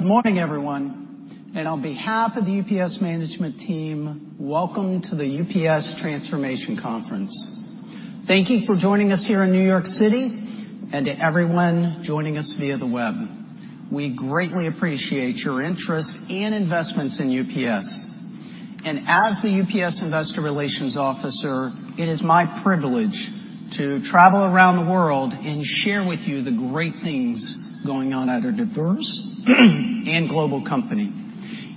Good morning, everyone. On behalf of the UPS management team, welcome to the UPS Transformation Conference. Thank you for joining us here in New York City, and to everyone joining us via the web. We greatly appreciate your interest and investments in UPS. As the UPS investor relations officer, it is my privilege to travel around the world and share with you the great things going on at a diverse and global company.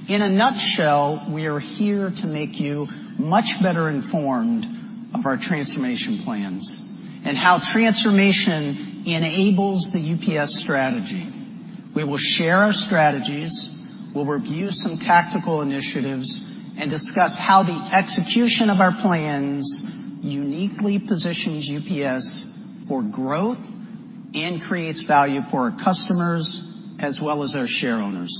In a nutshell, we are here to make you much better informed of our transformation plans, and how transformation enables the UPS strategy. We will share our strategies, we'll review some tactical initiatives, and discuss how the execution of our plans uniquely positions UPS for growth and creates value for our customers as well as our share owners.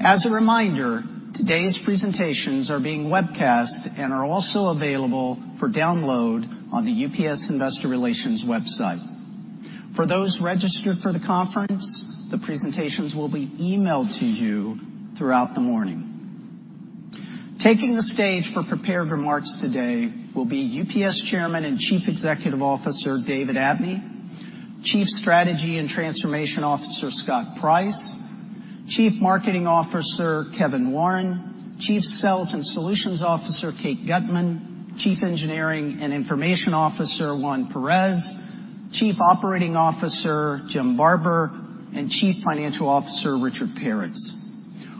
As a reminder, today's presentations are being webcasted and are also available for download on the UPS investor relations website. For those registered for the conference, the presentations will be emailed to you throughout the morning. Taking the stage for prepared remarks today will be UPS Chairman and Chief Executive Officer, David Abney, Chief Strategy and Transformation Officer, Scott Price, Chief Marketing Officer, Kevin Warren, Chief Sales and Solutions Officer, Kate Gutmann, Chief Engineering and Information Officer, Juan Perez, Chief Operating Officer, Jim Barber, and Chief Financial Officer, Richard Peretz.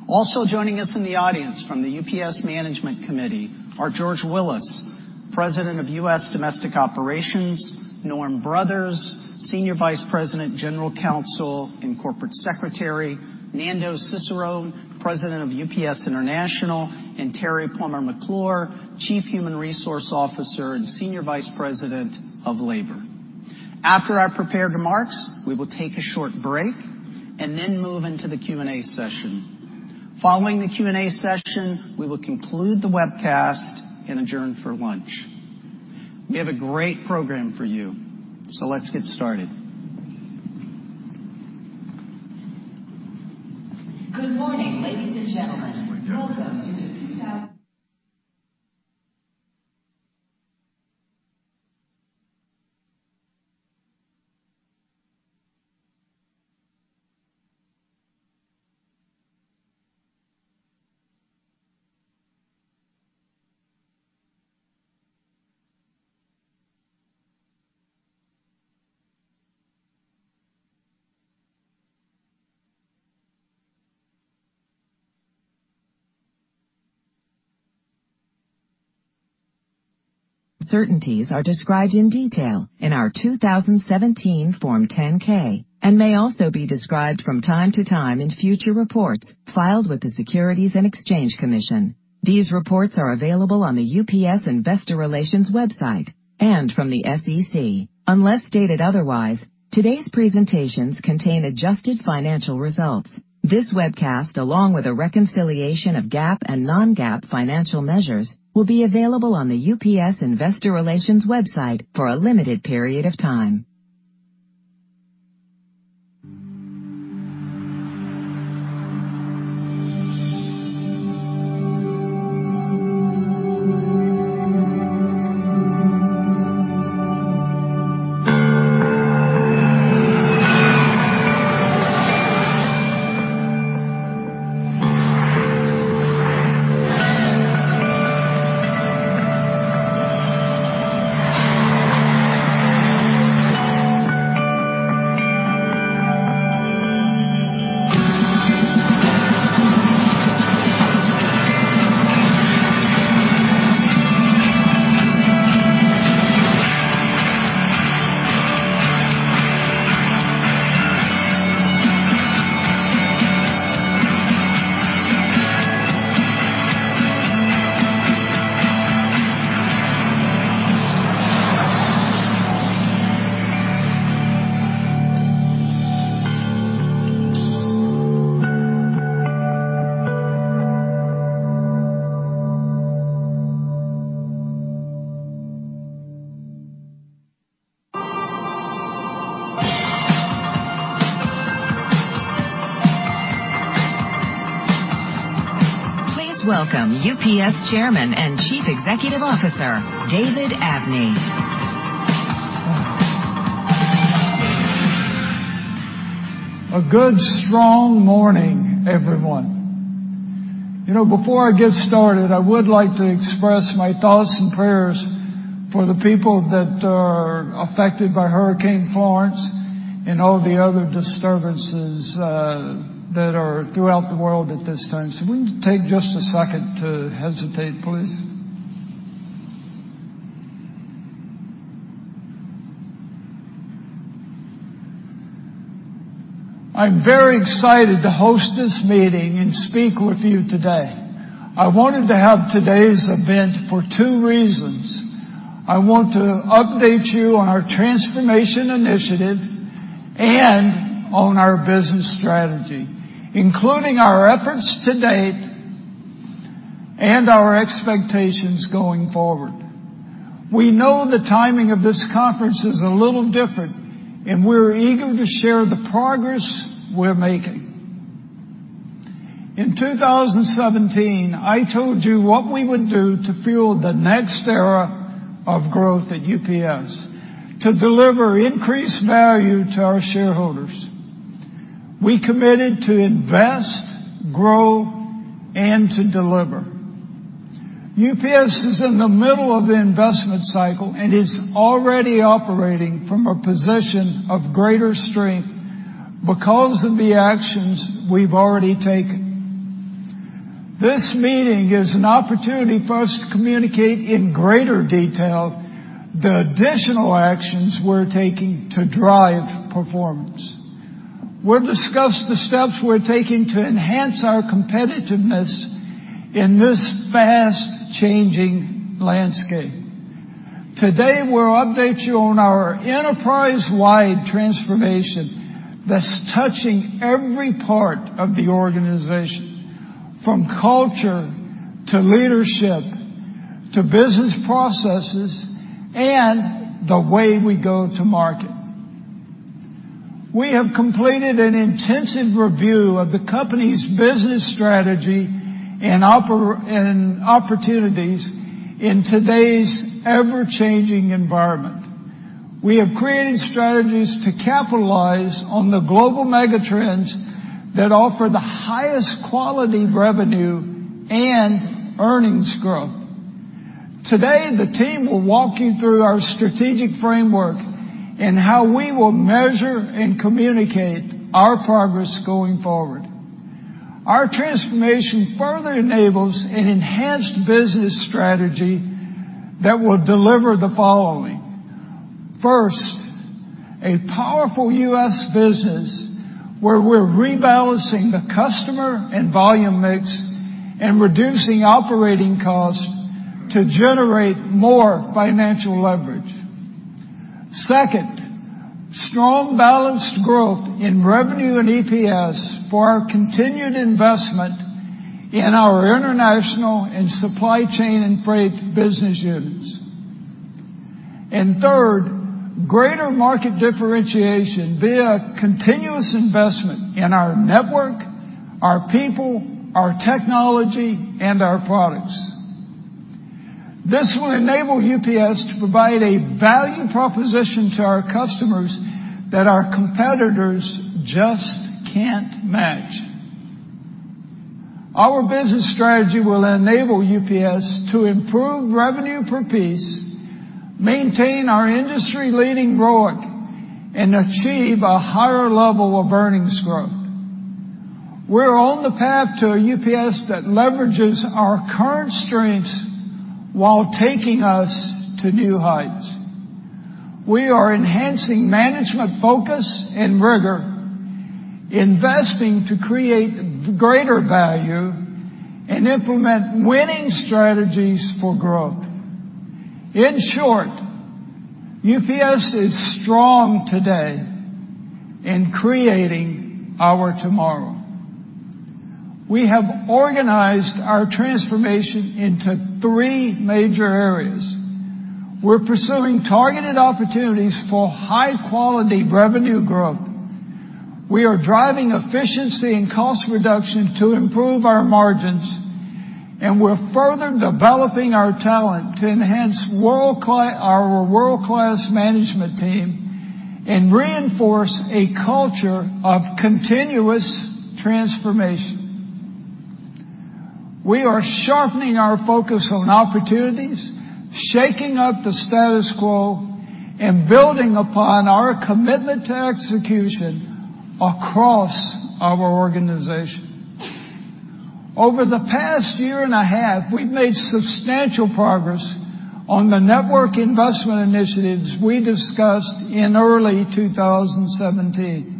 Also joining us in the audience from the UPS Management Committee are George Willis, President of U.S. Domestic Operations, Norm Brothers, Senior Vice President, General Counsel, and Corporate Secretary, Nando Cesarone, President of UPS International, and Teri P. McClure, Chief Human Resources Officer and Senior Vice President of Labor. After our prepared remarks, we will take a short break and then move into the Q&A session. Following the Q&A session, we will conclude the webcast and adjourn for lunch. We have a great program for you. Let's get started. Good morning, ladies and gentlemen. Uncertainties are described in detail in our 2017 Form 10-K and may also be described from time to time in future reports filed with the Securities and Exchange Commission. These reports are available on the UPS investor relations website and from the SEC. Unless stated otherwise, today's presentations contain adjusted financial results. This webcast, along with a reconciliation of GAAP and non-GAAP financial measures, will be available on the UPS investor relations website for a limited period of time. Please welcome UPS Chairman and Chief Executive Officer, David Abney. A good strong morning, everyone. Before I get started, I would like to express my thoughts and prayers for the people that are affected by Hurricane Florence and all the other disturbances that are throughout the world at this time. Can we take just a second to hesitate, please? I'm very excited to host this meeting and speak with you today. I wanted to have today's event for two reasons. I want to update you on our transformation initiative and on our business strategy, including our efforts to date Our expectations going forward. We know the timing of this conference is a little different, and we're eager to share the progress we're making. In 2017, I told you what we would do to fuel the next era of growth at UPS to deliver increased value to our shareholders. We committed to invest, grow, and to deliver. UPS is in the middle of the investment cycle and is already operating from a position of greater strength because of the actions we've already taken. This meeting is an opportunity for us to communicate in greater detail the additional actions we're taking to drive performance. We'll discuss the steps we're taking to enhance our competitiveness in this fast-changing landscape. Today, we'll update you on our enterprise-wide transformation that's touching every part of the organization, from culture, to leadership, to business processes, and the way we go to market. We have completed an intensive review of the company's business strategy and opportunities in today's ever-changing environment. We have created strategies to capitalize on the global mega-trends that offer the highest quality of revenue and earnings growth. Today, the team will walk you through our strategic framework and how we will measure and communicate our progress going forward. Our transformation further enables an enhanced business strategy that will deliver the following. First, a powerful U.S. business where we're rebalancing the customer and volume mix and reducing operating costs to generate more financial leverage. Second, strong, balanced growth in revenue and EPS for our continued investment in our international and supply chain and freight business units. Third, greater market differentiation via continuous investment in our network, our people, our technology, and our products. This will enable UPS to provide a value proposition to our customers that our competitors just can't match. Our business strategy will enable UPS to improve revenue per piece, maintain our industry-leading growth, and achieve a higher level of earnings growth. We're on the path to a UPS that leverages our current strengths while taking us to new heights. We are enhancing management focus and rigor, investing to create greater value, and implement winning strategies for growth. In short, UPS is strong today in creating our tomorrow. We have organized our transformation into three major areas. We're pursuing targeted opportunities for high-quality revenue growth. We are driving efficiency and cost reduction to improve our margins, and we're further developing our talent to enhance our world-class management team and reinforce a culture of continuous transformation. We are sharpening our focus on opportunities, shaking up the status quo, and building upon our commitment to execution across our organization. Over the past year and a half, we've made substantial progress on the network investment initiatives we discussed in early 2017.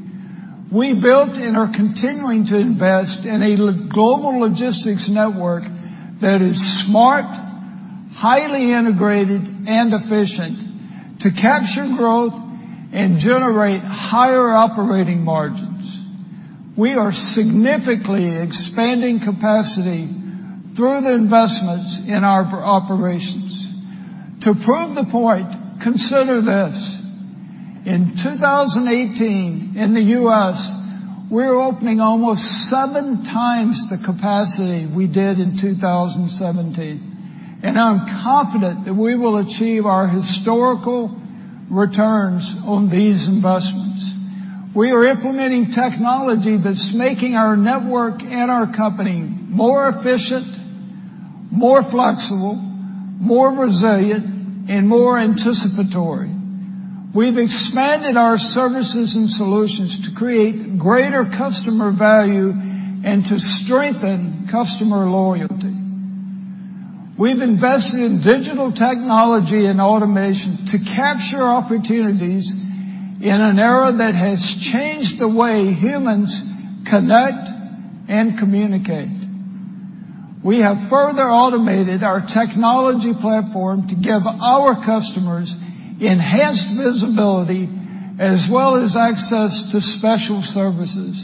We built and are continuing to invest in a global logistics network that is smart, highly integrated, and efficient to capture growth and generate higher operating margins. We are significantly expanding capacity through the investments in our operations. To prove the point, consider this. In 2018, in the U.S., we're opening almost seven times the capacity we did in 2017, and I'm confident that we will achieve our historical returns on these investments. We are implementing technology that's making our network and our company more efficient, more flexible, more resilient, and more anticipatory. We've expanded our services and solutions to create greater customer value and to strengthen customer loyalty. We've invested in digital technology and automation to capture opportunities in an era that has changed the way humans connect and communicate. We have further automated our technology platform to give our customers enhanced visibility, as well as access to special services.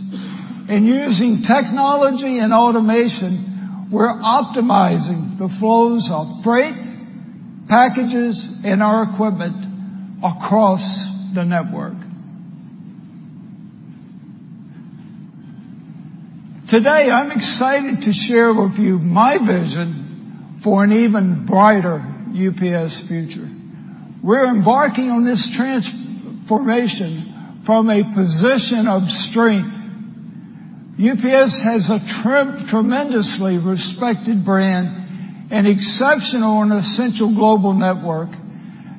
Using technology and automation, we're optimizing the flows of freight, packages, and our equipment across the network. Today, I'm excited to share with you my vision for an even brighter UPS future. We're embarking on this transformation from a position of strength. UPS has a tremendously respected brand, an exceptional and essential global network,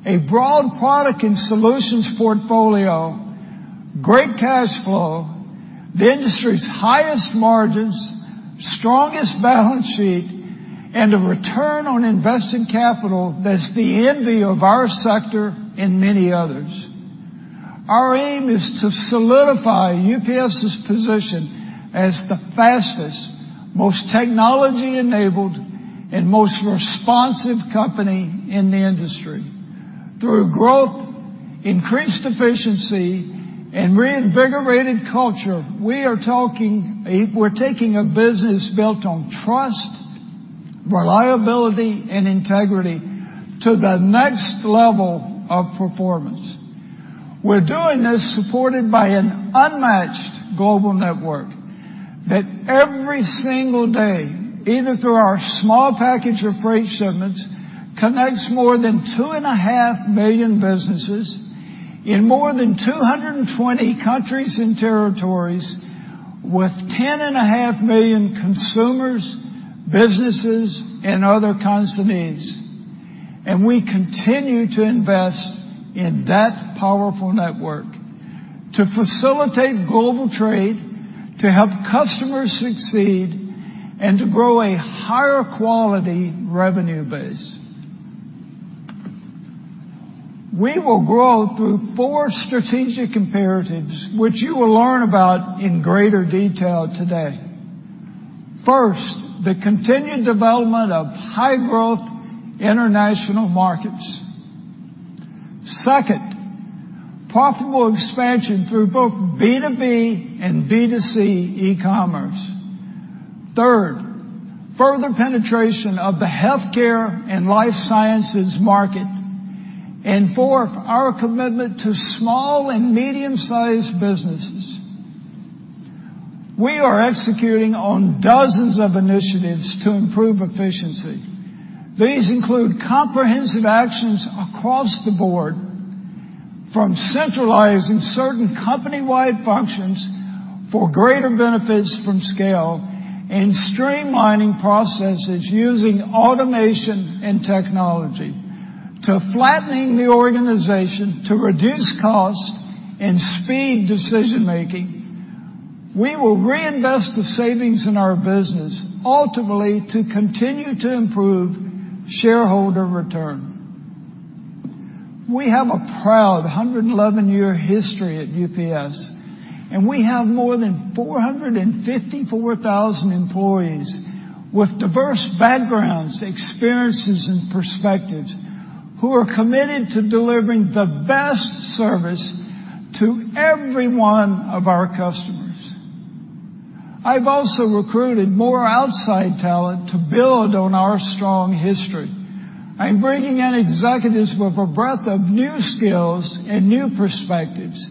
a broad product and solutions portfolio, great cash flow, the industry's highest margins, strongest balance sheet, and a return on invested capital that's the envy of our sector and many others. Our aim is to solidify UPS's position as the fastest, most technology-enabled, and most responsive company in the industry. Through growth, increased efficiency, and reinvigorated culture, we're taking a business built on trust, reliability, and integrity to the next level of performance. We're doing this supported by an unmatched global network that every single day, either through our small package or freight shipments, connects more than 2.5 million businesses in more than 220 countries and territories with 10.5 million consumers, businesses, and other constituents. We continue to invest in that powerful network to facilitate global trade, to help customers succeed, and to grow a higher quality revenue base. We will grow through four strategic imperatives, which you will learn about in greater detail today. First, the continued development of high-growth international markets. Second, profitable expansion through both B2B and B2C e-commerce. Third, further penetration of the healthcare and life sciences market. Fourth, our commitment to small and medium-sized businesses. We are executing on dozens of initiatives to improve efficiency. These include comprehensive actions across the board from centralizing certain company-wide functions for greater benefits from scale and streamlining processes using automation and technology, to flattening the organization to reduce costs and speed decision-making. We will reinvest the savings in our business ultimately to continue to improve shareholder return. We have a proud 111-year history at UPS, and we have more than 454,000 employees with diverse backgrounds, experiences, and perspectives who are committed to delivering the best service to every one of our customers. I've also recruited more outside talent to build on our strong history. I'm bringing in executives with a breadth of new skills and new perspectives.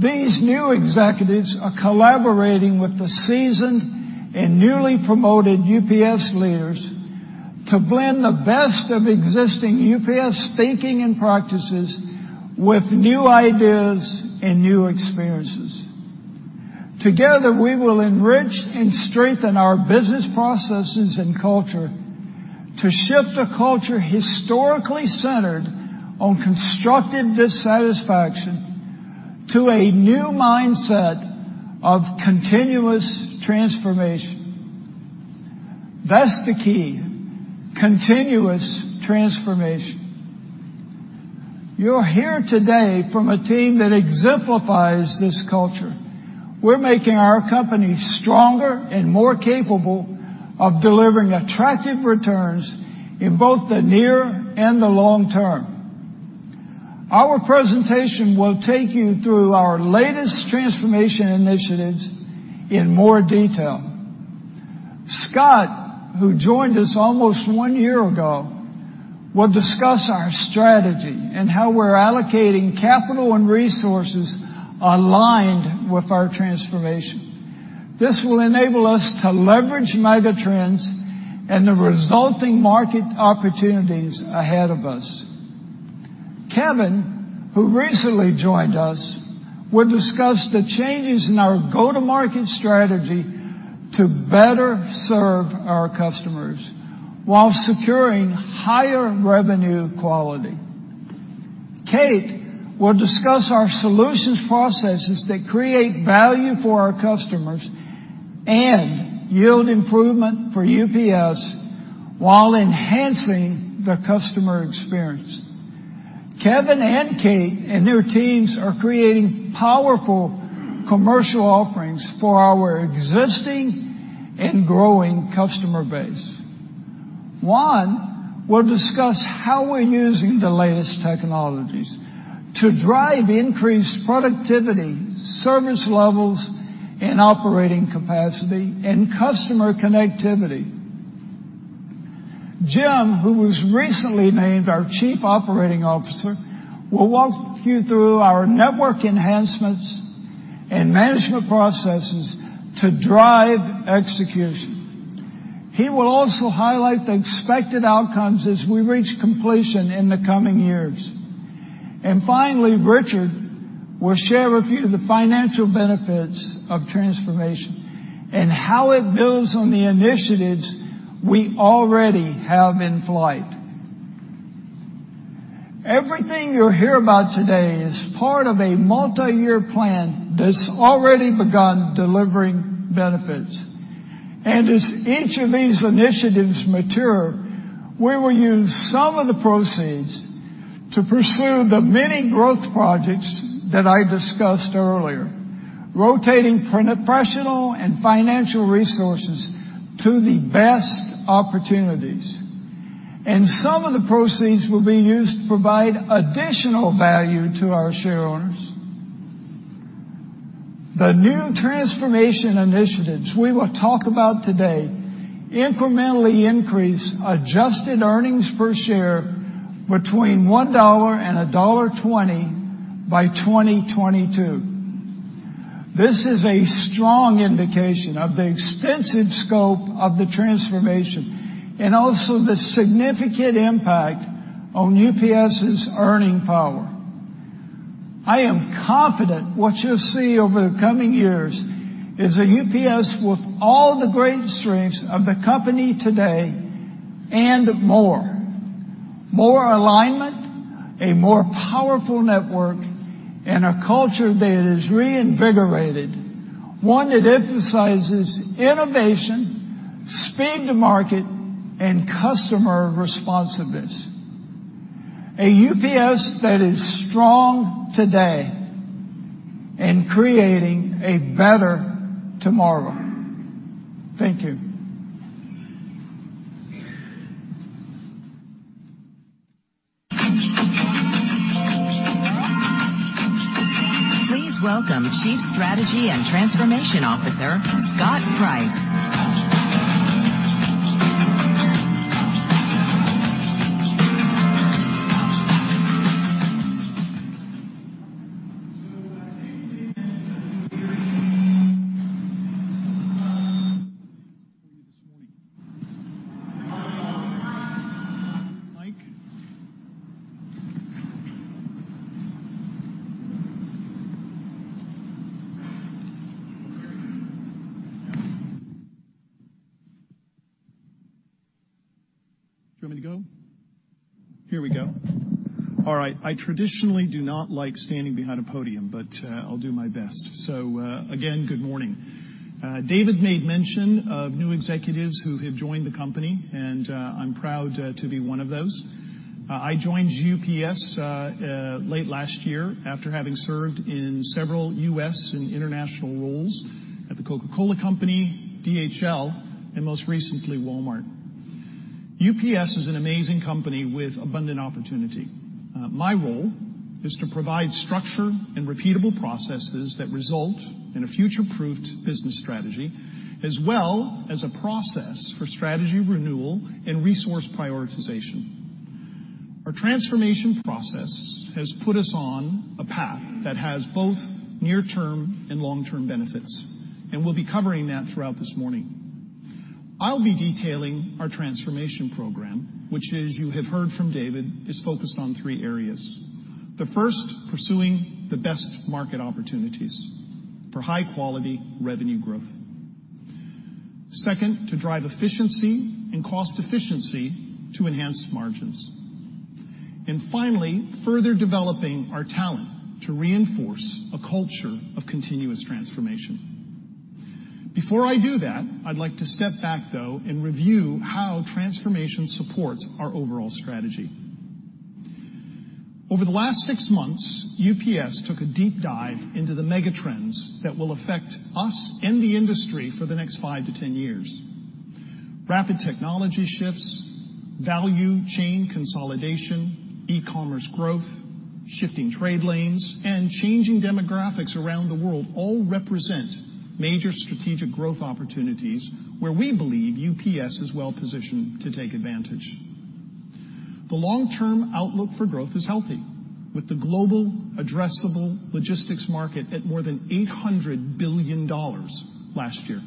These new executives are collaborating with the seasoned and newly promoted UPS leaders to blend the best of existing UPS thinking and practices with new ideas and new experiences. Together, we will enrich and strengthen our business processes and culture to shift a culture historically centered on constructive dissatisfaction to a new mindset of continuous transformation. That's the key: continuous transformation. You'll hear today from a team that exemplifies this culture. We're making our company stronger and more capable of delivering attractive returns in both the near and the long term. Our presentation will take you through our latest transformation initiatives in more detail. Scott, who joined us almost one year ago, will discuss our strategy and how we're allocating capital and resources aligned with our transformation. This will enable us to leverage mega trends and the resulting market opportunities ahead of us. Kevin, who recently joined us, will discuss the changes in our go-to-market strategy to better serve our customers while securing higher revenue quality. Kate will discuss our solutions processes that create value for our customers and yield improvement for UPS while enhancing the customer experience. Kevin and Kate and their teams are creating powerful commercial offerings for our existing and growing customer base. Juan will discuss how we're using the latest technologies to drive increased productivity, service levels, and operating capacity and customer connectivity. Jim, who was recently named our Chief Operating Officer, will walk you through our network enhancements and management processes to drive execution. He will also highlight the expected outcomes as we reach completion in the coming years. Finally, Richard will share with you the financial benefits of transformation and how it builds on the initiatives we already have in flight. Everything you'll hear about today is part of a multi-year plan that's already begun delivering benefits. As each of these initiatives mature, we will use some of the proceeds to pursue the many growth projects that I discussed earlier, rotating professional and financial resources to the best opportunities. Some of the proceeds will be used to provide additional value to our shareholders. The new transformation initiatives we will talk about today incrementally increase adjusted earnings per share between $1 and $1.20 by 2022. This is a strong indication of the extensive scope of the transformation and also the significant impact on UPS's earning power. I am confident what you'll see over the coming years is a UPS with all the great strengths of the company today and more. More alignment, a more powerful network, and a culture that is reinvigorated, one that emphasizes innovation, speed to market, and customer responsiveness. A UPS that is strong today and creating a better tomorrow. Thank you. Please welcome Chief Strategy and Transformation Officer, Scott Price. Good morning. Mic. Do you want me to go? Here we go. All right. I traditionally do not like standing behind a podium, but I'll do my best. Again, good morning. David made mention of new executives who have joined the company, and I'm proud to be one of those. I joined UPS late last year after having served in several U.S. and international roles at The Coca-Cola Company, DHL, and most recently, Walmart. UPS is an amazing company with abundant opportunity. My role is to provide structure and repeatable processes that result in a future-proofed business strategy, as well as a process for strategy renewal and resource prioritization. Our transformation process has put us on a path that has both near-term and long-term benefits, we'll be covering that throughout this morning. I'll be detailing our transformation program, which as you have heard from David, is focused on three areas. The first, pursuing the best market opportunities for high-quality revenue growth. Second, to drive efficiency and cost efficiency to enhance margins. Finally, further developing our talent to reinforce a culture of continuous transformation. Before I do that, I'd like to step back, though, and review how transformation supports our overall strategy. Over the last six months, UPS took a deep dive into the mega trends that will affect us and the industry for the next five to 10 years. Rapid technology shifts, value chain consolidation, e-commerce growth, shifting trade lanes, and changing demographics around the world all represent major strategic growth opportunities where we believe UPS is well-positioned to take advantage. The long-term outlook for growth is healthy, with the global addressable logistics market at more than $800 billion last year.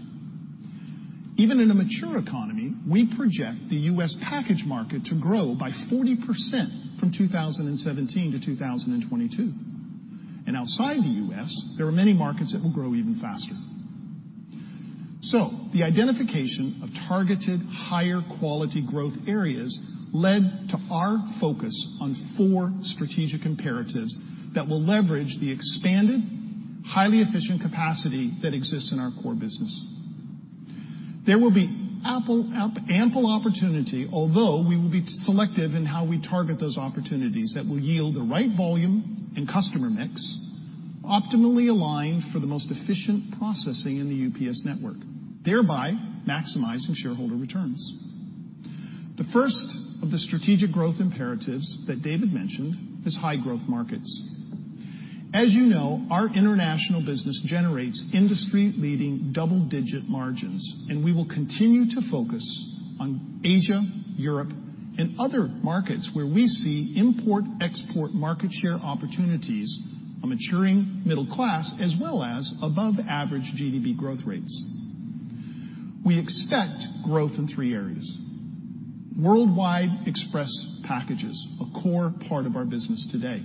Even in a mature economy, we project the U.S. package market to grow by 40% from 2017 to 2022. Outside the U.S., there are many markets that will grow even faster. The identification of targeted, higher quality growth areas led to our focus on four strategic imperatives that will leverage the expanded, highly efficient capacity that exists in our core business. There will be ample opportunity, although we will be selective in how we target those opportunities that will yield the right volume and customer mix optimally aligned for the most efficient processing in the UPS network, thereby maximizing shareholder returns. The first of the strategic growth imperatives that David mentioned is high-growth markets. As you know, our international business generates industry-leading double-digit margins. We will continue to focus on Asia, Europe, and other markets where we see import-export market share opportunities, a maturing middle class, as well as above-average GDP growth rates. We expect growth in three areas: worldwide express packages, a core part of our business today,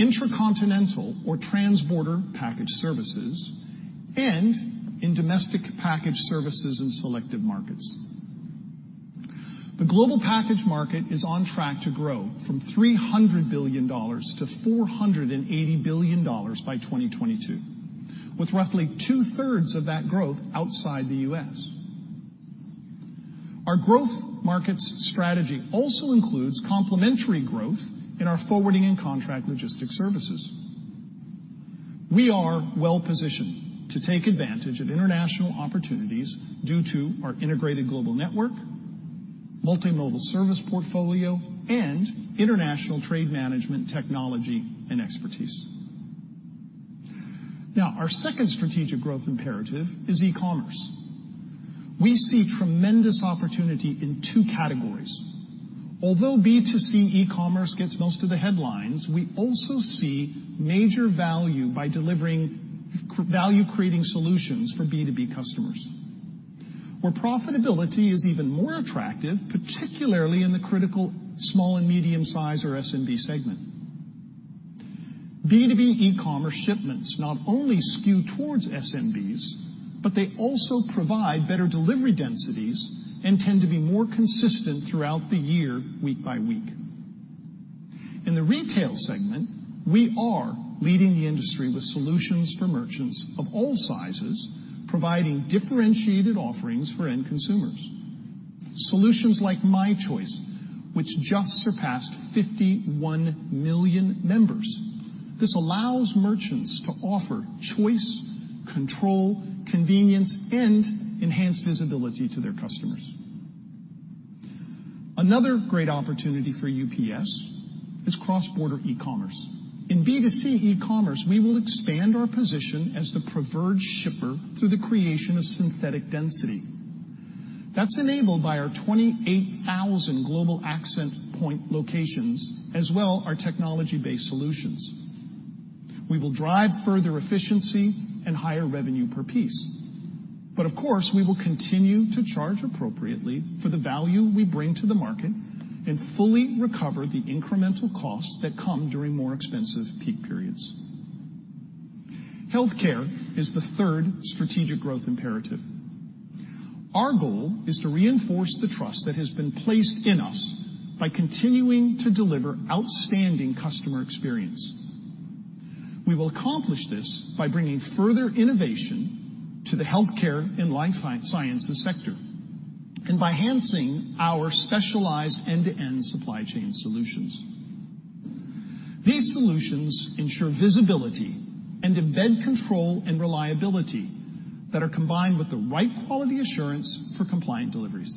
intracontinental or transborder package services, and in domestic package services in selective markets. The global package market is on track to grow from $300 billion to $480 billion by 2022, with roughly two-thirds of that growth outside the U.S. Our growth markets strategy also includes complementary growth in our forwarding and contract logistics services. We are well-positioned to take advantage of international opportunities due to our integrated global network, multimodal service portfolio, and international trade management technology and expertise. Our second strategic growth imperative is e-commerce. We see tremendous opportunity in 2 categories. Although B2C e-commerce gets most of the headlines, we also see major value by delivering value-creating solutions for B2B customers, where profitability is even more attractive, particularly in the critical small and medium-size or SMB segment. B2B e-commerce shipments not only skew towards SMBs. They also provide better delivery densities and tend to be more consistent throughout the year, week by week. In the retail segment, we are leading the industry with solutions for merchants of all sizes, providing differentiated offerings for end consumers. Solutions like My Choice, which just surpassed 51 million members. This allows merchants to offer choice, control, convenience, and enhanced visibility to their customers. Another great opportunity for UPS is cross-border e-commerce. In B2C e-commerce, we will expand our position as the preferred shipper through the creation of synthetic density. That's enabled by our 28,000 global Access Point locations, as well our technology-based solutions. We will drive further efficiency and higher revenue per piece. Of course, we will continue to charge appropriately for the value we bring to the market and fully recover the incremental costs that come during more expensive peak periods. Healthcare is the third strategic growth imperative. Our goal is to reinforce the trust that has been placed in us by continuing to deliver outstanding customer experience. We will accomplish this by bringing further innovation to the healthcare and life sciences sector and by enhancing our specialized end-to-end supply chain solutions. These solutions ensure visibility and embed control and reliability that are combined with the right quality assurance for compliant deliveries.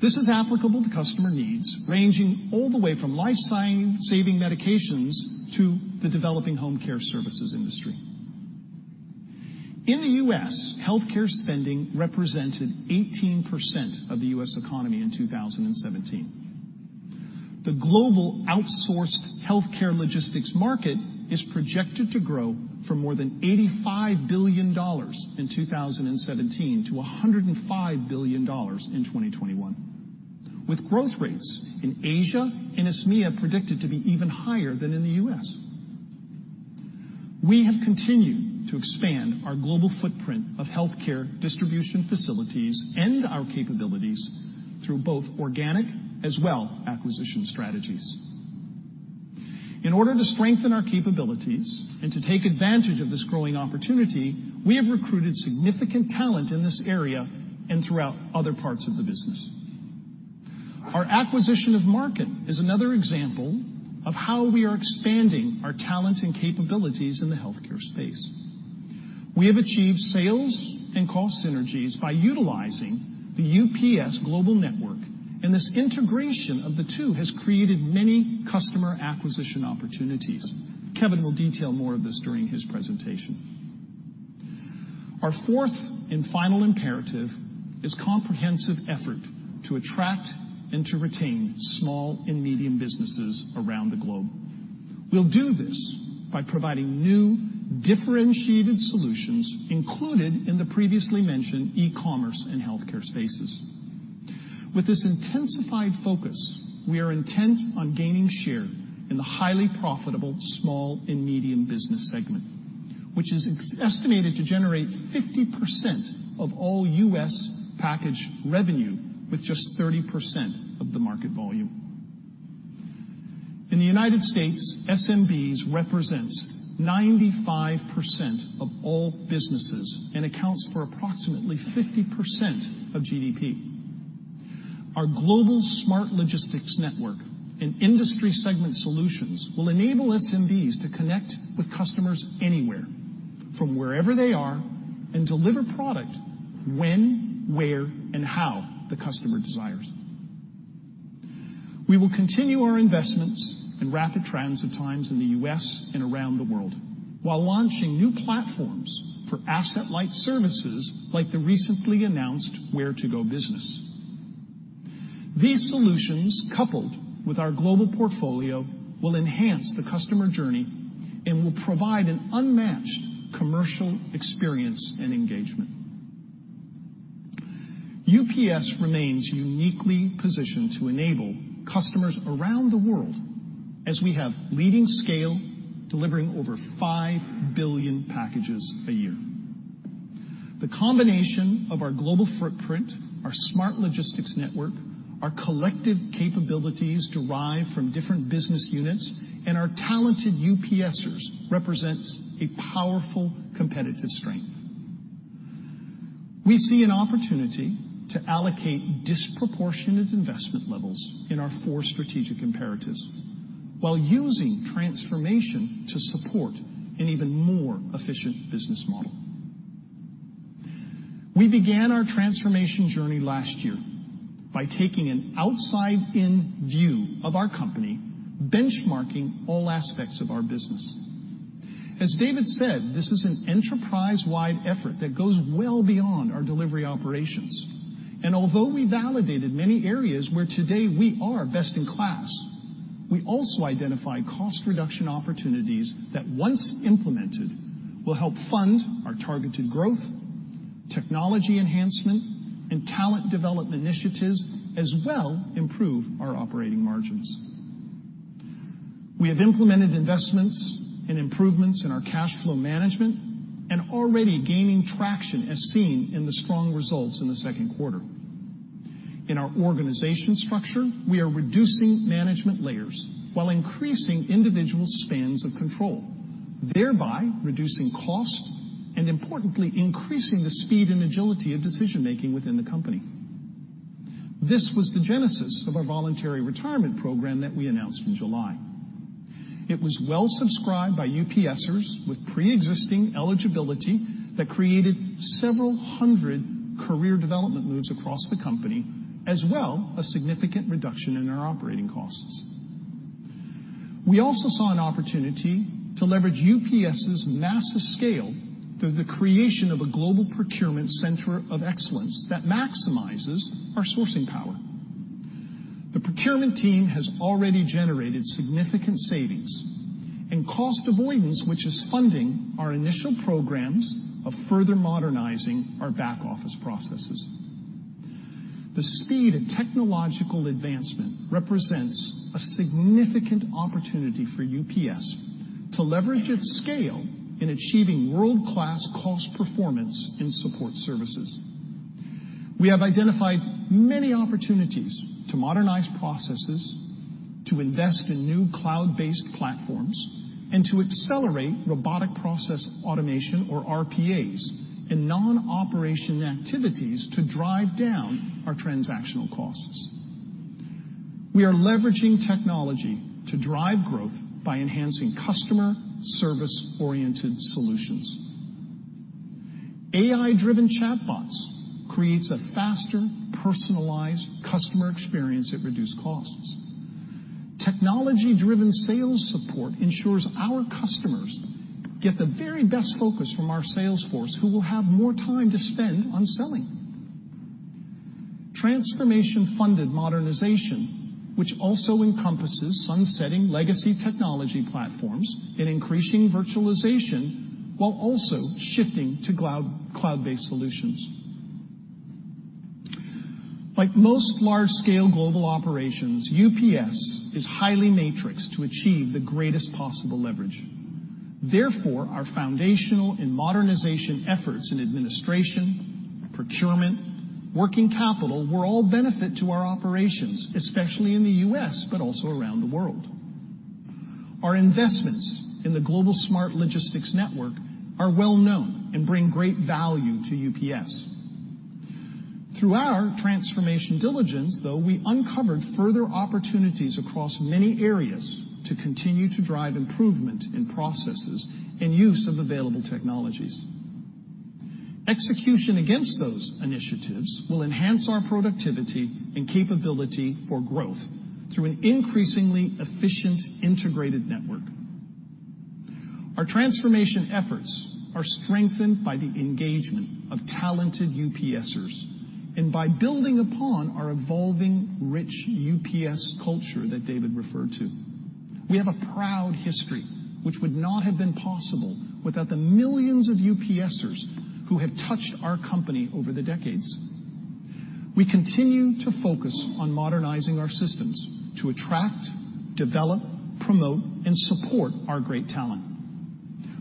This is applicable to customer needs ranging all the way from life-saving medications to the developing home care services industry. In the U.S., healthcare spending represented 18% of the U.S. economy in 2017. The global outsourced healthcare logistics market is projected to grow from more than $85 billion in 2017 to $105 billion in 2021, with growth rates in Asia and ISMEA predicted to be even higher than in the U.S. We have continued to expand our global footprint of healthcare distribution facilities and our capabilities through both organic as well acquisition strategies. In order to strengthen our capabilities and to take advantage of this growing opportunity, we have recruited significant talent in this area and throughout other parts of the business. Our acquisition of Marken is another example of how we are expanding our talent and capabilities in the healthcare space. We have achieved sales and cost synergies by utilizing the UPS global network. This integration of the two has created many customer acquisition opportunities. Kevin will detail more of this during his presentation. Our fourth and final imperative is comprehensive effort to attract and to retain small and medium businesses around the globe. We'll do this by providing new, differentiated solutions included in the previously mentioned e-commerce and healthcare spaces. With this intensified focus, we are intent on gaining share in the highly profitable small and medium business segment, which is estimated to generate 50% of all U.S. package revenue with just 30% of the market volume. In the United States, SMBs represents 95% of all businesses and accounts for approximately 50% of GDP. Our global smart logistics network and industry segment solutions will enable SMBs to connect with customers anywhere from wherever they are and deliver product when, where, and how the customer desires. We will continue our investments in rapid transit times in the U.S. and around the world while launching new platforms for asset-light services like the recently announced Ware2Go business. These solutions, coupled with our global portfolio, will enhance the customer journey and will provide an unmatched commercial experience and engagement. UPS remains uniquely positioned to enable customers around the world as we have leading scale, delivering over 5 billion packages a year. The combination of our global footprint, our smart logistics network, our collective capabilities derived from different business units, and our talented UPSers represents a powerful competitive strength. We see an opportunity to allocate disproportionate investment levels in our four strategic imperatives while using transformation to support an even more efficient business model. We began our transformation journey last year by taking an outside-in view of our company, benchmarking all aspects of our business. As David said, this is an enterprise-wide effort that goes well beyond our delivery operations. Although we validated many areas where today we are best in class, we also identified cost reduction opportunities that once implemented will help fund our targeted growth, technology enhancement, and talent development initiatives, as well improve our operating margins. We have implemented investments and improvements in our cash flow management and already gaining traction as seen in the strong results in the second quarter. In our organization structure, we are reducing management layers while increasing individual spans of control, thereby reducing cost and importantly, increasing the speed and agility of decision-making within the company. This was the genesis of our voluntary retirement program that we announced in July. It was well subscribed by UPSers with preexisting eligibility that created several hundred career development moves across the company, as well a significant reduction in our operating costs. We also saw an opportunity to leverage UPS's massive scale through the creation of a global procurement center of excellence that maximizes our sourcing power. The procurement team has already generated significant savings and cost avoidance, which is funding our initial programs of further modernizing our back-office processes. The speed of technological advancement represents a significant opportunity for UPS to leverage its scale in achieving world-class cost performance in support services. We have identified many opportunities to modernize processes, to invest in new cloud-based platforms, and to accelerate robotic process automation or RPAs in non-operation activities to drive down our transactional costs. We are leveraging technology to drive growth by enhancing customer service-oriented solutions. AI-driven chatbots creates a faster, personalized customer experience at reduced costs. Technology-driven sales support ensures our customers get the very best focus from our sales force who will have more time to spend on selling. Transformation-funded modernization, which also encompasses sunsetting legacy technology platforms and increasing virtualization while also shifting to cloud-based solutions. Like most large-scale global operations, UPS is highly matrixed to achieve the greatest possible leverage. Therefore, our foundational and modernization efforts in administration, procurement, working capital will all benefit to our operations, especially in the U.S., but also around the world. Our investments in the global smart logistics network are well-known and bring great value to UPS. Through our transformation diligence, though, we uncovered further opportunities across many areas to continue to drive improvement in processes and use of available technologies. Execution against those initiatives will enhance our productivity and capability for growth through an increasingly efficient integrated network. Our transformation efforts are strengthened by the engagement of talented UPSers and by building upon our evolving rich UPS culture that David referred to. We have a proud history which would not have been possible without the millions of UPSers who have touched our company over the decades. We continue to focus on modernizing our systems to attract, develop, promote, and support our great talent.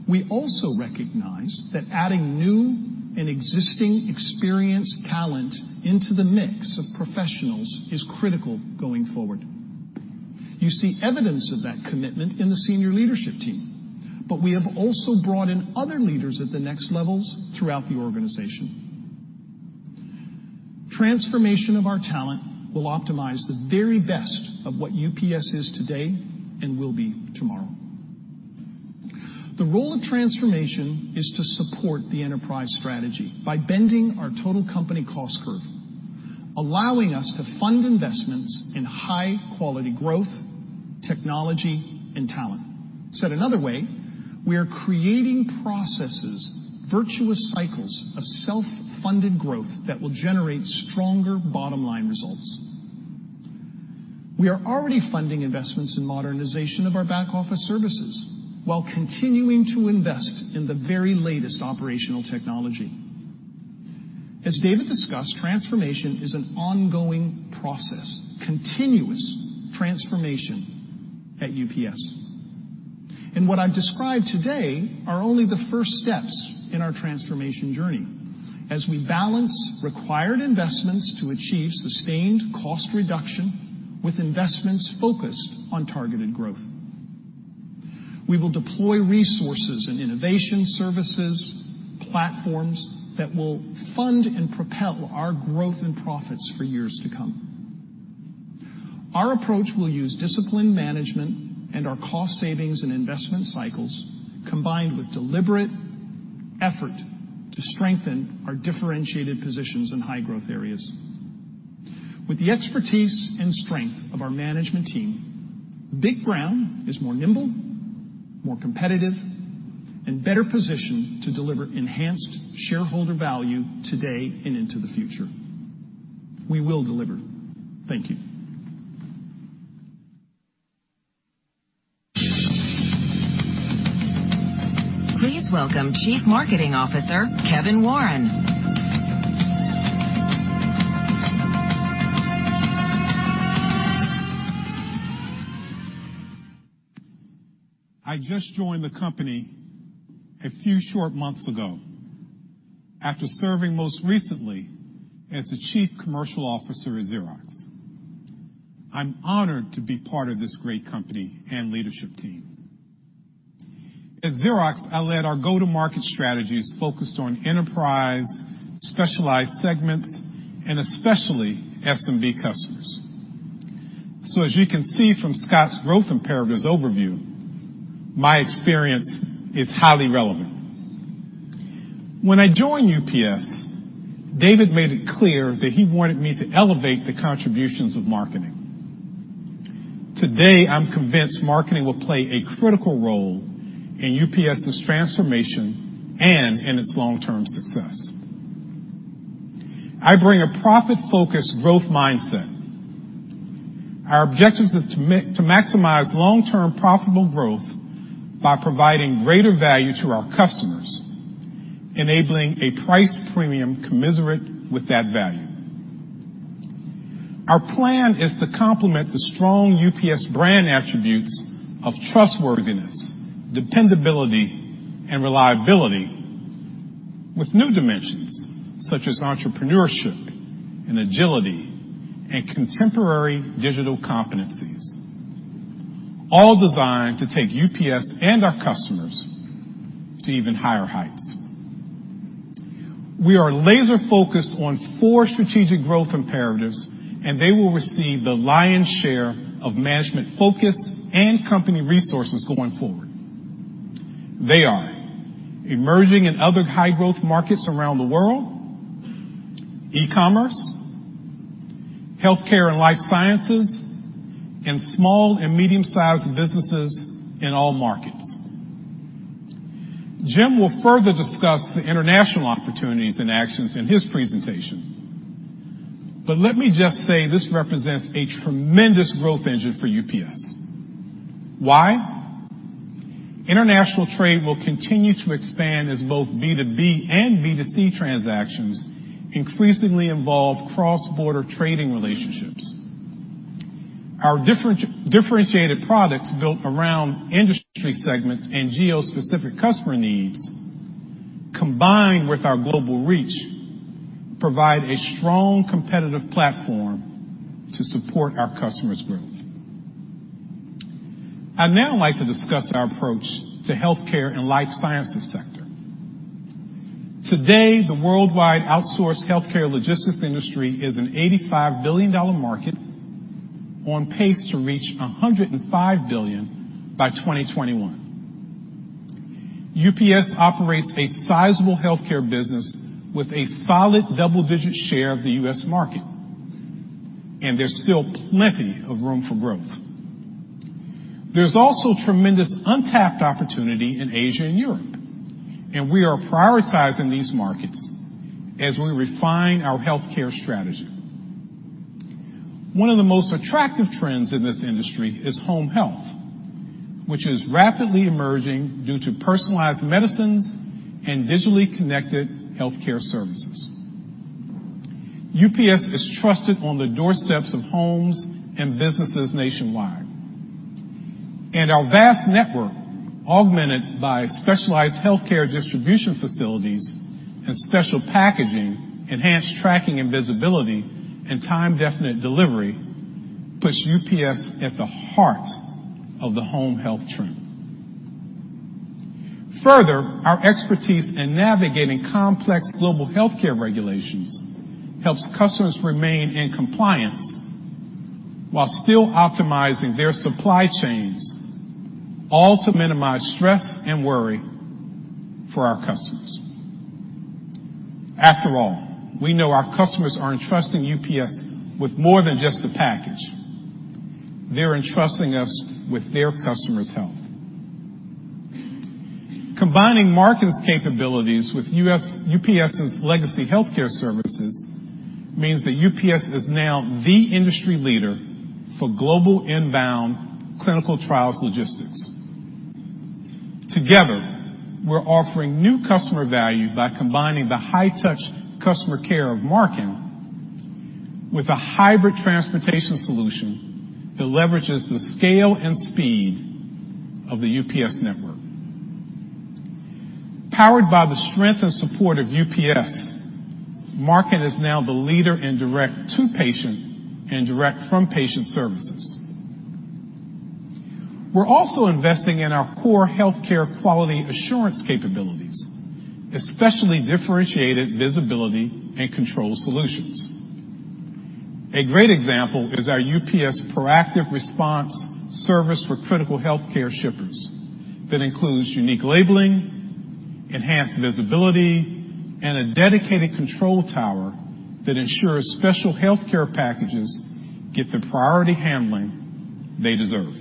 We also recognize that adding new and existing experienced talent into the mix of professionals is critical going forward. You see evidence of that commitment in the senior leadership team, but we have also brought in other leaders at the next levels throughout the organization. Transformation of our talent will optimize the very best of what UPS is today and will be tomorrow. The role of transformation is to support the enterprise strategy by bending our total company cost curve, allowing us to fund investments in high-quality growth, technology, and talent. Said another way, we are creating processes, virtuous cycles of self-funded growth that will generate stronger bottom-line results. We are already funding investments in modernization of our back-office services while continuing to invest in the very latest operational technology. As David discussed, transformation is an ongoing process, continuous transformation at UPS. What I've described today are only the first steps in our transformation journey as we balance required investments to achieve sustained cost reduction with investments focused on targeted growth. We will deploy resources in innovation services, platforms that will fund and propel our growth and profits for years to come. Our approach will use disciplined management and our cost savings and investment cycles, combined with deliberate effort to strengthen our differentiated positions in high-growth areas. With the expertise and strength of our management team, Big Brown is more nimble, more competitive, and better positioned to deliver enhanced shareholder value today and into the future. We will deliver. Thank you. Please welcome Chief Marketing Officer, Kevin Warren. I just joined the company a few short months ago after serving most recently as the chief commercial officer at Xerox. I'm honored to be part of this great company and leadership team. At Xerox, I led our go-to-market strategies focused on enterprise, specialized segments, and especially SMB customers. As you can see from Scott's growth imperatives overview, my experience is highly relevant. When I joined UPS, David made it clear that he wanted me to elevate the contributions of marketing. Today, I'm convinced marketing will play a critical role in UPS's transformation and in its long-term success. I bring a profit-focused growth mindset. Our objective is to maximize long-term profitable growth by providing greater value to our customers, enabling a price premium commensurate with that value. Our plan is to complement the strong UPS brand attributes of trustworthiness, dependability, and reliability with new dimensions, such as entrepreneurship and agility and contemporary digital competencies, all designed to take UPS and our customers to even higher heights. We are laser-focused on four strategic growth imperatives, and they will receive the lion's share of management focus and company resources going forward. They are emerging in other high-growth markets around the world, e-commerce, healthcare and life sciences, and small and medium-sized businesses in all markets. Jim will further discuss the international opportunities and actions in his presentation, but let me just say this represents a tremendous growth engine for UPS. Why? International trade will continue to expand as both B2B and B2C transactions increasingly involve cross-border trading relationships. Our differentiated products built around industry segments and geo-specific customer needs, combined with our global reach, provide a strong competitive platform to support our customers' growth. I'd now like to discuss our approach to healthcare and life sciences sector. Today, the worldwide outsourced healthcare logistics industry is an $85 billion market on pace to reach $105 billion by 2021. UPS operates a sizable healthcare business with a solid double-digit share of the U.S. market, and there's still plenty of room for growth. There's also tremendous untapped opportunity in Asia and Europe, and we are prioritizing these markets as we refine our healthcare strategy. One of the most attractive trends in this industry is home health, which is rapidly emerging due to personalized medicines and digitally connected healthcare services. UPS is trusted on the doorsteps of homes and businesses nationwide. Our vast network, augmented by specialized healthcare distribution facilities and special packaging, enhanced tracking and visibility, and time-definite delivery, puts UPS at the heart of the home health trend. Further, our expertise in navigating complex global healthcare regulations helps customers remain in compliance while still optimizing their supply chains, all to minimize stress and worry for our customers. After all, we know our customers are entrusting UPS with more than just a package. They're entrusting us with their customers' health. Combining Marken's capabilities with UPS's legacy healthcare services means that UPS is now the industry leader for global inbound clinical trials logistics. Together, we're offering new customer value by combining the high-touch customer care of Marken with a hybrid transportation solution that leverages the scale and speed of the UPS network. Powered by the strength and support of UPS, Marken is now the leader in direct to patient and direct from patient services. We're also investing in our core healthcare quality assurance capabilities, especially differentiated visibility and control solutions. A great example is our UPS Proactive Response service for critical healthcare shippers that includes unique labeling, enhanced visibility, and a dedicated control tower that ensures special healthcare packages get the priority handling they deserve.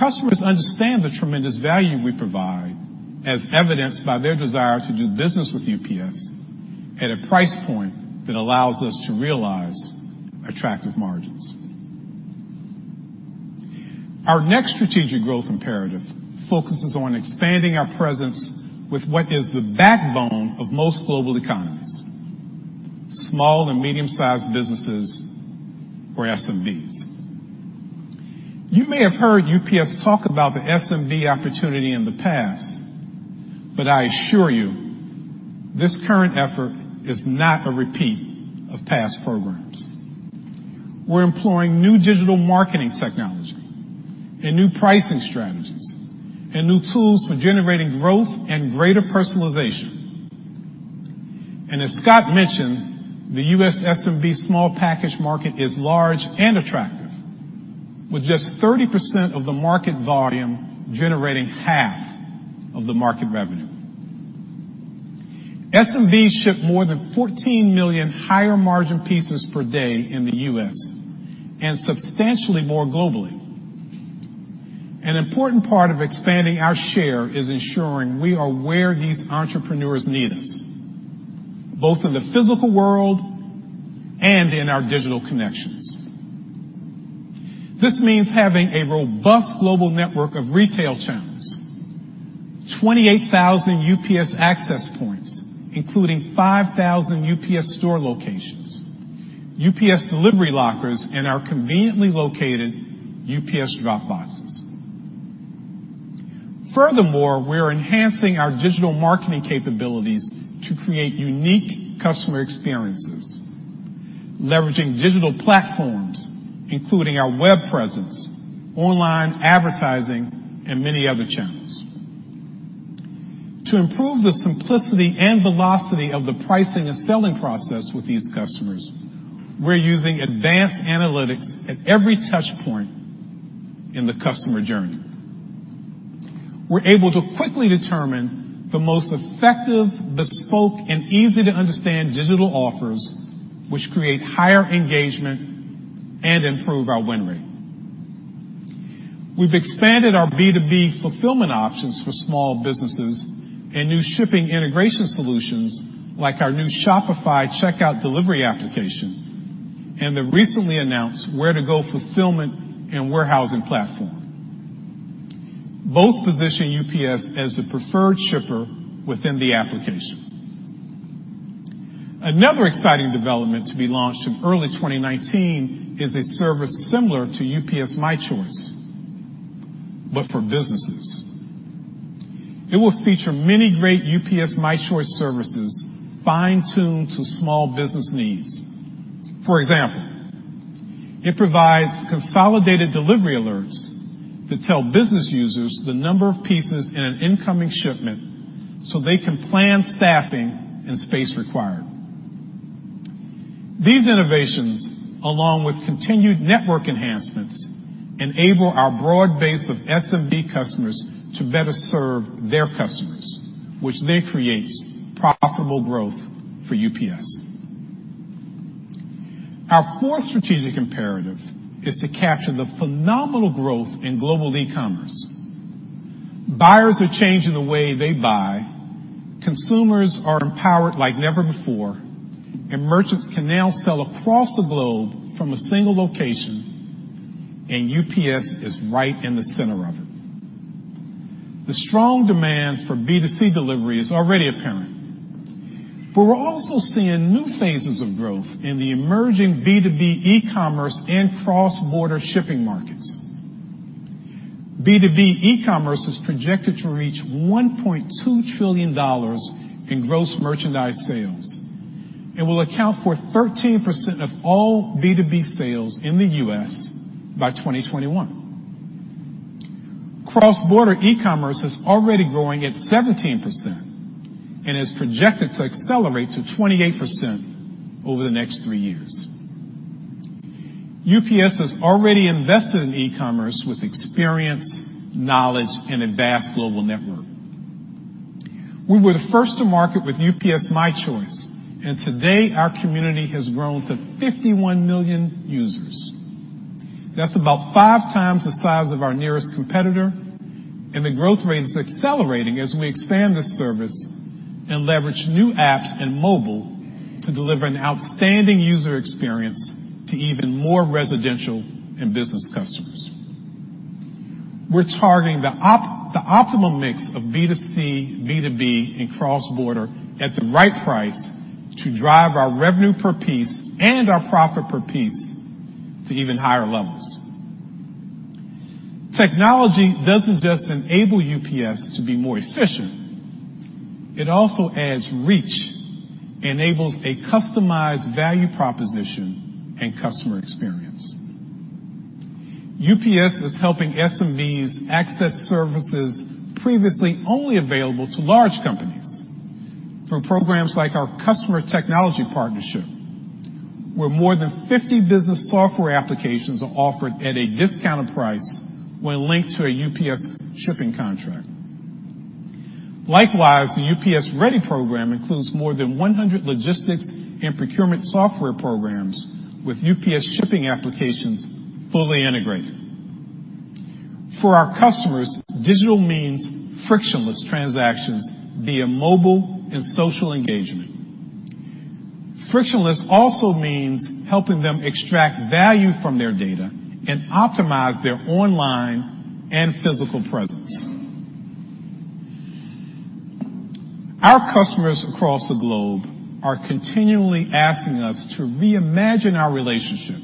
The customers understand the tremendous value we provide, as evidenced by their desire to do business with UPS at a price point that allows us to realize attractive margins. Our next strategic growth imperative focuses on expanding our presence with what is the backbone of most global economies, small and medium-sized businesses, or SMBs. You may have heard UPS talk about the SMB opportunity in the past, I assure you, this current effort is not a repeat of past programs. We're employing new digital marketing technology and new pricing strategies and new tools for generating growth and greater personalization. As Scott mentioned, the U.S. SMB small package market is large and attractive. With just 30% of the market volume generating half of the market revenue. SMBs ship more than 14 million higher margin pieces per day in the U.S. and substantially more globally. An important part of expanding our share is ensuring we are where these entrepreneurs need us, both in the physical world and in our digital connections. This means having a robust global network of retail channels, 28,000 UPS Access Points, including 5,000 UPS Store locations, UPS delivery lockers, and our conveniently located UPS drop boxes. We're enhancing our digital marketing capabilities to create unique customer experiences, leveraging digital platforms, including our web presence, online advertising, and many other channels. To improve the simplicity and velocity of the pricing and selling process with these customers, we're using advanced analytics at every touch point in the customer journey. We're able to quickly determine the most effective, bespoke, and easy-to-understand digital offers, which create higher engagement and improve our win rate. We've expanded our B2B fulfillment options for small businesses and new shipping integration solutions like our new Shopify checkout delivery application and the recently announced Ware2Go fulfillment and warehousing platform. Both position UPS as the preferred shipper within the application. Another exciting development to be launched in early 2019 is a service similar to UPS My Choice, but for businesses. It will feature many great UPS My Choice services fine-tuned to small business needs. For example, it provides consolidated delivery alerts that tell business users the number of pieces in an incoming shipment so they can plan staffing and space required. These innovations, along with continued network enhancements, enable our broad base of SMB customers to better serve their customers, which then creates profitable growth for UPS. Our fourth strategic imperative is to capture the phenomenal growth in global e-commerce. Buyers are changing the way they buy, consumers are empowered like never before. Merchants can now sell across the globe from a single location, UPS is right in the center of it. The strong demand for B2C delivery is already apparent. We're also seeing new phases of growth in the emerging B2B e-commerce and cross-border shipping markets. B2B e-commerce is projected to reach $1.2 trillion in gross merchandise sales. It will account for 13% of all B2B sales in the U.S. by 2021. Cross-border e-commerce is already growing at 17% and is projected to accelerate to 28% over the next three years. UPS has already invested in e-commerce with experience, knowledge, and a vast global network. We were the first to market with UPS My Choice. Today our community has grown to 51 million users. That's about five times the size of our nearest competitor. The growth rate is accelerating as we expand this service and leverage new apps and mobile to deliver an outstanding user experience to even more residential and business customers. We're targeting the optimal mix of B2C, B2B, and cross-border at the right price to drive our revenue per piece and our profit per piece to even higher levels. Technology doesn't just enable UPS to be more efficient. It also adds reach, enables a customized value proposition and customer experience. UPS is helping SMBs access services previously only available to large companies through programs like our Customer Technology Program, where more than 50 business software applications are offered at a discounted price when linked to a UPS shipping contract. Likewise, the UPS Ready program includes more than 100 logistics and procurement software programs with UPS shipping applications fully integrated. For our customers, digital means frictionless transactions via mobile and social engagement. Frictionless also means helping them extract value from their data and optimize their online and physical presence. Our customers across the globe are continually asking us to reimagine our relationship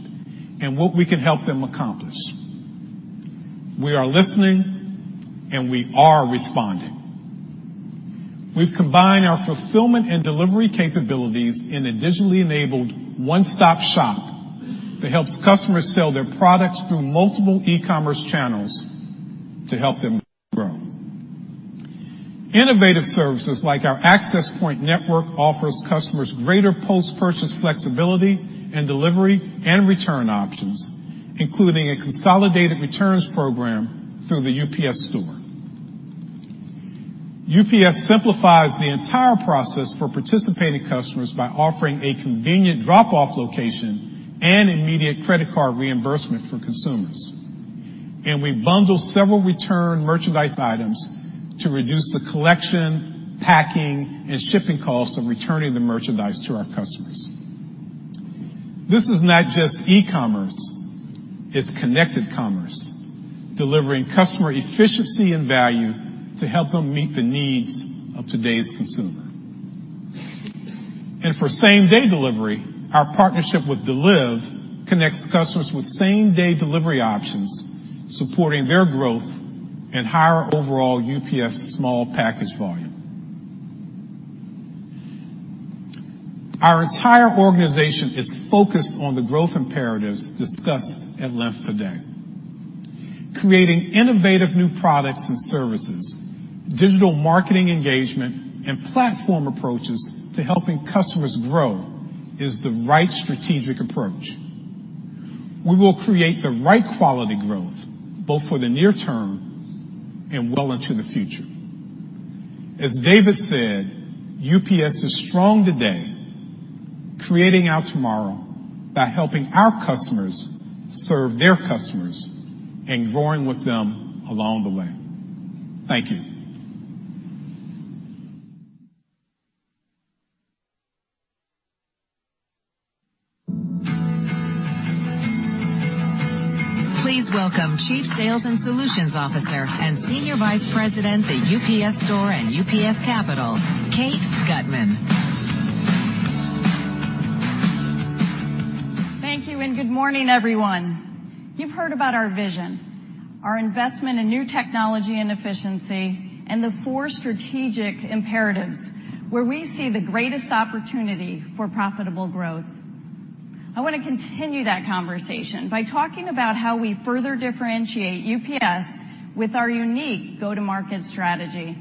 and what we can help them accomplish. We are listening. We are responding. We've combined our fulfillment and delivery capabilities in a digitally enabled one-stop shop that helps customers sell their products through multiple e-commerce channels to help them grow. Innovative services like our Access Point network offers customers greater post-purchase flexibility and delivery and return options, including a consolidated returns program through The UPS Store. UPS simplifies the entire process for participating customers by offering a convenient drop-off location and immediate credit card reimbursement for consumers. We bundle several returned merchandise items to reduce the collection, packing, and shipping costs of returning the merchandise to our customers. This is not just e-commerce. It's connected commerce, delivering customer efficiency and value to help them meet the needs of today's consumer. For same-day delivery, our partnership with Deliv connects customers with same-day delivery options, supporting their growth and higher overall UPS small package volume. Our entire organization is focused on the growth imperatives discussed at length today. Creating innovative new products and services, digital marketing engagement, and platform approaches to helping customers grow is the right strategic approach. We will create the right quality growth both for the near term and well into the future. As David said, UPS is strong today, creating our tomorrow by helping our customers serve their customers and growing with them along the way. Thank you. Please welcome Chief Sales and Solutions Officer and Senior Vice President at The UPS Store and UPS Capital, Kate Gutmann. Thank you, good morning, everyone. You've heard about our vision, our investment in new technology and efficiency, and the four strategic imperatives where we see the greatest opportunity for profitable growth. I want to continue that conversation by talking about how we further differentiate UPS with our unique go-to-market strategy,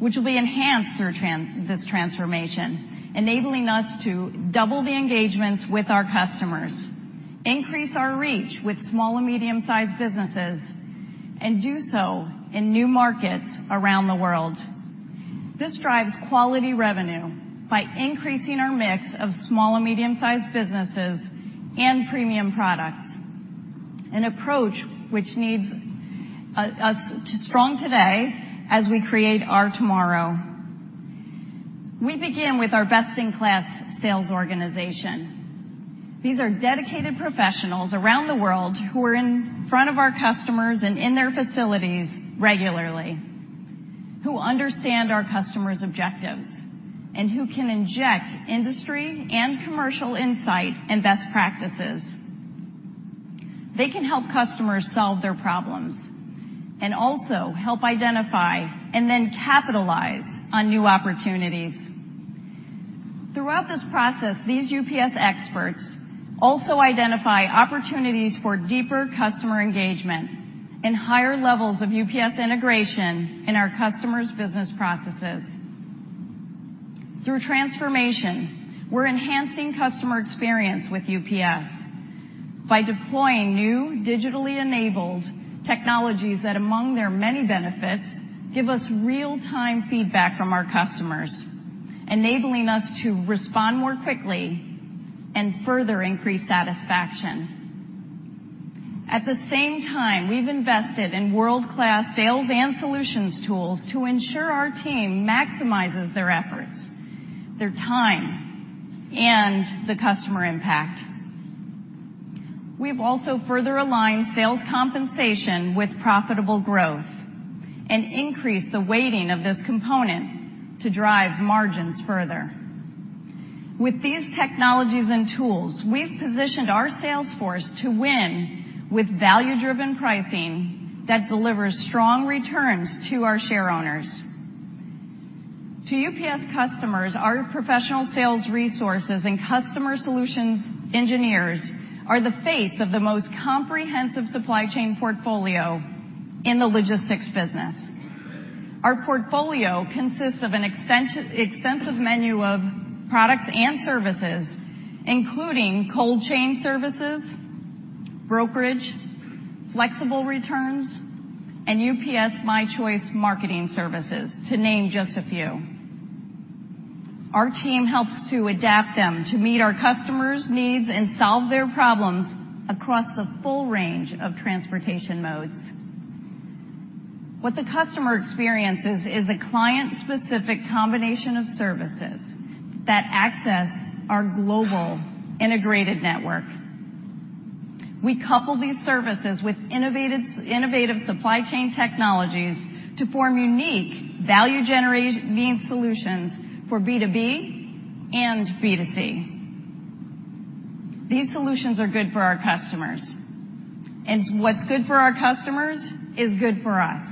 which will be enhanced through this transformation, enabling us to double the engagements with our customers, increase our reach with small and medium-sized businesses, and do so in new markets around the world. This drives quality revenue by increasing our mix of small and medium-sized businesses and premium products, an approach which needs us strong today as we create our tomorrow. These are dedicated professionals around the world who are in front of our customers and in their facilities regularly, who understand our customers' objectives, and who can inject industry and commercial insight and best practices. They can help customers solve their problems and also help identify and then capitalize on new opportunities. Throughout this process, these UPS experts also identify opportunities for deeper customer engagement and higher levels of UPS integration in our customers' business processes. Through transformation, we're enhancing customer experience with UPS by deploying new digitally enabled technologies that, among their many benefits, give us real-time feedback from our customers, enabling us to respond more quickly and further increase satisfaction. At the same time, we've invested in world-class sales and solutions tools to ensure our team maximizes their efforts, their time, and the customer impact. We've also further aligned sales compensation with profitable growth and increased the weighting of this component to drive margins further. With these technologies and tools, we've positioned our sales force to win with value-driven pricing that delivers strong returns to our shareowners. To UPS customers, our professional sales resources and customer solutions engineers are the face of the most comprehensive supply chain portfolio in the logistics business. Our portfolio consists of an extensive menu of products and services, including cold chain services, brokerage, flexible returns, and UPS My Choice marketing services, to name just a few. Our team helps to adapt them to meet our customers' needs and solve their problems across the full range of transportation modes. What the customer experiences is a client-specific combination of services that access our global integrated network. We couple these services with innovative supply chain technologies to form unique value-generating solutions for B2B and B2C. These solutions are good for our customers, and what's good for our customers is good for us.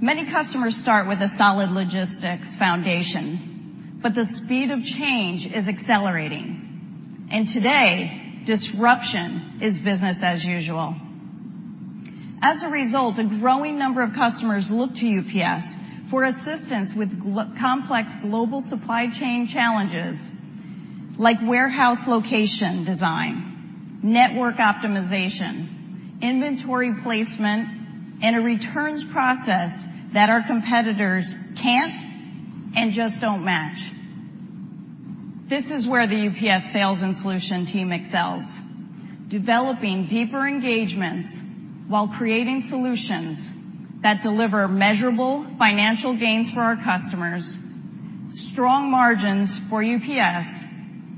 Many customers start with a solid logistics foundation, but the speed of change is accelerating, and today, disruption is business as usual. As a result, a growing number of customers look to UPS for assistance with complex global supply chain challenges like warehouse location design, network optimization, inventory placement, and a returns process that our competitors can't and just don't match. This is where the UPS sales and solution team excels, developing deeper engagements while creating solutions that deliver measurable financial gains for our customers, strong margins for UPS,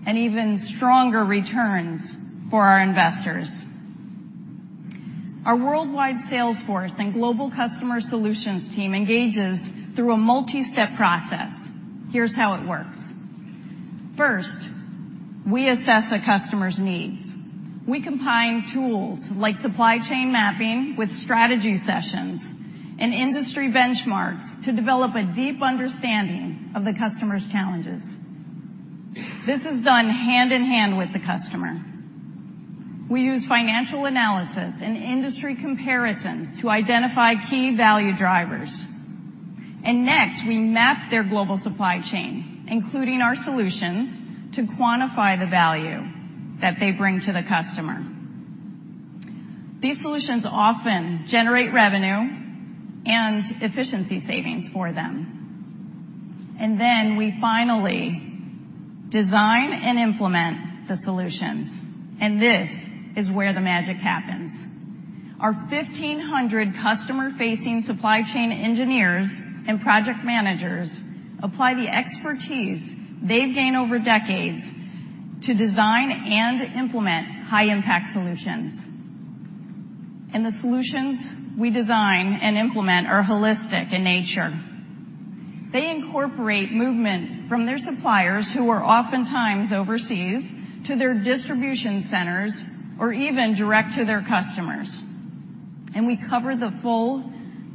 and even stronger returns for our investors. Our worldwide sales force and global customer solutions team engages through a multi-step process. Here's how it works. First, we assess a customer's needs. We combine tools like supply chain mapping with strategy sessions and industry benchmarks to develop a deep understanding of the customer's challenges. This is done hand-in-hand with the customer. We use financial analysis and industry comparisons to identify key value drivers. Next, we map their global supply chain, including our solutions, to quantify the value that they bring to the customer. These solutions often generate revenue and efficiency savings for them. Then we finally design and implement the solutions. This is where the magic happens. Our 1,500 customer-facing supply chain engineers and project managers apply the expertise they've gained over decades to design and implement high-impact solutions. The solutions we design and implement are holistic in nature. They incorporate movement from their suppliers, who are oftentimes overseas, to their distribution centers or even direct to their customers. We cover the full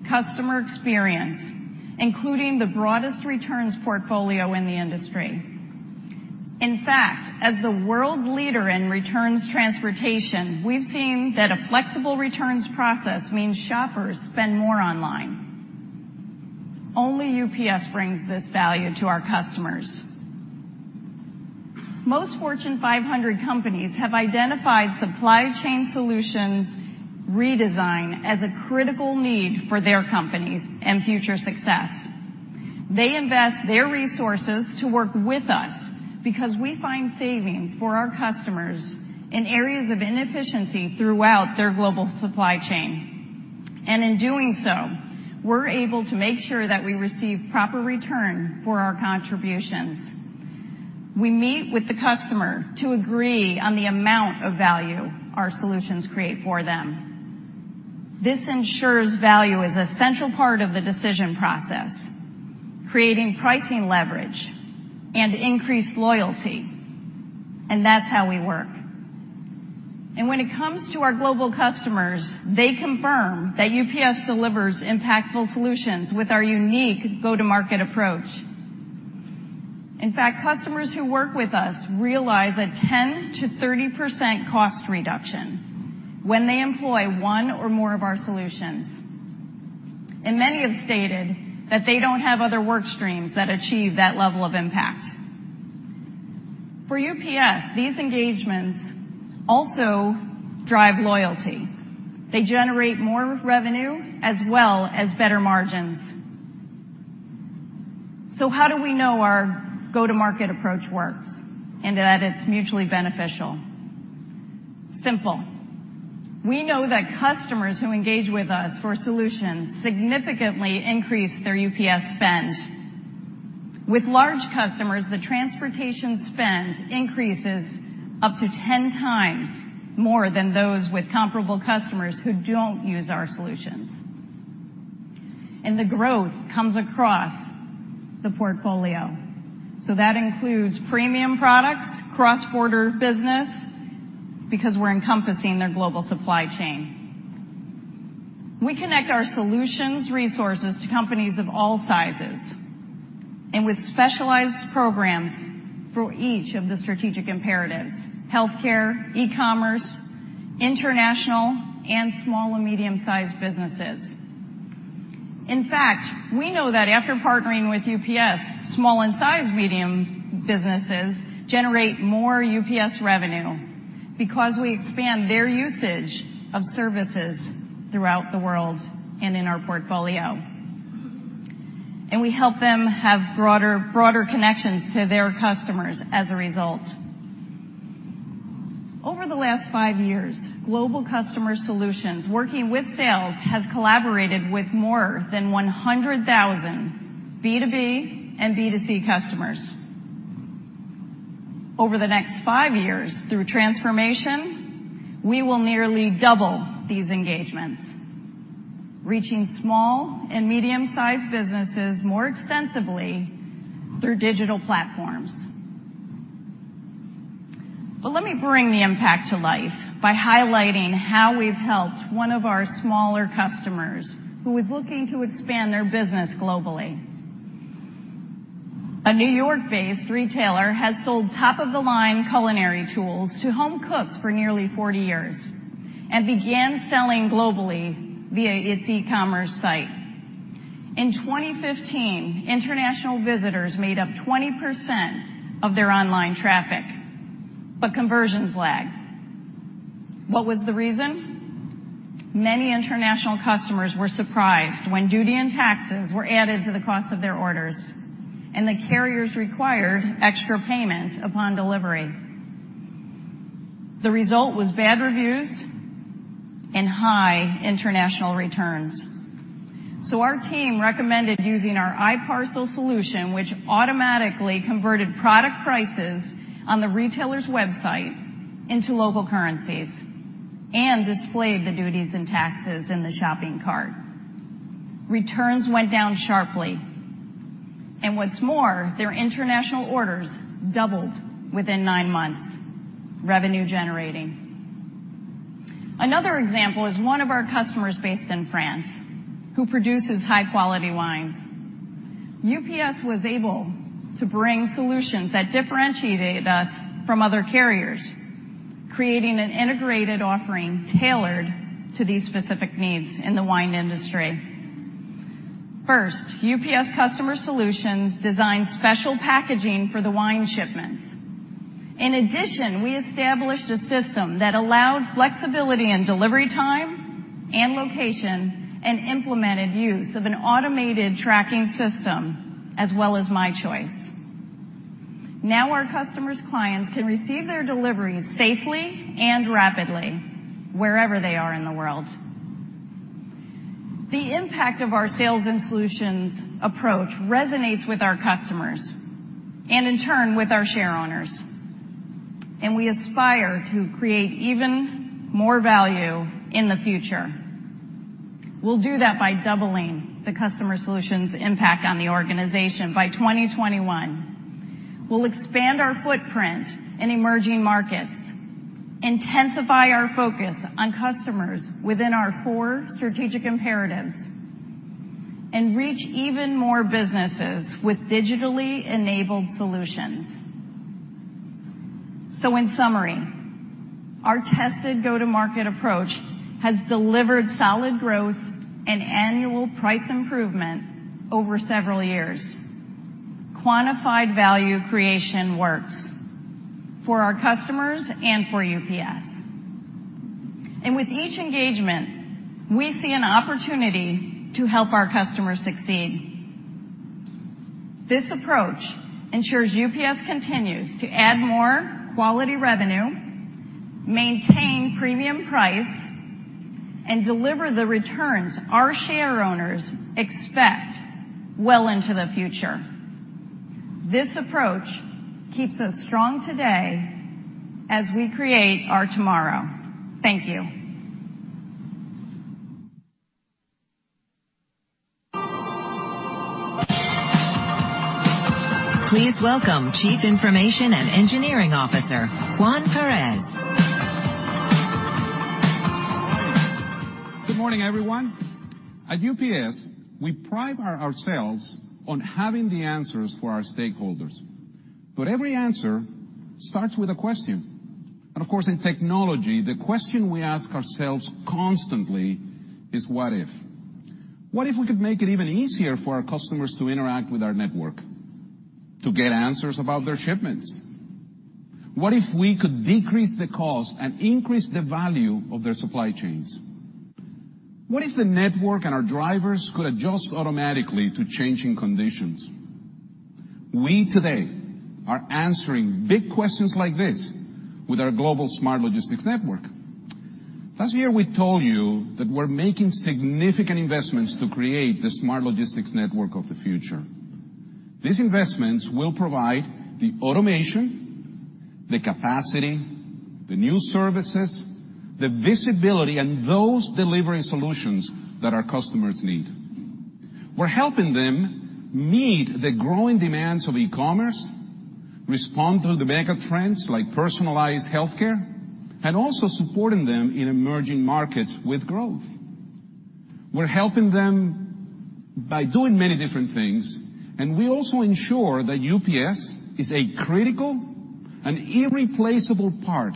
customer experience, including the broadest returns portfolio in the industry. In fact, as the world leader in returns transportation, we've seen that a flexible returns process means shoppers spend more online. Only UPS brings this value to our customers. Most Fortune 500 companies have identified supply chain solutions redesign as a critical need for their companies and future success. They invest their resources to work with us because we find savings for our customers in areas of inefficiency throughout their global supply chain. In doing so, we're able to make sure that we receive proper return for our contributions. We meet with the customer to agree on the amount of value our solutions create for them. This ensures value is a central part of the decision process, creating pricing leverage and increased loyalty. That's how we work. When it comes to our global customers, they confirm that UPS delivers impactful solutions with our unique go-to-market approach. In fact, customers who work with us realize a 10%-30% cost reduction when they employ one or more of our solutions. Many have stated that they don't have other work streams that achieve that level of impact. For UPS, these engagements also drive loyalty. They generate more revenue as well as better margins. How do we know our go-to-market approach works and that it's mutually beneficial? Simple. We know that customers who engage with us for solutions significantly increase their UPS spend. With large customers, the transportation spend increases up to 10 times more than those with comparable customers who don't use our solutions. That includes premium products, cross-border business, because we're encompassing their global supply chain. We connect our solutions resources to companies of all sizes, with specialized programs for each of the strategic imperatives: healthcare, e-commerce, international, and small and medium-sized businesses. In fact, we know that after partnering with UPS, small and medium-sized businesses generate more UPS revenue because we expand their usage of services throughout the world and in our portfolio, and we help them have broader connections to their customers as a result. Over the last five years, UPS Customer Solutions, working with sales, has collaborated with more than 100,000 B2B and B2C customers. Over the next five years, through transformation, we will nearly double these engagements, reaching small and medium-sized businesses more extensively through digital platforms. Let me bring the impact to life by highlighting how we've helped one of our smaller customers who was looking to expand their business globally. A N.Y.-based retailer had sold top-of-the-line culinary tools to home cooks for nearly 40 years and began selling globally via its e-commerce site. In 2015, international visitors made up 20% of their online traffic, but conversions lagged. What was the reason? Many international customers were surprised when duty and taxes were added to the cost of their orders, and the carriers required extra payment upon delivery. The result was bad reviews and high international returns. Our team recommended using our i-parcel solution, which automatically converted product prices on the retailer's website into local currencies and displayed the duties and taxes in the shopping cart. Returns went down sharply, and what's more, their international orders doubled within nine months, revenue generating. Another example is one of our customers based in France who produces high-quality wines. UPS was able to bring solutions that differentiated us from other carriers, creating an integrated offering tailored to these specific needs in the wine industry. First, UPS Customer Solutions designed special packaging for the wine shipments. In addition, we established a system that allowed flexibility in delivery time and location and implemented use of an automated tracking system as well as UPS My Choice. Our customer's clients can receive their deliveries safely and rapidly wherever they are in the world. The impact of our sales and solutions approach resonates with our customers and, in turn, with our share owners. We aspire to create even more value in the future. We'll do that by doubling the Customer Solutions impact on the organization by 2021. We'll expand our footprint in emerging markets, intensify our focus on customers within our four strategic imperatives, and reach even more businesses with digitally enabled solutions. In summary, our tested go-to-market approach has delivered solid growth and annual price improvement over several years. Quantified value creation works for our customers and for UPS. With each engagement, we see an opportunity to help our customers succeed. This approach ensures UPS continues to add more quality revenue, maintain premium price, and deliver the returns our shareowners expect well into the future. This approach keeps us strong today as we create our tomorrow. Thank you. Please welcome Chief Information and Engineering Officer, Juan Perez. Good morning, everyone. At UPS, we pride ourselves on having the answers for our stakeholders. Every answer starts with a question. Of course, in technology, the question we ask ourselves constantly is: What if? What if we could make it even easier for our customers to interact with our network, to get answers about their shipments? What if we could decrease the cost and increase the value of their supply chains? What if the network and our drivers could adjust automatically to changing conditions? We today are answering big questions like this with our global smart logistics network. Last year, we told you that we're making significant investments to create the smart logistics network of the future. These investments will provide the automation, the capacity, the new services, the visibility, and those delivery solutions that our customers need. We're helping them meet the growing demands of e-commerce, respond to the mega trends like personalized healthcare, also supporting them in emerging markets with growth. We're helping them by doing many different things, we also ensure that UPS is a critical and irreplaceable part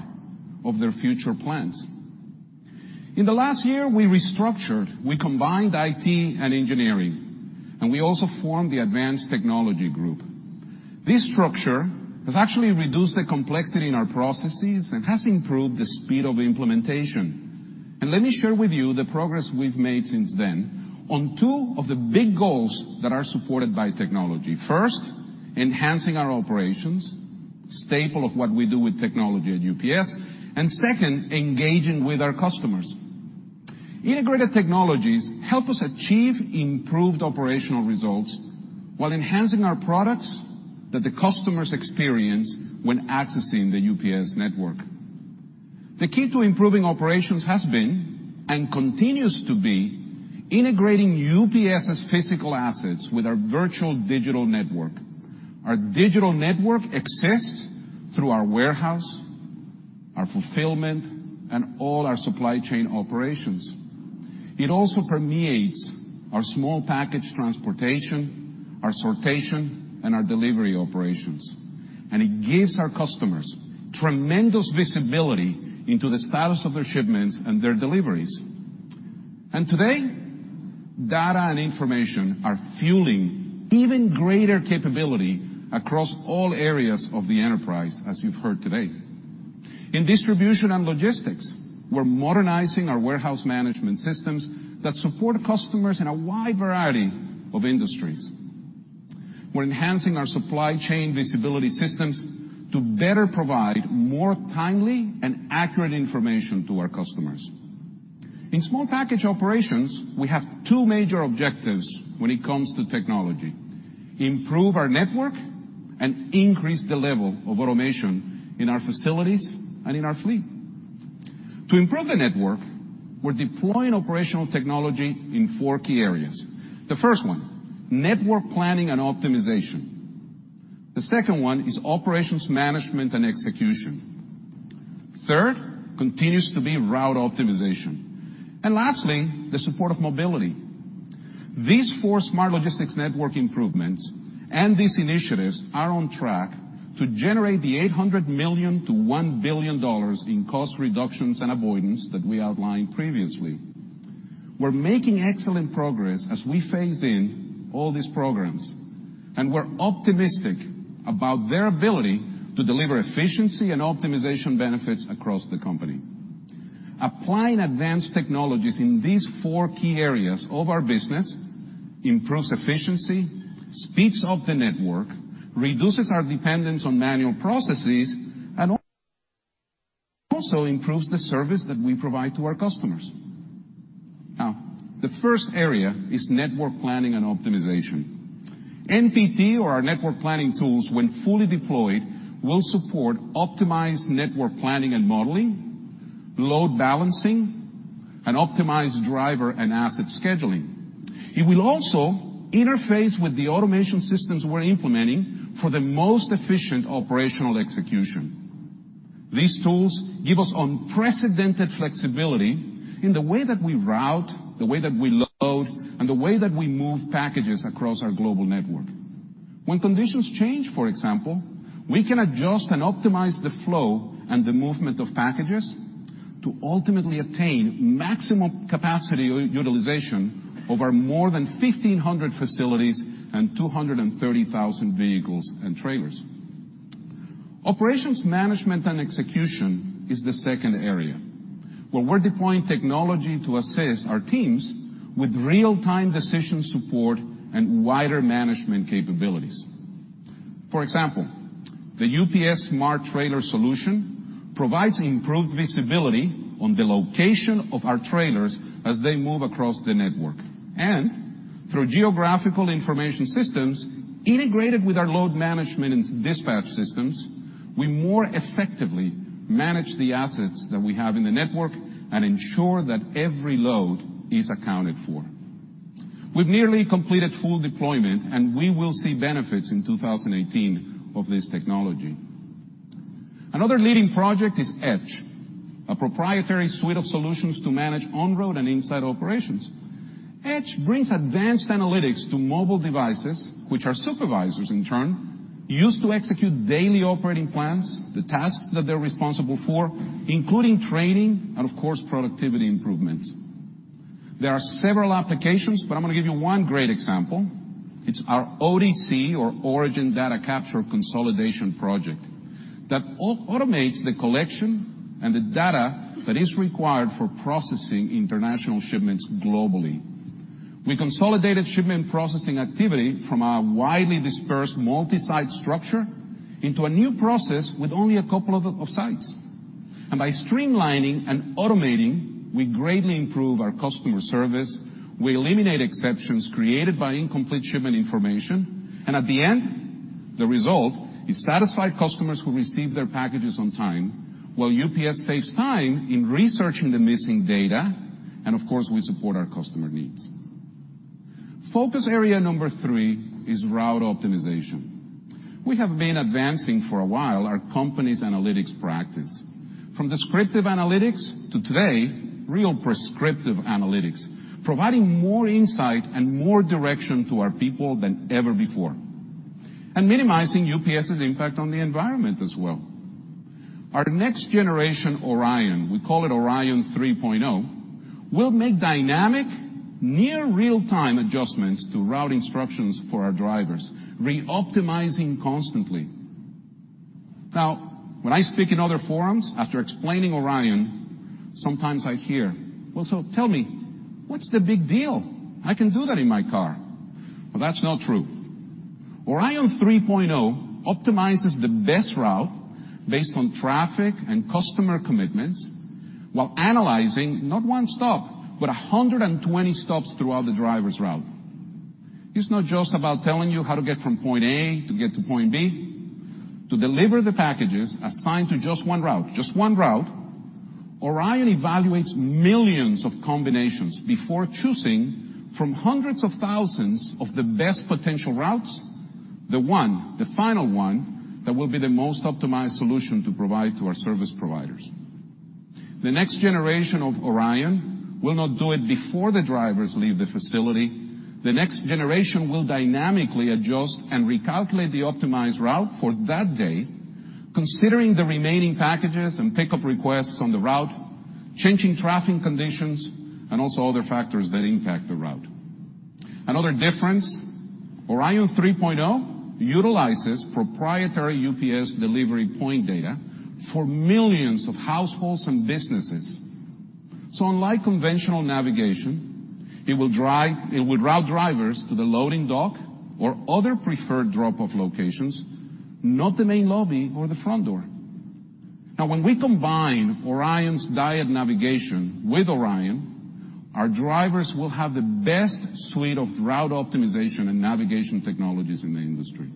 of their future plans. In the last year, we restructured, we combined IT and engineering, we also formed the Advanced Technology Group. This structure has actually reduced the complexity in our processes and has improved the speed of implementation. Let me share with you the progress we've made since then on two of the big goals that are supported by technology. First, enhancing our operations, staple of what we do with technology at UPS, second, engaging with our customers. Integrated technologies help us achieve improved operational results while enhancing our products that the customers experience when accessing the UPS network. The key to improving operations has been, and continues to be, integrating UPS's physical assets with our virtual digital network. Our digital network exists through our warehouse, our fulfillment, and all our supply chain operations. It also permeates our small package transportation, our sortation, and our delivery operations, and it gives our customers tremendous visibility into the status of their shipments and their deliveries. Today, data and information are fueling even greater capability across all areas of the enterprise, as you've heard today. In distribution and logistics, we're modernizing our warehouse management systems that support customers in a wide variety of industries. We're enhancing our supply chain visibility systems to better provide more timely and accurate information to our customers. In small package operations, we have two major objectives when it comes to technology: improve our network and increase the level of automation in our facilities and in our fleet. To improve the network, we're deploying operational technology in four key areas. The first one, network planning and optimization. The second one is operations management and execution. Third continues to be route optimization. Lastly, the support of mobility. These four smart logistics network improvements and these initiatives are on track to generate the $800 million to $1 billion in cost reductions and avoidance that we outlined previously. We're making excellent progress as we phase in all these programs, and we're optimistic about their ability to deliver efficiency and optimization benefits across the company. Applying advanced technologies in these four key areas of our business improves efficiency, speeds up the network, reduces our dependence on manual processes, and also improves the service that we provide to our customers. Now, the first area is network planning and optimization. NPT, or our network planning tools, when fully deployed, will support optimized network planning and modeling, load balancing, and optimized driver and asset scheduling. It will also interface with the automation systems we're implementing for the most efficient operational execution. These tools give us unprecedented flexibility in the way that we route, the way that we load, and the way that we move packages across our global network. When conditions change, for example, we can adjust and optimize the flow and the movement of packages to ultimately attain maximum capacity utilization over more than 1,500 facilities and 230,000 vehicles and trailers. Operations management and execution is the second area, where we're deploying technology to assist our teams with real-time decision support and wider management capabilities. For example, the UPS Smart Trailer solution provides improved visibility on the location of our trailers as they move across the network. Through geographical information systems, integrated with our load management and dispatch systems, we more effectively manage the assets that we have in the network and ensure that every load is accounted for. We've nearly completed full deployment, and we will see benefits in 2018 of this technology. Another leading project is EDGE, a proprietary suite of solutions to manage on-road and inside operations. EDGE brings advanced analytics to mobile devices, which our supervisors, in turn, use to execute daily operating plans, the tasks that they're responsible for, including training and, of course, productivity improvements. There are several applications, but I'm going to give you one great example. It's our ODC or Origin Data Capture consolidation project that automates the collection and the data that is required for processing international shipments globally. We consolidated shipment processing activity from our widely dispersed multi-site structure into a new process with only a couple of sites. By streamlining and automating, we greatly improve our customer service, we eliminate exceptions created by incomplete shipment information, and at the end, the result is satisfied customers who receive their packages on time while UPS saves time in researching the missing data, and of course, we support our customer needs. Focus area number three is route optimization. We have been advancing for a while our company's analytics practice. From descriptive analytics to today, real prescriptive analytics, providing more insight and more direction to our people than ever before, and minimizing UPS's impact on the environment as well. Our next generation ORION, we call it ORION 3.0, will make dynamic near real-time adjustments to route instructions for our drivers, re-optimizing constantly. When I speak in other forums, after explaining ORION, sometimes I hear, "Tell me, what's the big deal? I can do that in my car." That's not true. ORION 3.0 optimizes the best route based on traffic and customer commitments, while analyzing not one stop, but 120 stops throughout the driver's route. It's not just about telling you how to get from point A to get to point B. To deliver the packages assigned to just one route, ORION evaluates millions of combinations before choosing from hundreds of thousands of the best potential routes, the one, the final one, that will be the most optimized solution to provide to our service providers. The next generation of ORION will not do it before the drivers leave the facility. The next generation will dynamically adjust and recalculate the optimized route for that day, considering the remaining packages and pickup requests on the route, changing traffic conditions, and also other factors that impact the route. Another difference, ORION 3.0 utilizes proprietary UPS delivery point data for millions of households and businesses. Unlike conventional navigation, it would route drivers to the loading dock or other preferred drop-off locations, not the main lobby or the front door. When we combine ORION's DIAD navigation with ORION, our drivers will have the best suite of route optimization and navigation technologies in the industry.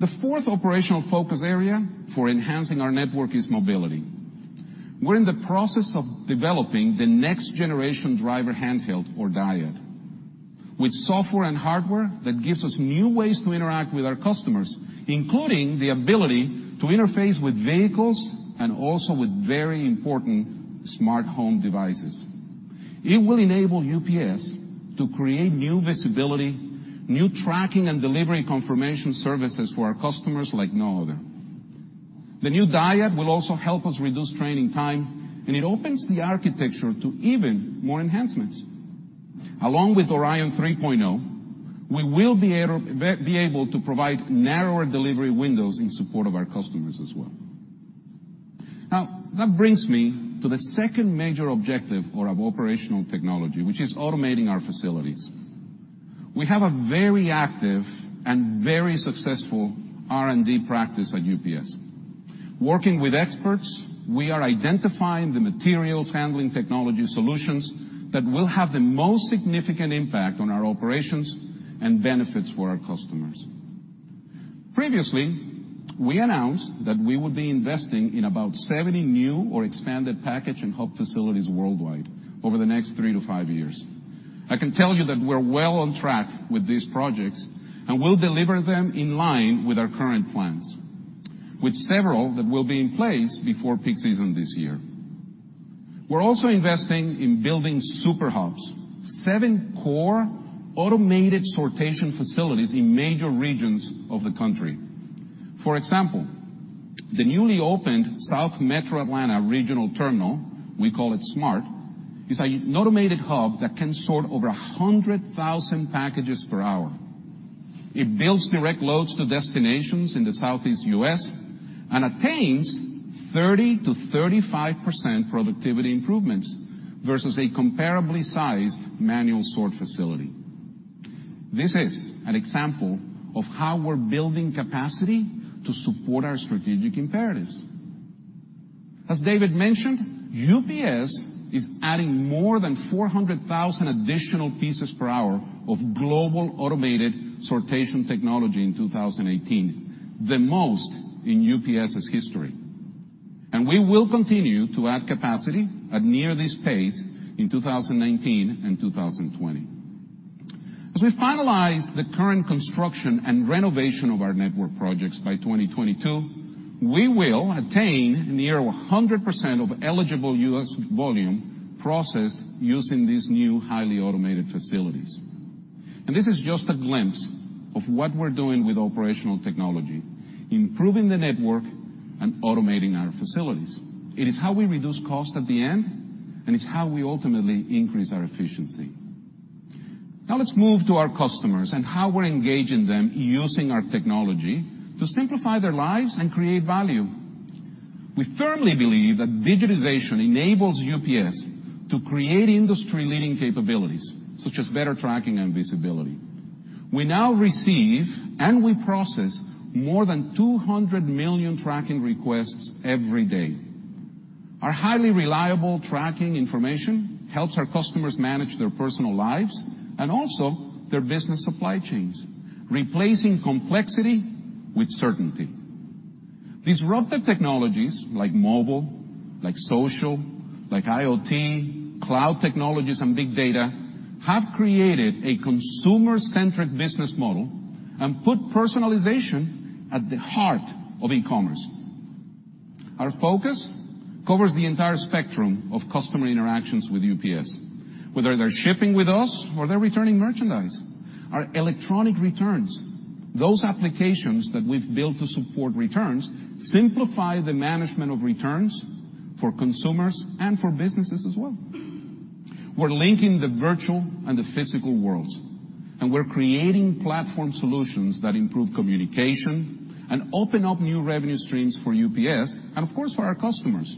The fourth operational focus area for enhancing our network is mobility. We're in the process of developing the next generation driver handheld or DIAD with software and hardware that gives us new ways to interact with our customers, including the ability to interface with vehicles and also with very important smart home devices. It will enable UPS to create new visibility, new tracking and delivery confirmation services for our customers like no other. The new DIAD will also help us reduce training time, it opens the architecture to even more enhancements. Along with ORION 3.0, we will be able to provide narrower delivery windows in support of our customers as well. Now, that brings me to the second major objective of operational technology, which is automating our facilities. We have a very active and very successful R&D practice at UPS. Working with experts, we are identifying the materials handling technology solutions that will have the most significant impact on our operations and benefits for our customers. Previously, we announced that we would be investing in about 70 new or expanded package and hub facilities worldwide over the next three to five years. I can tell you that we're well on track with these projects, and we'll deliver them in line with our current plans. With several that will be in place before peak season this year. We're also investing in building super hubs, seven core automated sortation facilities in major regions of the country. For example, the newly opened South Metro Atlanta Regional Terminal, we call it SMART, is an automated hub that can sort over 100,000 packages per hour. It builds direct loads to destinations in the southeast U.S. and attains 30%-35% productivity improvements versus a comparably sized manual sort facility. This is an example of how we're building capacity to support our strategic imperatives. As David mentioned, UPS is adding more than 400,000 additional pieces per hour of global automated sortation technology in 2018, the most in UPS's history. We will continue to add capacity at near this pace in 2019 and 2020. As we finalize the current construction and renovation of our network projects by 2022, we will attain near 100% of eligible U.S. volume processed using these new highly automated facilities. this is just a glimpse of what we're doing with operational technology, improving the network, and automating our facilities. It is how we reduce cost at the end, and it's how we ultimately increase our efficiency. Now let's move to our customers and how we're engaging them using our technology to simplify their lives and create value. We firmly believe that digitization enables UPS to create industry-leading capabilities, such as better tracking and visibility. We now receive and we process more than 200 million tracking requests every day. Our highly reliable tracking information helps our customers manage their personal lives and also their business supply chains, replacing complexity with certainty. Disruptive technologies like mobile, like social, like IoT, cloud technologies, and big data have created a consumer-centric business model and put personalization at the heart of e-commerce. Our focus covers the entire spectrum of customer interactions with UPS, whether they're shipping with us or they're returning merchandise. Our electronic returns, those applications that we've built to support returns, simplify the management of returns for consumers and for businesses as well. We're linking the virtual and the physical worlds, and we're creating platform solutions that improve communication and open up new revenue streams for UPS and of course for our customers.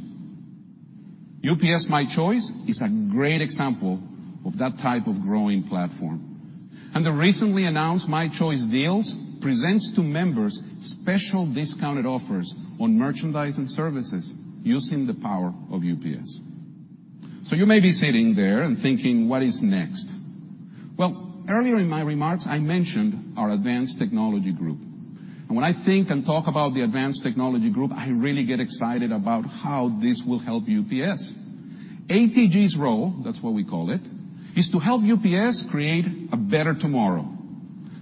UPS My Choice is a great example of that type of growing platform. the recently announced UPS My Choice Deals presents to members special discounted offers on merchandise and services using the power of UPS. you may be sitting there and thinking, what is next? Well, earlier in my remarks, I mentioned our Advanced Technology Group. When I think and talk about the Advanced Technology Group, I really get excited about how this will help UPS. ATG's role, that's what we call it, is to help UPS create a better tomorrow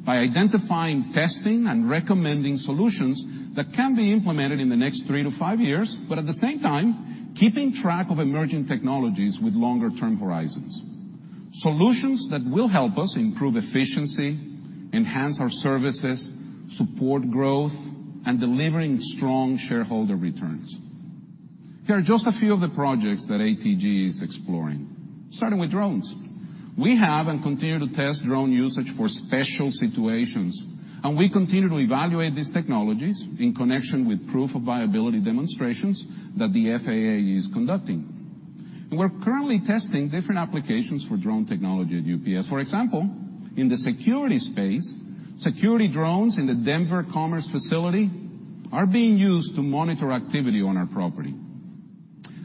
by identifying testing and recommending solutions that can be implemented in the next three to five years, but at the same time, keeping track of emerging technologies with longer-term horizons. Solutions that will help us improve efficiency, enhance our services, support growth, and delivering strong shareholder returns. Here are just a few of the projects that ATG is exploring, starting with drones. We have and continue to test drone usage for special situations, and we continue to evaluate these technologies in connection with proof of viability demonstrations that the FAA is conducting. We're currently testing different applications for drone technology at UPS. For example, in the security space, security drones in the Denver commerce facility are being used to monitor activity on our property.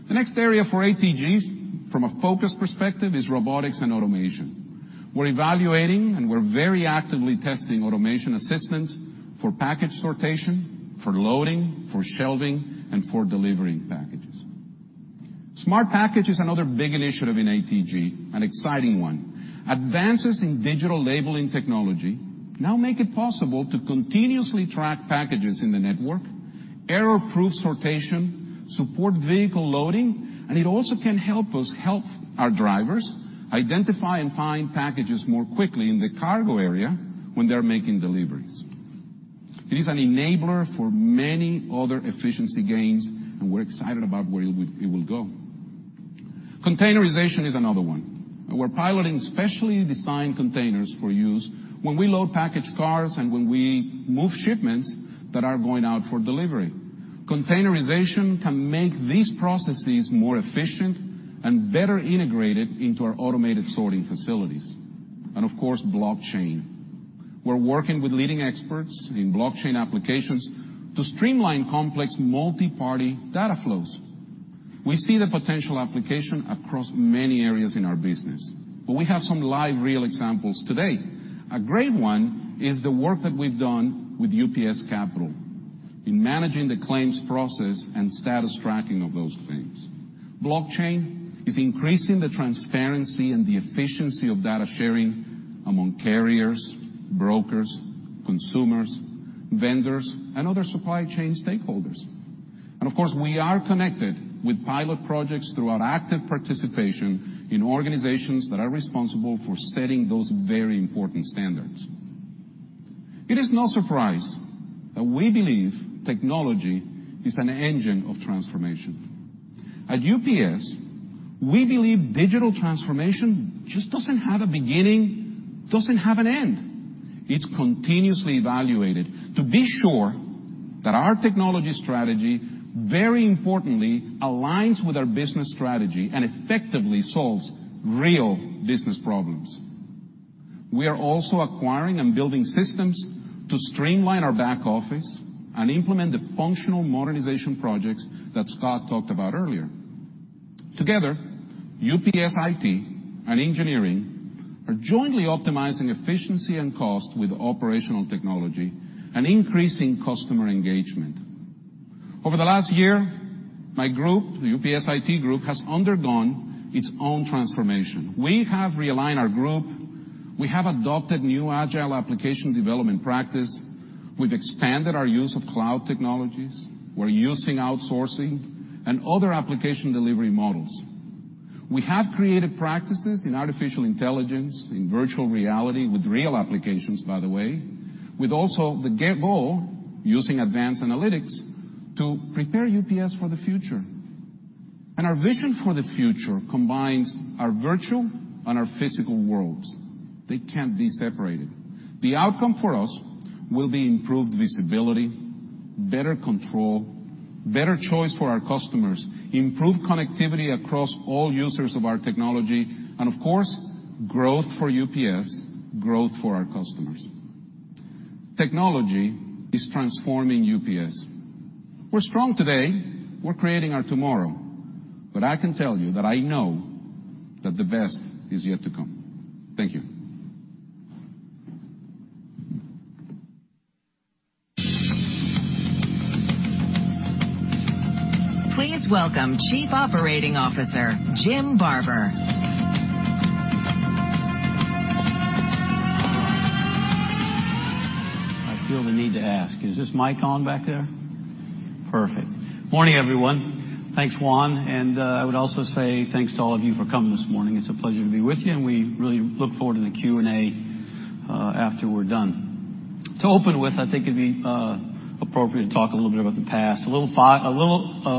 The next area for ATG from a focus perspective is robotics and automation. We're evaluating and we're very actively testing automation assistance for package sortation, for loading, for shelving, and for delivering packages. Smart package is another big initiative in ATG, an exciting one. Advances in digital labeling technology now make it possible to continuously track packages in the network, error-proof sortation, support vehicle loading, and it also can help us help our drivers identify and find packages more quickly in the cargo area when they're making deliveries. It is an enabler for many other efficiency gains, and we're excited about where it will go. Containerization is another one. We're piloting specially designed containers for use when we load package cars and when we move shipments that are going out for delivery. Containerization can make these processes more efficient and better integrated into our automated sorting facilities. Of course, blockchain. We're working with leading experts in blockchain applications to streamline complex multi-party data flows. We see the potential application across many areas in our business. We have some live real examples today. A great one is the work that we've done with UPS Capital in managing the claims process and status tracking of those claims. Blockchain is increasing the transparency and the efficiency of data sharing among carriers, brokers, consumers, vendors, and other supply chain stakeholders. Of course, we are connected with pilot projects through our active participation in organizations that are responsible for setting those very important standards. It is no surprise that we believe technology is an engine of transformation. At UPS, we believe digital transformation just doesn't have a beginning, doesn't have an end. It's continuously evaluated to be sure that our technology strategy, very importantly, aligns with our business strategy and effectively solves real business problems. We are also acquiring and building systems to streamline our back office and implement the functional modernization projects that Scott talked about earlier. Together, UPS IT and engineering are jointly optimizing efficiency and cost with operational technology and increasing customer engagement. Over the last year, my group, the UPS IT group, has undergone its own transformation. We have realigned our group. We have adopted new agile application development practice. We've expanded our use of cloud technologies. We're using outsourcing and other application delivery models. We have created practices in artificial intelligence, in virtual reality with real applications, by the way, with also the goal, using advanced analytics, to prepare UPS for the future. Our vision for the future combines our virtual and our physical worlds. They can't be separated. The outcome for us will be improved visibility, better control, better choice for our customers, improved connectivity across all users of our technology, and of course, growth for UPS, growth for our customers. Technology is transforming UPS. We're strong today, we're creating our tomorrow, but I can tell you that I know that the best is yet to come. Thank you. Please welcome Chief Operating Officer, Jim Barber. I feel the need to ask, is this mic on back there? Perfect. Morning, everyone. Thanks, Juan. I would also say thanks to all of you for coming this morning. It's a pleasure to be with you, and we really look forward to the Q&A after we're done. To open with, I think it'd be appropriate to talk a little bit about the past. A little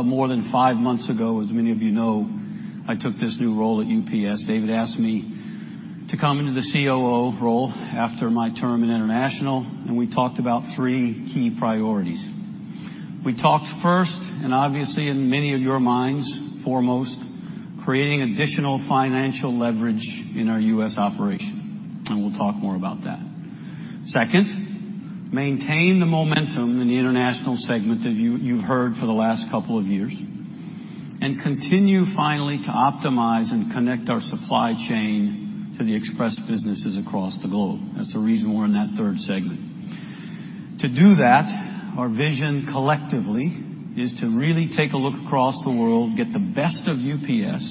more than 5 months ago, as many of you know, I took this new role at UPS. David asked me to come into the COO role after my term in international, and we talked about 3 key priorities. We talked first, and obviously in many of your minds, foremost, creating additional financial leverage in our U.S. operation. We'll talk more about that. Second, maintain the momentum in the international segment that you've heard for the last couple of years. Continue, finally, to optimize and connect our supply chain to the express businesses across the globe. That's the reason we're in that third segment. To do that, our vision collectively is to really take a look across the world, get the best of UPS,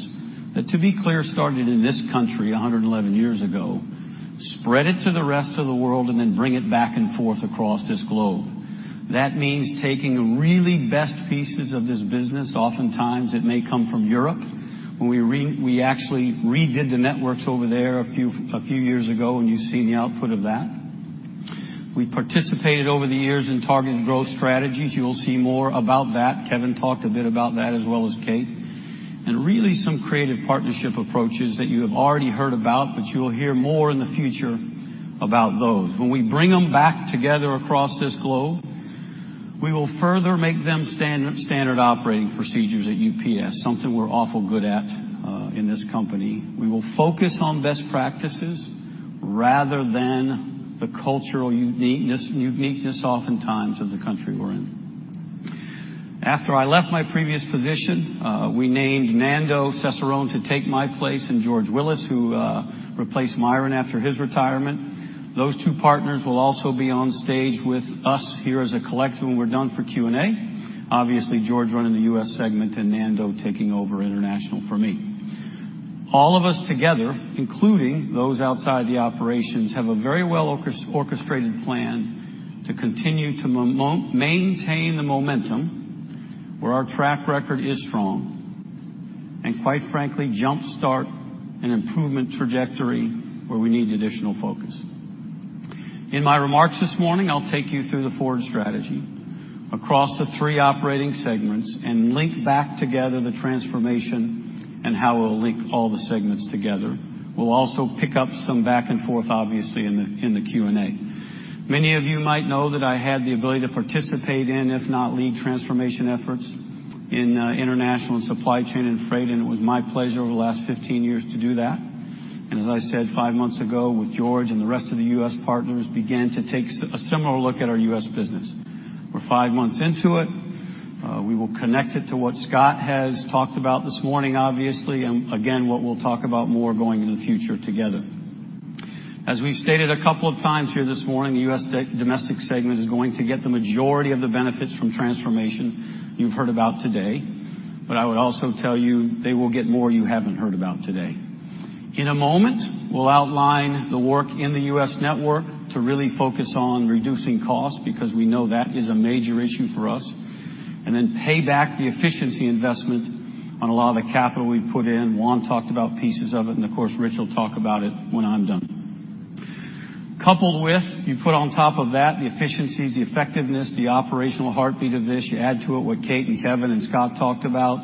that to be clear, started in this country 111 years ago, spread it to the rest of the world, and then bring it back and forth across this globe. That means taking really best pieces of this business. Oftentimes, it may come from Europe, where we actually redid the networks over there a few years ago, and you've seen the output of that. We participated over the years in targeted growth strategies. You'll see more about that. Kevin talked a bit about that, as well as Kate. Really, some creative partnership approaches that you have already heard about, but you'll hear more in the future about those. When we bring them back together across this globe, we will further make them standard operating procedures at UPS, something we're awful good at in this company. We will focus on best practices rather than the cultural uniqueness oftentimes of the country we're in. After I left my previous position, we named Nando Cesarone to take my place, and George Willis, who replaced Myron after his retirement. Those two partners will also be on stage with us here as a collective when we're done for Q&A. Obviously, George running the U.S. segment and Nando taking over international for me. All of us together, including those outside the operations, have a very well orchestrated plan to continue to maintain the momentum where our track record is strong, and quite frankly, jumpstart an improvement trajectory where we need additional focus. In my remarks this morning, I'll take you through the forward strategy across the three operating segments and link back together the transformation and how it'll link all the segments together. We'll also pick up some back and forth, obviously, in the Q&A. Many of you might know that I had the ability to participate in, if not lead transformation efforts in international and supply chain and freight, and it was my pleasure over the last 15 years to do that. As I said five months ago with George and the rest of the U.S. partners, began to take a similar look at our U.S. business. We're five months into it. We will connect it to what Scott has talked about this morning, obviously, and again what we'll talk about more going into the future together. As we've stated a couple of times here this morning, the U.S. domestic segment is going to get the majority of the benefits from transformation you've heard about today. I would also tell you they will get more you haven't heard about today. In a moment, we'll outline the work in the U.S. network to really focus on reducing costs because we know that is a major issue for us. Then pay back the efficiency investment on a lot of the capital we've put in. Juan talked about pieces of it, and of course, Rich will talk about it when I'm done. Coupled with, you put on top of that, the efficiencies, the effectiveness, the operational heartbeat of this. You add to it what Kate and Kevin and Scott talked about,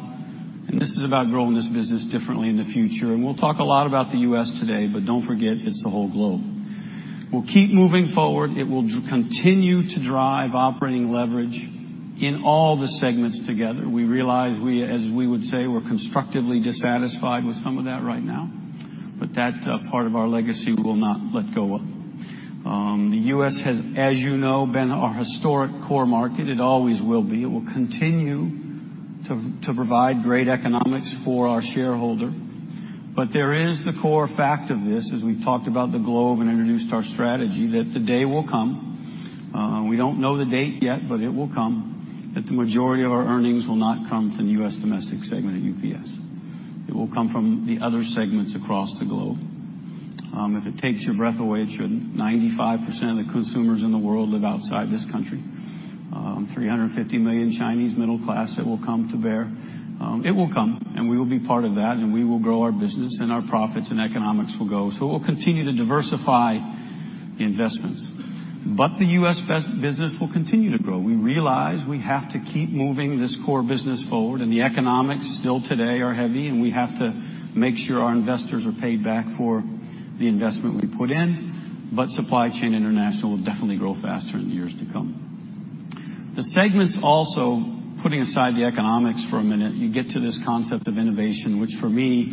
this is about growing this business differently in the future. We'll talk a lot about the U.S. today, don't forget, it's the whole globe. We'll keep moving forward. It will continue to drive operating leverage in all the segments together. We realize, as we would say, we're constructively dissatisfied with some of that right now, but that part of our legacy, we will not let go of. The U.S. has, as you know, been our historic core market. It always will be. It will continue to provide great economics for our shareholder. There is the core fact of this, as we've talked about the globe and introduced our strategy, that the day will come, we don't know the date yet, it will come, that the majority of our earnings will not come from the U.S. domestic segment at UPS. It will come from the other segments across the globe. If it takes your breath away, it shouldn't. 95% of the consumers in the world live outside this country. 350 million Chinese middle class that will come to bear. It will come, we will be part of that, we will grow our business and our profits and economics will go. We'll continue to diversify the investments. The U.S. business will continue to grow. We realize we have to keep moving this core business forward, the economics still today are heavy, we have to make sure our investors are paid back for the investment we put in. Supply chain international will definitely grow faster in the years to come. The segments also, putting aside the economics for a minute, you get to this concept of innovation, which for me,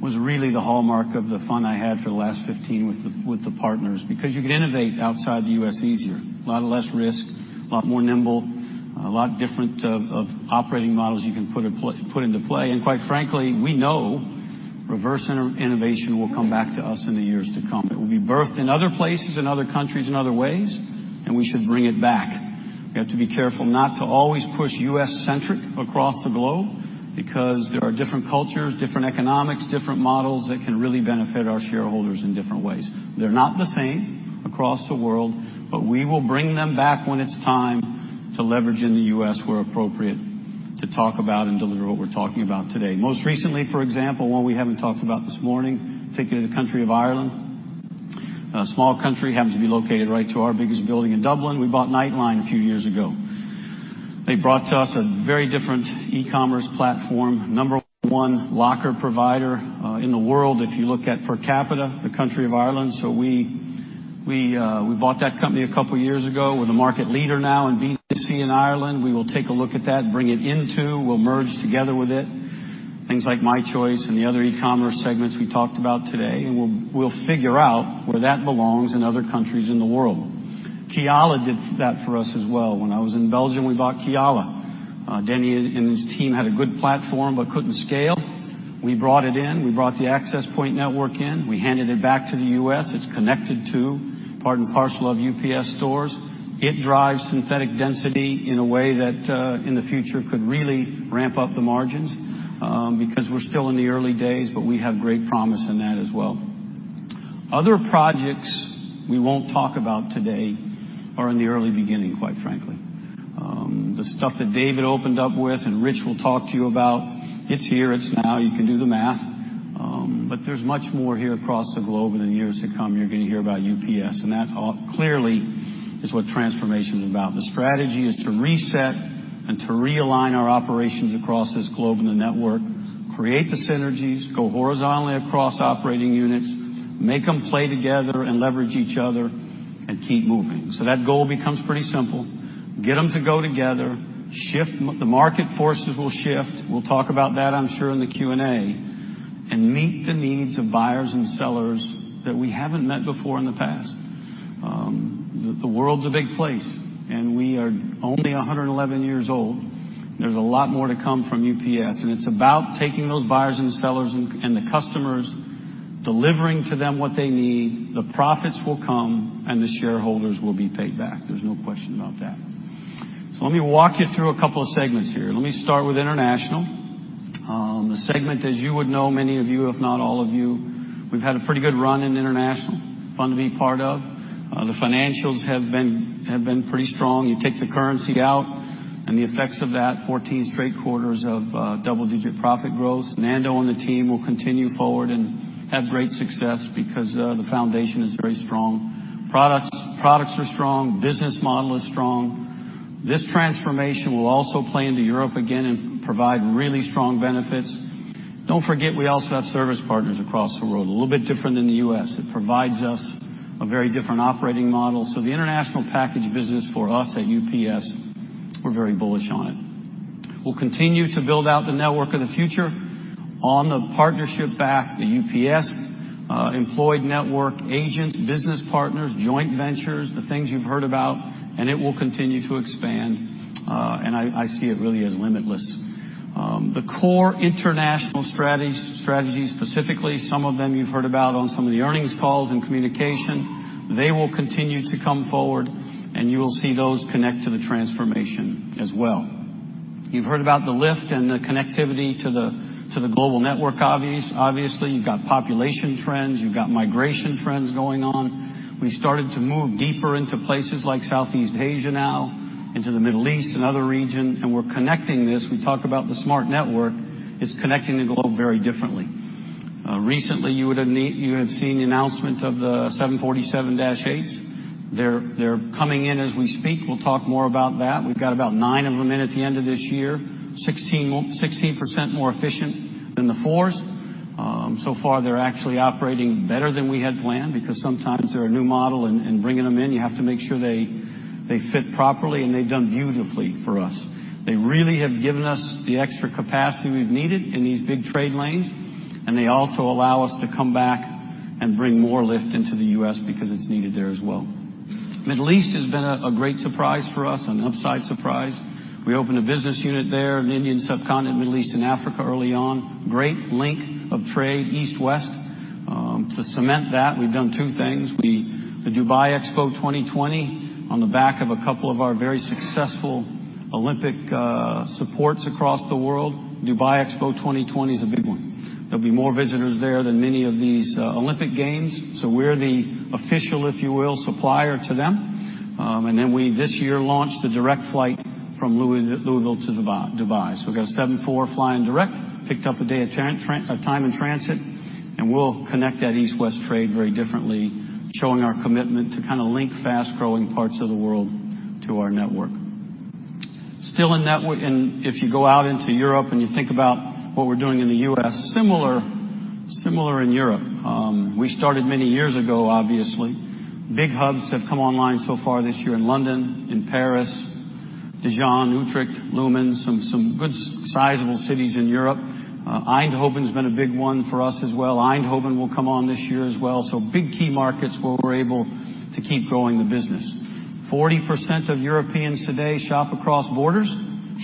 was really the hallmark of the fun I had for the last 15 with the partners, because you could innovate outside the U.S. easier. A lot less risk, a lot more nimble, a lot different operating models you can put into play. Quite frankly, we know reverse innovation will come back to us in the years to come. It will be birthed in other places, in other countries, in other ways, and we should bring it back. We have to be careful not to always push U.S.-centric across the globe because there are different cultures, different economics, different models that can really benefit our shareholders in different ways. They're not the same across the world, we will bring them back when it's time to leverage in the U.S. where appropriate to talk about and deliver what we're talking about today. Most recently, for example, one we haven't talked about this morning, particularly the country of Ireland. A small country happens to be located right to our biggest building in Dublin. We bought Nightline a few years ago. They brought to us a very different e-commerce platform. Number 1 locker provider in the world, if you look at per capita, the country of Ireland. We bought that company a couple of years ago. We're the market leader now in B2C in Ireland. We will take a look at that, bring it into, we'll merge together with it. Things like MyChoice and the other e-commerce segments we talked about today, we'll figure out where that belongs in other countries in the world. Kiala did that for us as well. When I was in Belgium, we bought Kiala. Denny and his team had a good platform but couldn't scale. We brought it in, we brought the Access Point network in, we handed it back to the U.S. It's connected to part and parcel of UPS Stores. It drives synthetic density in a way that, in the future, could really ramp up the margins, we're still in the early days, we have great promise in that as well. Other projects we won't talk about today are in the early beginning, quite frankly. The stuff that David opened up with and Rich will talk to you about, it is here, it is now, you can do the math. There is much more here across the globe, and in years to come, you are going to hear about UPS, and that clearly is what Transformation is about. The strategy is to reset and to realign our operations across this globe and the network, create the synergies, go horizontally across operating units, make them play together and leverage each other, and keep moving. That goal becomes pretty simple. Get them to go together. The market forces will shift. We will talk about that, I am sure, in the Q&A. Meet the needs of buyers and sellers that we have not met before in the past. The world is a big place, and we are only 111 years old. There is a lot more to come from UPS, and it is about taking those buyers and sellers and the customers, delivering to them what they need. The profits will come, and the shareholders will be paid back. There is no question about that. Let me walk you through a couple of segments here. Let me start with international. The segment, as you would know, many of you, if not all of you, we have had a pretty good run in international. Fun to be part of. The financials have been pretty strong. You take the currency out and the effects of that, 14 straight quarters of double-digit profit growth. Nando and the team will continue forward and have great success because the foundation is very strong. Products are strong, business model is strong. This Transformation will also play into Europe again and provide really strong benefits. Do not forget, we also have service partners across the road, a little bit different than the U.S. It provides us a very different operating model. The international package business for us at UPS, we are very bullish on it. We will continue to build out the network of the future on the partnership back, the UPS employed network, agents, business partners, joint ventures, the things you have heard about, and it will continue to expand. I see it really as limitless. The core international strategies, specifically, some of them you have heard about on some of the earnings calls and communication, they will continue to come forward, and you will see those connect to the Transformation as well. You have heard about the lift and the connectivity to the global network, obviously. You have got population trends, you have got migration trends going on. We started to move deeper into places like Southeast Asia now, into the Middle East and other region, and we are connecting this. We talk about the smart network. It is connecting the globe very differently. Recently, you would have seen the announcement of the 747-8s. They are coming in as we speak. We will talk more about that. We have got about nine of them in at the end of this year, 16% more efficient than the 4s. So far, they are actually operating better than we had planned, because sometimes they are a new model, and bringing them in, you have to make sure they fit properly, and they have done beautifully for us. They really have given us the extra capacity we have needed in these big trade lanes, and they also allow us to come back and bring more lift into the U.S. because it is needed there as well. Middle East has been a great surprise for us, an upside surprise. We opened a business unit there in the Indian Subcontinent, Middle East, and Africa early on. Great link of trade east, west. To cement that, we've done two things. The Expo 2020 Dubai, on the back of a couple of our very successful Olympic supports across the world. Expo 2020 Dubai is a big one. There'll be more visitors there than many of these Olympic Games, so we're the official, if you will, supplier to them. Then we, this year, launched a direct flight from Louisville to Dubai. We've got a 747 flying direct, picked up a day, a time in transit, and we'll connect that east, west trade very differently, showing our commitment to kind of link fast-growing parts of the world to our network. Still in network, if you go out into Europe and you think about what we're doing in the U.S., similar in Europe. We started many years ago, obviously. Big hubs have come online so far this year in London, in Paris, Dijon, Utrecht, Leuven, some good sizable cities in Europe. Eindhoven's been a big one for us as well. Eindhoven will come on this year as well. Big key markets where we're able to keep growing the business. 40% of Europeans today shop across borders.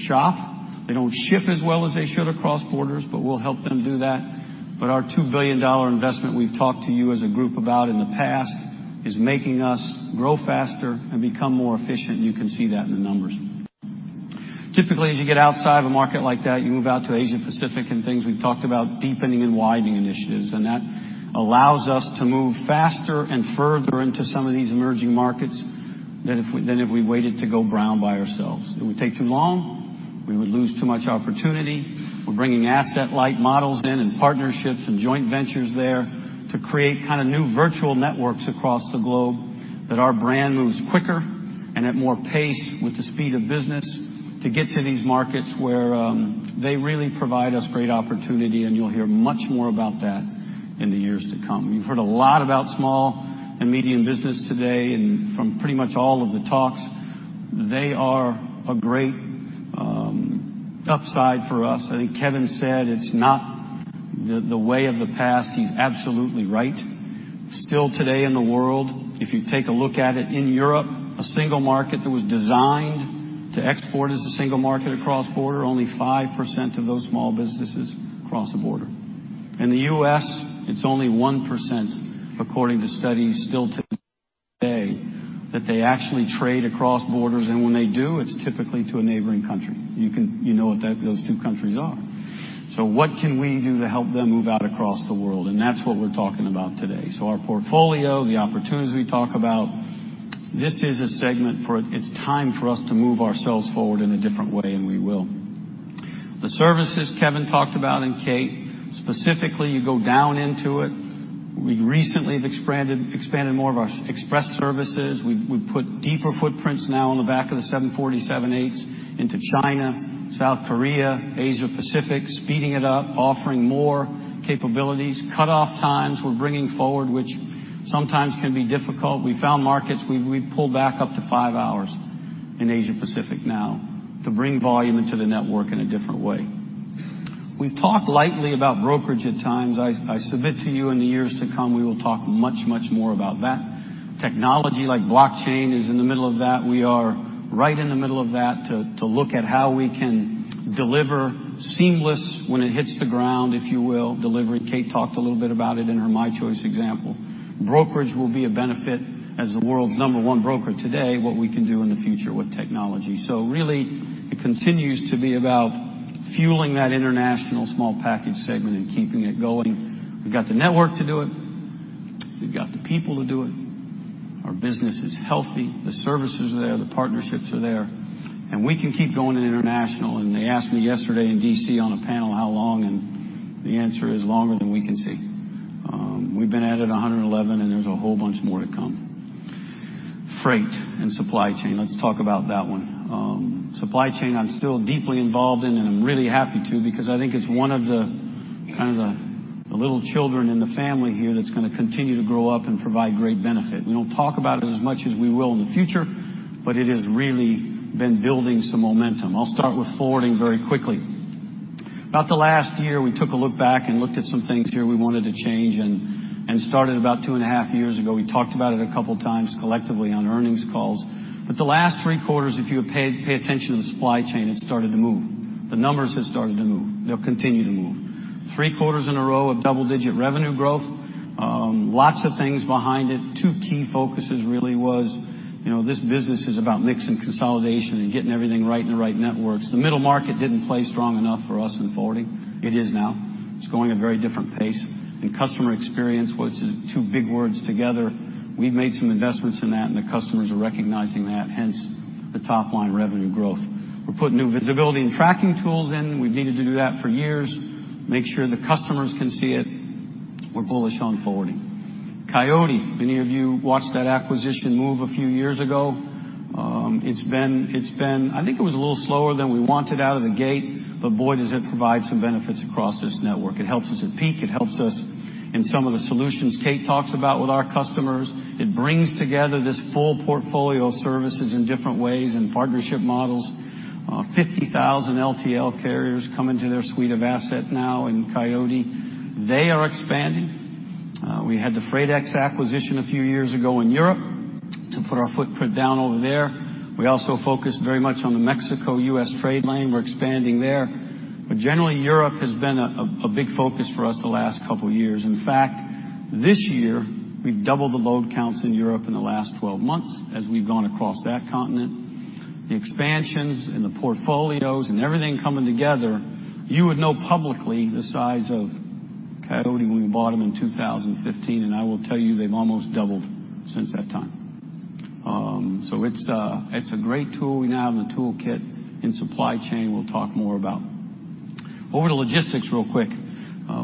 Shop. They don't ship as well as they should across borders, but we'll help them do that. Our $2 billion investment we've talked to you as a group about in the past is making us grow faster and become more efficient. You can see that in the numbers. Typically, as you get outside of a market like that, you move out to Asia Pacific and things. We've talked about deepening and widening initiatives, that allows us to move faster and further into some of these emerging markets than if we waited to go brown by ourselves. It would take too long. We would lose too much opportunity. We're bringing asset-light models in and partnerships and joint ventures there to create kind of new virtual networks across the globe that our brand moves quicker and at more pace with the speed of business to get to these markets where they really provide us great opportunity, and you'll hear much more about that in the years to come. You've heard a lot about small and medium business today and from pretty much all of the talks. They are a great upside for us. I think Kevin said it's not the way of the past. He's absolutely right. Still today in the world, if you take a look at it, in Europe, a single market that was designed to export as a single market across border, only 5% of those small businesses cross the border. In the U.S., it's only 1%, according to studies still today, that they actually trade across borders, and when they do, it's typically to a neighboring country. You know what those two countries are. What can we do to help them move out across the world? That's what we're talking about today. Our portfolio, the opportunities we talk about, this is a segment. It's time for us to move ourselves forward in a different way, and we will. The services Kevin talked about, and Kate, specifically, you go down into it. We recently have expanded more of our express services. We've put deeper footprints now on the back of the 747-8s into China, South Korea, Asia Pacific, speeding it up, offering more capabilities. Cut-off times we're bringing forward, which sometimes can be difficult. We found markets, we've pulled back up to five hours in Asia Pacific now to bring volume into the network in a different way. We've talked lightly about brokerage at times. I submit to you in the years to come, we will talk much, much more about that. Technology like blockchain is in the middle of that. We are right in the middle of that to look at how we can deliver seamless when it hits the ground, if you will, delivery. Kate talked a little bit about it in her My Choice example. Brokerage will be a benefit as the world's number one broker today, what we can do in the future with technology. It continues to be about fueling that international small package segment and keeping it going. We've got the network to do it. We've got the people to do it. Our business is healthy. The services are there, the partnerships are there, and we can keep going at international. They asked me yesterday in D.C. on a panel how long, and the answer is longer than we can see. We've been at it 111, and there's a whole bunch more to come. Freight and supply chain, let's talk about that one. Supply chain, I'm still deeply involved in, and I'm really happy to, because I think it's one of the kind of the little children in the family here that's going to continue to grow up and provide great benefit. We don't talk about it as much as we will in the future, but it has really been building some momentum. I'll start with forwarding very quickly. About the last year, we took a look back and looked at some things here we wanted to change, and started about two and a half years ago. We talked about it a couple times collectively on earnings calls. The last three quarters, if you pay attention to the supply chain, it started to move. The numbers have started to move. They'll continue to move. Three quarters in a row of double-digit revenue growth. Lots of things behind it. Two key focuses really was, this business is about mix and consolidation and getting everything right in the right networks. The middle market didn't play strong enough for us in forwarding. It is now. It's going at a very different pace. Customer experience was two big words together. We've made some investments in that, and the customers are recognizing that, hence the top-line revenue growth. We're putting new visibility and tracking tools in. We've needed to do that for years, make sure the customers can see it. We're bullish on forwarding. Coyote, many of you watched that acquisition move a few years ago. I think it was a little slower than we wanted out of the gate, but boy, does it provide some benefits across this network. It helps us at peak. It helps us in some of the solutions Kate talks about with our customers. It brings together this full portfolio of services in different ways and partnership models. 50,000 LTL carriers come into their suite of asset now in Coyote. They are expanding. We had the Freightex acquisition a few years ago in Europe to put our footprint down over there. We also focus very much on the Mexico-U.S. trade lane. We're expanding there. But generally, Europe has been a big focus for us the last couple of years. In fact, this year, we've doubled the load counts in Europe in the last 12 months as we've gone across that continent. The expansions and the portfolios and everything coming together, you would know publicly the size of Coyote when we bought them in 2015, and I will tell you they've almost doubled since that time. It's a great tool we now have in the toolkit. In supply chain, we'll talk more about. Over to logistics real quick.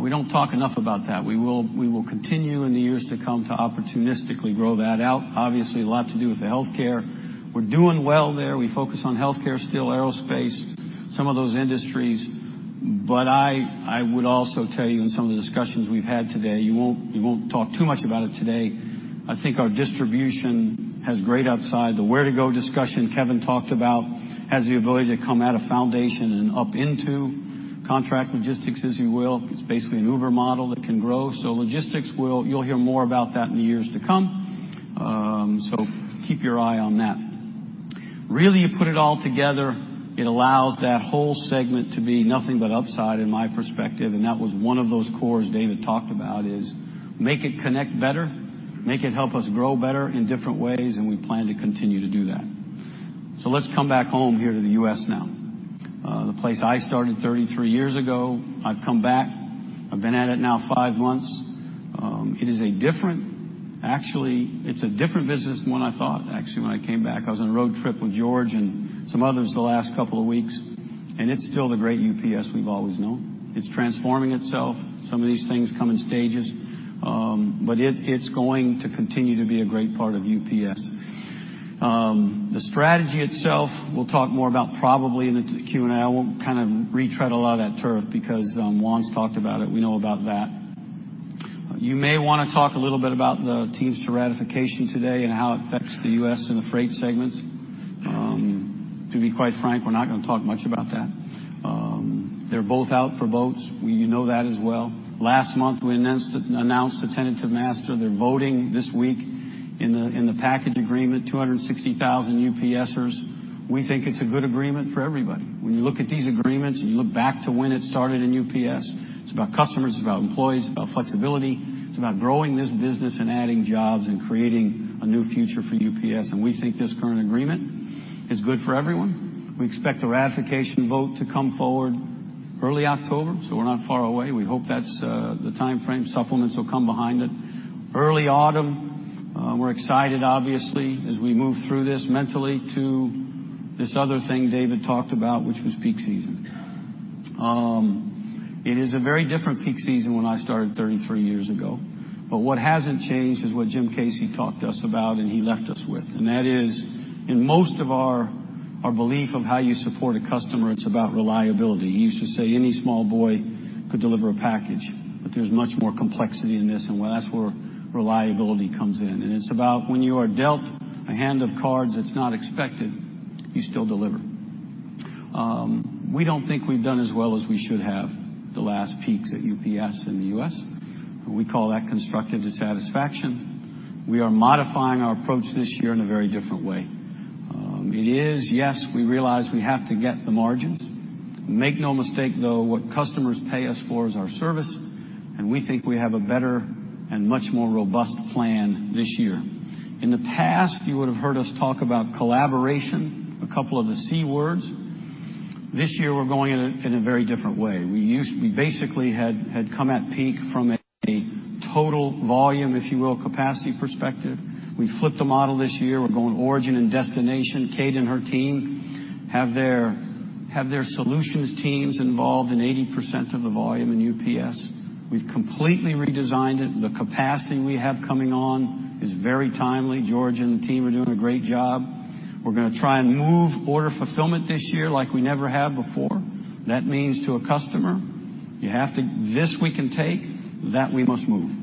We don't talk enough about that. We will continue in the years to come to opportunistically grow that out. Obviously, a lot to do with the healthcare. We're doing well there. We focus on healthcare still, aerospace, some of those industries. But I would also tell you in some of the discussions we've had today, we won't talk too much about it today. I think our distribution has great upside. The Ware2Go discussion Kevin talked about has the ability to come at a foundation and up into contract logistics, as you will. It's basically an Uber model that can grow. Logistics, you'll hear more about that in the years to come. Keep your eye on that. Really, you put it all together, it allows that whole segment to be nothing but upside in my perspective, and that was one of those cores David talked about is make it connect better, make it help us grow better in different ways, and we plan to continue to do that. Let's come back home here to the U.S. now. The place I started 33 years ago, I've come back. I've been at it now five months. Actually, it's a different business than what I thought, actually, when I came back. I was on a road trip with George and some others the last couple of weeks, and it's still the great UPS we've always known. It's transforming itself. Some of these things come in stages. But it's going to continue to be a great part of UPS. The strategy itself, we'll talk more about probably in the Q&A. I won't kind of retread a lot of that turf because Juan's talked about it. We know about that. You may want to talk a little bit about the teams to ratification today and how it affects the U.S. and the freight segments. To be quite frank, we're not going to talk much about that. They're both out for votes. You know that as well. Last month, we announced the tentative master. They're voting this week in the package agreement, 260,000 UPSers. We think it's a good agreement for everybody. When you look at these agreements and you look back to when it started in UPS, it's about customers, it's about employees, it's about flexibility, it's about growing this business and adding jobs and creating a new future for UPS, and we think this current agreement is good for everyone. We expect the ratification vote to come forward early October, so we're not far away. We hope that's the timeframe. Supplements will come behind it. Early autumn, we're excited, obviously, as we move through this mentally to this other thing David talked about, which was peak season. It is a very different peak season when I started 33 years ago. What hasn't changed is what Jim Casey talked to us about and he left us with, and that is in most of our belief of how you support a customer, it's about reliability. He used to say any small boy could deliver a package, but there's much more complexity in this, and that's where reliability comes in. It's about when you are dealt a hand of cards that's not expected, you still deliver. We don't think we've done as well as we should have the last peaks at UPS in the U.S. We call that constructive dissatisfaction. We are modifying our approach this year in a very different way. It is, yes, we realize we have to get the margins. Make no mistake, though, what customers pay us for is our service, and we think we have a better and much more robust plan this year. In the past, you would have heard us talk about collaboration, a couple of the C words. This year, we're going in a very different way. We basically had come at peak from a total volume, if you will, capacity perspective. We flipped the model this year. We're going origin and destination. Kate and her team have their solutions teams involved in 80% of the volume in UPS. We've completely redesigned it. The capacity we have coming on is very timely. George and the team are doing a great job. We're going to try and move order fulfillment this year like we never have before. That means to a customer, this we can take, that we must move.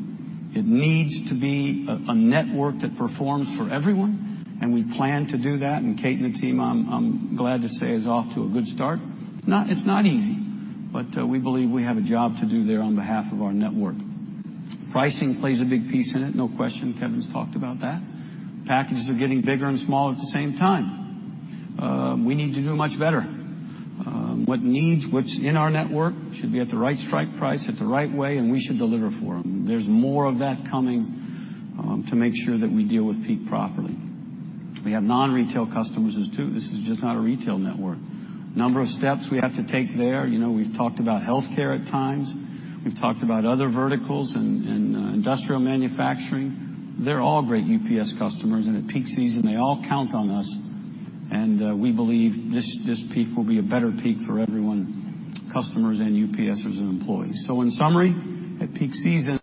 It needs to be a network that performs for everyone, and we plan to do that, and Kate and the team, I'm glad to say, is off to a good start. It's not easy, but we believe we have a job to do there on behalf of our network. Pricing plays a big piece in it, no question. Kevin's talked about that. Packages are getting bigger and smaller at the same time. We need to do much better. What's in our network should be at the right strike price, at the right way, and we should deliver for them. There's more of that coming to make sure that we deal with peak properly. We have non-retail customers too. This is just not a retail network. Number of steps we have to take there. We've talked about healthcare at times. We've talked about other verticals and industrial manufacturing. They're all great UPS customers, and at peak season, they all count on us. We believe this peak will be a better peak for everyone, customers and UPSers as employees. In summary, at peak season,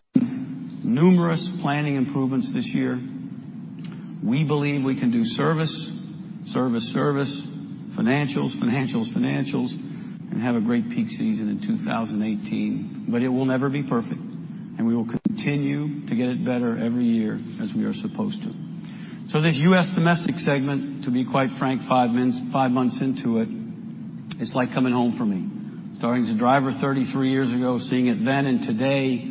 numerous planning improvements this year. We believe we can do service, service, financials, financials, and have a great peak season in 2018. It will never be perfect, and we will continue to get it better every year as we are supposed to. This U.S. domestic segment, to be quite frank, five months into it's like coming home for me. Starting as a driver 33 years ago, seeing it then and today,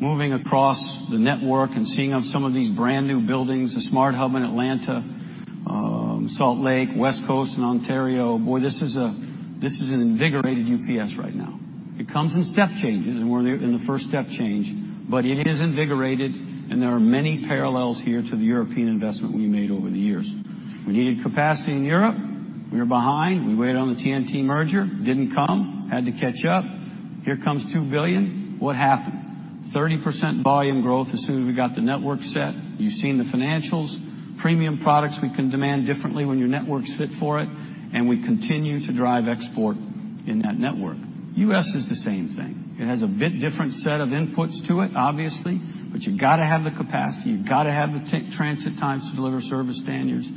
moving across the network and seeing of some of these brand-new buildings, the SMART hub in Atlanta, Salt Lake, West Coast, and Ontario. Boy, this is an invigorated UPS right now. It comes in step changes, and we're in the first step change. It is invigorated, and there are many parallels here to the European investment we made over the years. We needed capacity in Europe. We were behind. We waited on the TNT merger, didn't come, had to catch up. Here comes $2 billion. What happened? 30% volume growth as soon as we got the network set. You've seen the financials. Premium products we can demand differently when your network's fit for it, and we continue to drive export in that network. U.S. is the same thing. It has a bit different set of inputs to it, obviously, but you've got to have the capacity, you've got to have the transit times to deliver service standards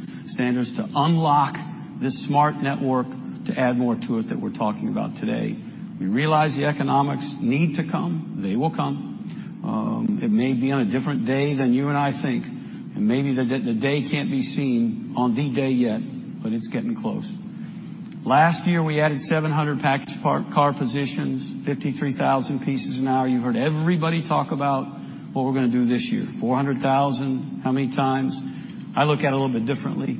to unlock this smart network to add more to it that we're talking about today. We realize the economics need to come. They will come. It may be on a different day than you and I think, and maybe the day can't be seen on the day yet, but it's getting close. Last year, we added 700 package car positions, 53,000 pieces an hour. You've heard everybody talk about what we're going to do this year. 400,000. How many times? I look at it a little bit differently.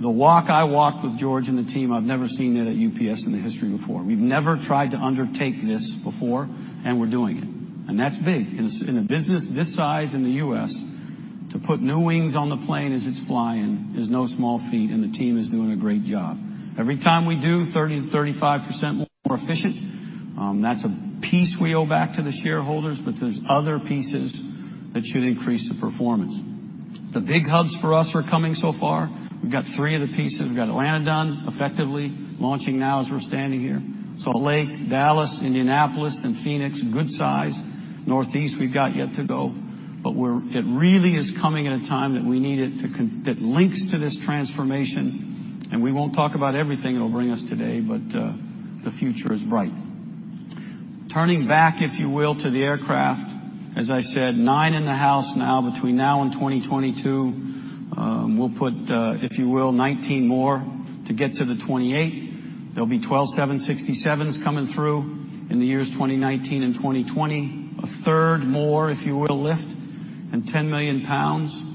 The walk I walked with George and the team, I've never seen it at UPS in the history before. We've never tried to undertake this before, and we're doing it. That's big. In a business this size in the U.S., to put new wings on the plane as it's flying is no small feat, and the team is doing a great job. Every time we do, 30%-35% more efficient. That's a piece we owe back to the shareholders, but there's other pieces that should increase the performance. The big hubs for us are coming so far. We've got three of the pieces. We've got Atlanta done, effectively, launching now as we're standing here. Salt Lake, Dallas, Indianapolis, and Phoenix, good size. Northeast, we've got yet to go. It really is coming at a time that we need it that links to this transformation, and we won't talk about everything it'll bring us today, but the future is bright. Turning back, if you will, to the aircraft. As I said, nine in the house now. Between now and 2022, we'll put, if you will, 19 more to get to the 28. There'll be 12 767s coming through in the years 2019 and 2020. A third more, if you will, lift, and 10 million pounds.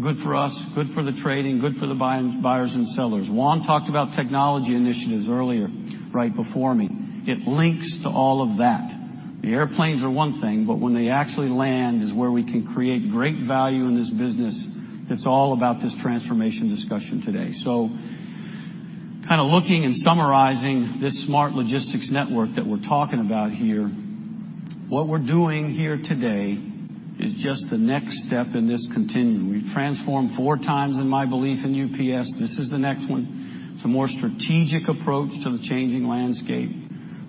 Good for us, good for the trading, good for the buyers and sellers. Juan talked about technology initiatives earlier, right before me. It links to all of that. The airplanes are one thing, but when they actually land is where we can create great value in this business that's all about this transformation discussion today. Kind of looking and summarizing this smart logistics network that we're talking about here, what we're doing here today is just the next step in this continuum. We've transformed four times, in my belief, in UPS. This is the next one. It's a more strategic approach to the changing landscape.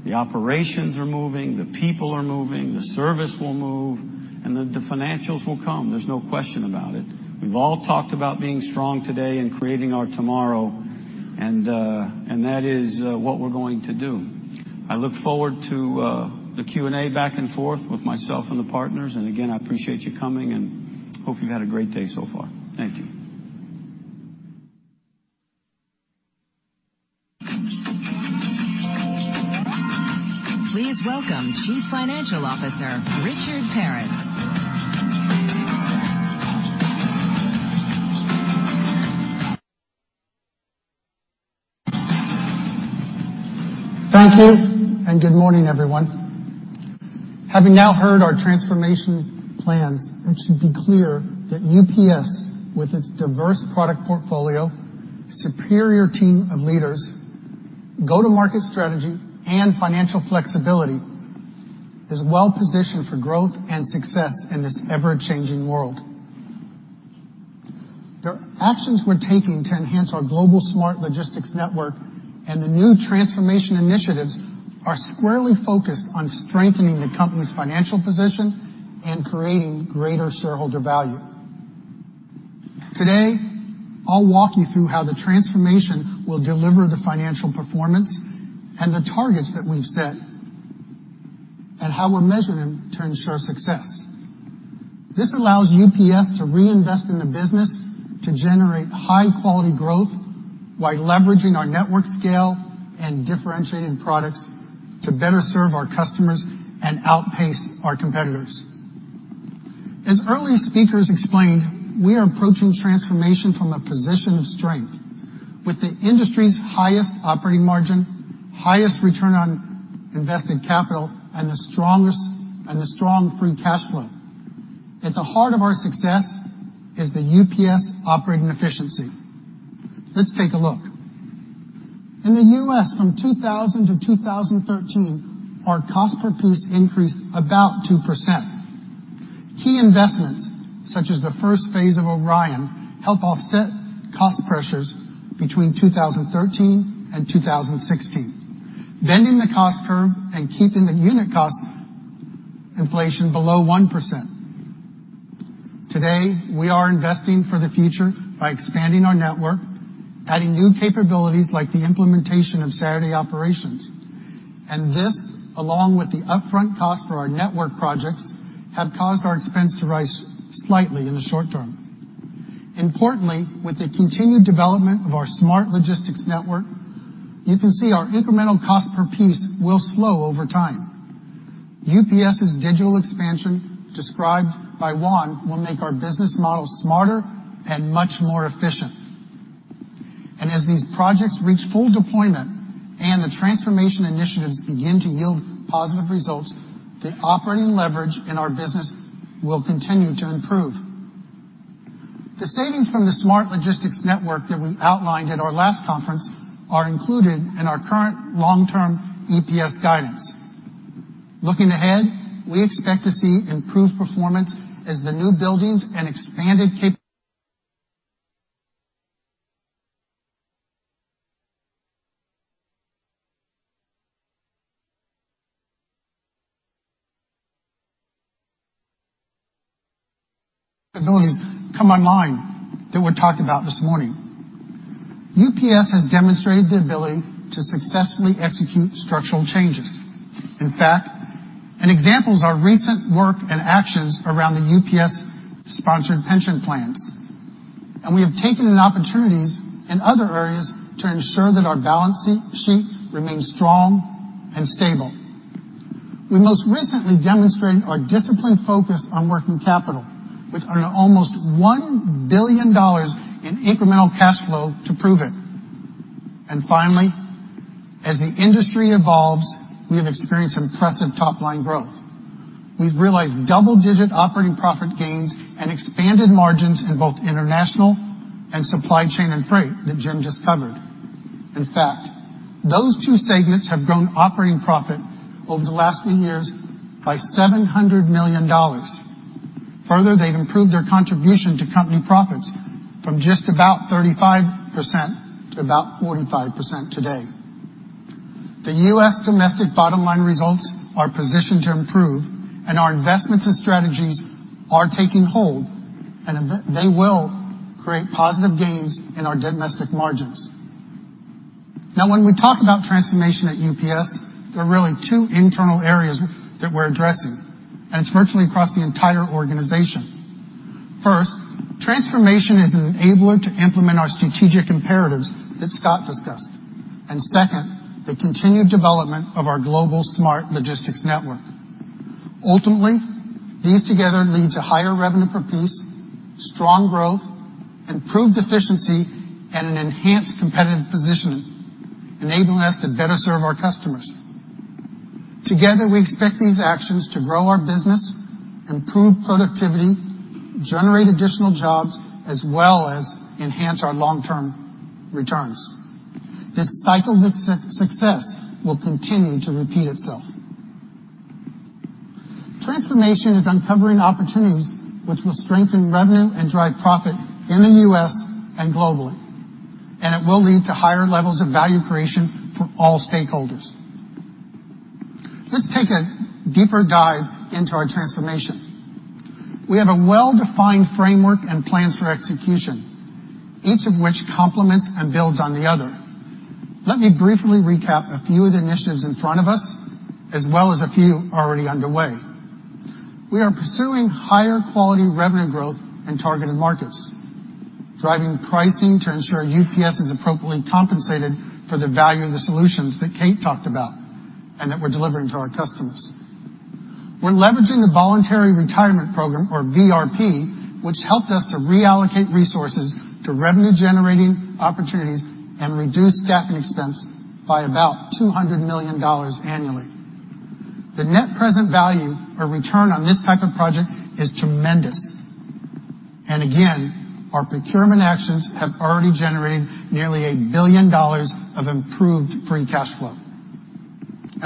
The operations are moving, the people are moving, the service will move, the financials will come. There's no question about it. We've all talked about being strong today and creating our tomorrow, that is what we're going to do. I look forward to the Q&A back and forth with myself and the partners. Again, I appreciate you coming, and hope you've had a great day so far. Thank you. Please welcome Chief Financial Officer, Richard Peretz. Thank you. Good morning, everyone. Having now heard our transformation plans, it should be clear that UPS, with its diverse product portfolio, superior team of leaders, go-to-market strategy, and financial flexibility, is well-positioned for growth and success in this ever-changing world. The actions we're taking to enhance our global smart logistics network and the new transformation initiatives are squarely focused on strengthening the company's financial position and creating greater shareholder value. Today, I'll walk you through how the transformation will deliver the financial performance and the targets that we've set, and how we'll measure them to ensure success. This allows UPS to reinvest in the business to generate high-quality growth while leveraging our network scale and differentiating products to better serve our customers and outpace our competitors. As earlier speakers explained, we are approaching transformation from a position of strength with the industry's highest operating margin, highest return on invested capital, and the strong free cash flow. At the heart of our success is the UPS operating efficiency. Let's take a look. In the U.S. from 2000 to 2013, our cost per piece increased about 2%. Key investments such as the first phase of ORION help offset cost pressures between 2013 and 2016, bending the cost curve and keeping the unit cost inflation below 1%. Today, we are investing for the future by expanding our network, adding new capabilities like the implementation of Saturday Operations. This, along with the upfront cost for our network projects, have caused our expense to rise slightly in the short term. Importantly, with the continued development of our smart logistics network, you can see our incremental cost per piece will slow over time. UPS's digital expansion described by Juan will make our business model smarter and much more efficient. As these projects reach full deployment and the transformation initiatives begin to yield positive results, the operating leverage in our business will continue to improve. The savings from the smart logistics network that we outlined at our last conference are included in our current long-term EPS guidance. Looking ahead, we expect to see improved performance as the new buildings and expanded capabilities come online that were talked about this morning. UPS has demonstrated the ability to successfully execute structural changes. In fact, an example is our recent work and actions around the UPS-sponsored pension plans. We have taken in opportunities in other areas to ensure that our balance sheet remains strong and stable. We most recently demonstrated our disciplined focus on working capital with almost $1 billion in incremental cash flow to prove it. Finally, as the industry evolves, we have experienced impressive top-line growth. We've realized double-digit operating profit gains and expanded margins in both international and supply chain and freight that Jim just covered. In fact, those two segments have grown operating profit over the last few years by $700 million. Further, they've improved their contribution to company profits from just about 35% to about 45% today. The U.S. domestic bottom-line results are positioned to improve, our investments and strategies are taking hold, and they will create positive gains in our domestic margins. Now, when we talk about transformation at UPS, there are really two internal areas that we're addressing, and it's virtually across the entire organization. First, transformation is an enabler to implement our strategic imperatives that Scott discussed, and second, the continued development of our global smart logistics network. Ultimately, these together lead to higher revenue per piece, strong growth, improved efficiency, and an enhanced competitive positioning, enabling us to better serve our customers. Together, we expect these actions to grow our business, improve productivity, generate additional jobs, as well as enhance our long-term returns. This cycle of success will continue to repeat itself. Transformation is uncovering opportunities which will strengthen revenue and drive profit in the U.S. and globally, and it will lead to higher levels of value creation for all stakeholders. Let's take a deeper dive into our transformation. We have a well-defined framework and plans for execution, each of which complements and builds on the other. Let me briefly recap a few of the initiatives in front of us, as well as a few already underway. We are pursuing higher quality revenue growth in targeted markets, driving pricing to ensure UPS is appropriately compensated for the value of the solutions that Kate talked about and that we're delivering to our customers. We're leveraging the Voluntary Retirement Program or VRP, which helped us to reallocate resources to revenue-generating opportunities and reduce staffing expense by about $200 million annually. The net present value or return on this type of project is tremendous. Again, our procurement actions have already generated nearly $1 billion of improved free cash flow.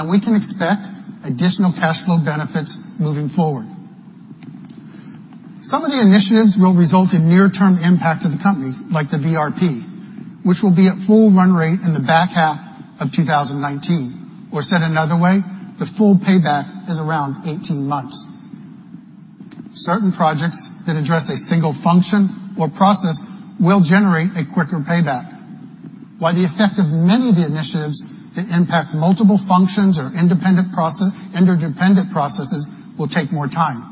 We can expect additional cash flow benefits moving forward. Some of the initiatives will result in near-term impact to the company, like the VRP, which will be at full run rate in the back half of 2019. Said another way, the full payback is around 18 months. Certain projects that address a single function or process will generate a quicker payback, while the effect of many of the initiatives that impact multiple functions or interdependent processes will take more time.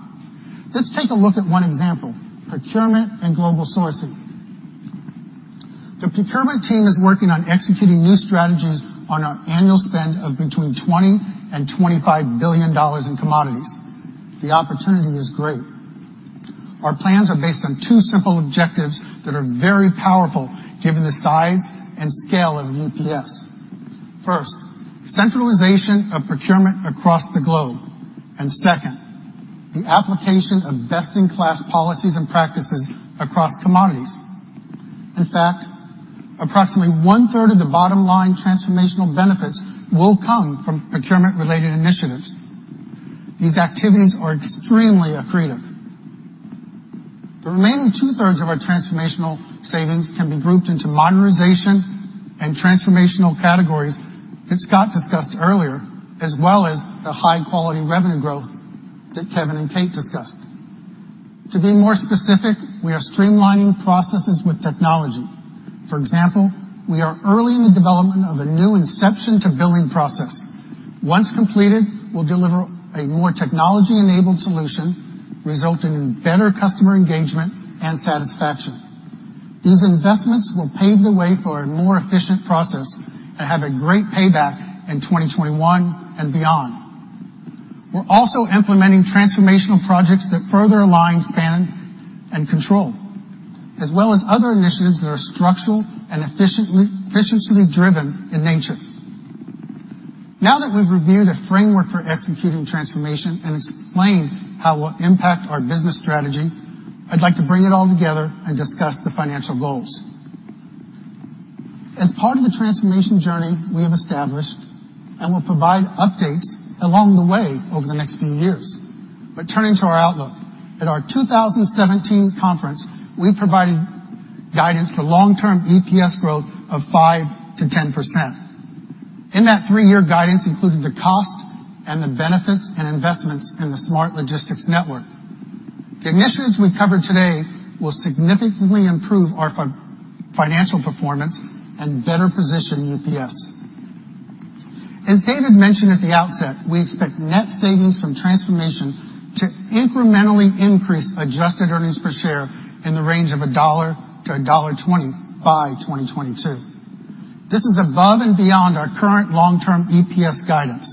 Let's take a look at one example, procurement and global sourcing. The procurement team is working on executing new strategies on our annual spend of between $20 billion and $25 billion in commodities. The opportunity is great. Our plans are based on two simple objectives that are very powerful given the size and scale of UPS. First, centralization of procurement across the globe. Second, the application of best-in-class policies and practices across commodities. In fact, approximately one-third of the bottom-line transformational benefits will come from procurement-related initiatives. These activities are extremely accretive. The remaining two-thirds of our transformational savings can be grouped into modernization and transformational categories that Scott discussed earlier, as well as the high-quality revenue growth that Kevin and Kate discussed. To be more specific, we are streamlining processes with technology. For example, we are early in the development of a new inception-to-billing process. Once completed, we'll deliver a more technology-enabled solution, resulting in better customer engagement and satisfaction. These investments will pave the way for a more efficient process and have a great payback in 2021 and beyond. We're also implementing transformational projects that further align span and control, as well as other initiatives that are structural and efficiency-driven in nature. Now that we've reviewed a framework for executing transformation and explained how it will impact our business strategy, I'd like to bring it all together and discuss the financial goals. As part of the transformation journey we have established and will provide updates along the way over the next few years. Turning to our outlook, at our 2017 conference, we provided guidance for long-term EPS growth of 5%-10%. In that three-year guidance included the cost and the benefits and investments in the Smart Logistics Network. The initiatives we've covered today will significantly improve our financial performance and better position UPS. As David mentioned at the outset, we expect net savings from transformation to incrementally increase adjusted earnings per share in the range of $1-$1.20 by 2022. This is above and beyond our current long-term EPS guidance.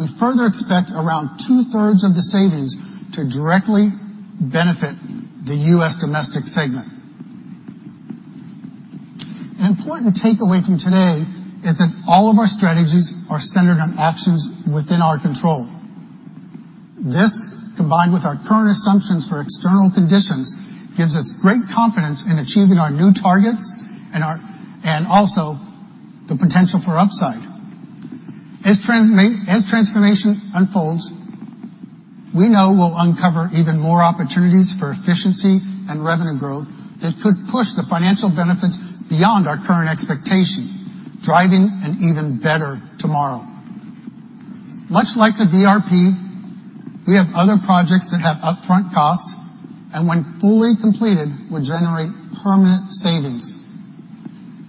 We further expect around two-thirds of the savings to directly benefit the U.S. domestic segment. An important takeaway from today is that all of our strategies are centered on actions within our control. This, combined with our current assumptions for external conditions, gives us great confidence in achieving our new targets and also the potential for upside. As transformation unfolds, we know we'll uncover even more opportunities for efficiency and revenue growth that could push the financial benefits beyond our current expectations, driving an even better tomorrow. Much like the VRP, we have other projects that have upfront costs, and when fully completed, will generate permanent savings.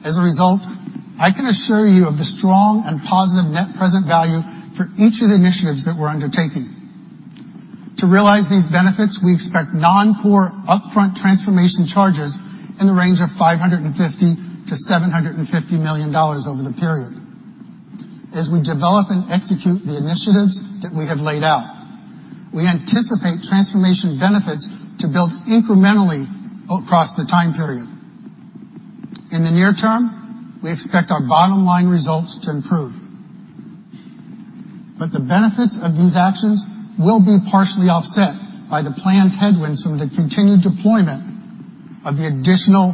As a result, I can assure you of the strong and positive net present value for each of the initiatives that we're undertaking. To realize these benefits, we expect non-core upfront transformation charges in the range of $550 million-$750 million over the period. As we develop and execute the initiatives that we have laid out, we anticipate transformation benefits to build incrementally across the time period. In the near term, we expect our bottom-line results to improve. The benefits of these actions will be partially offset by the planned headwinds from the continued deployment of the additional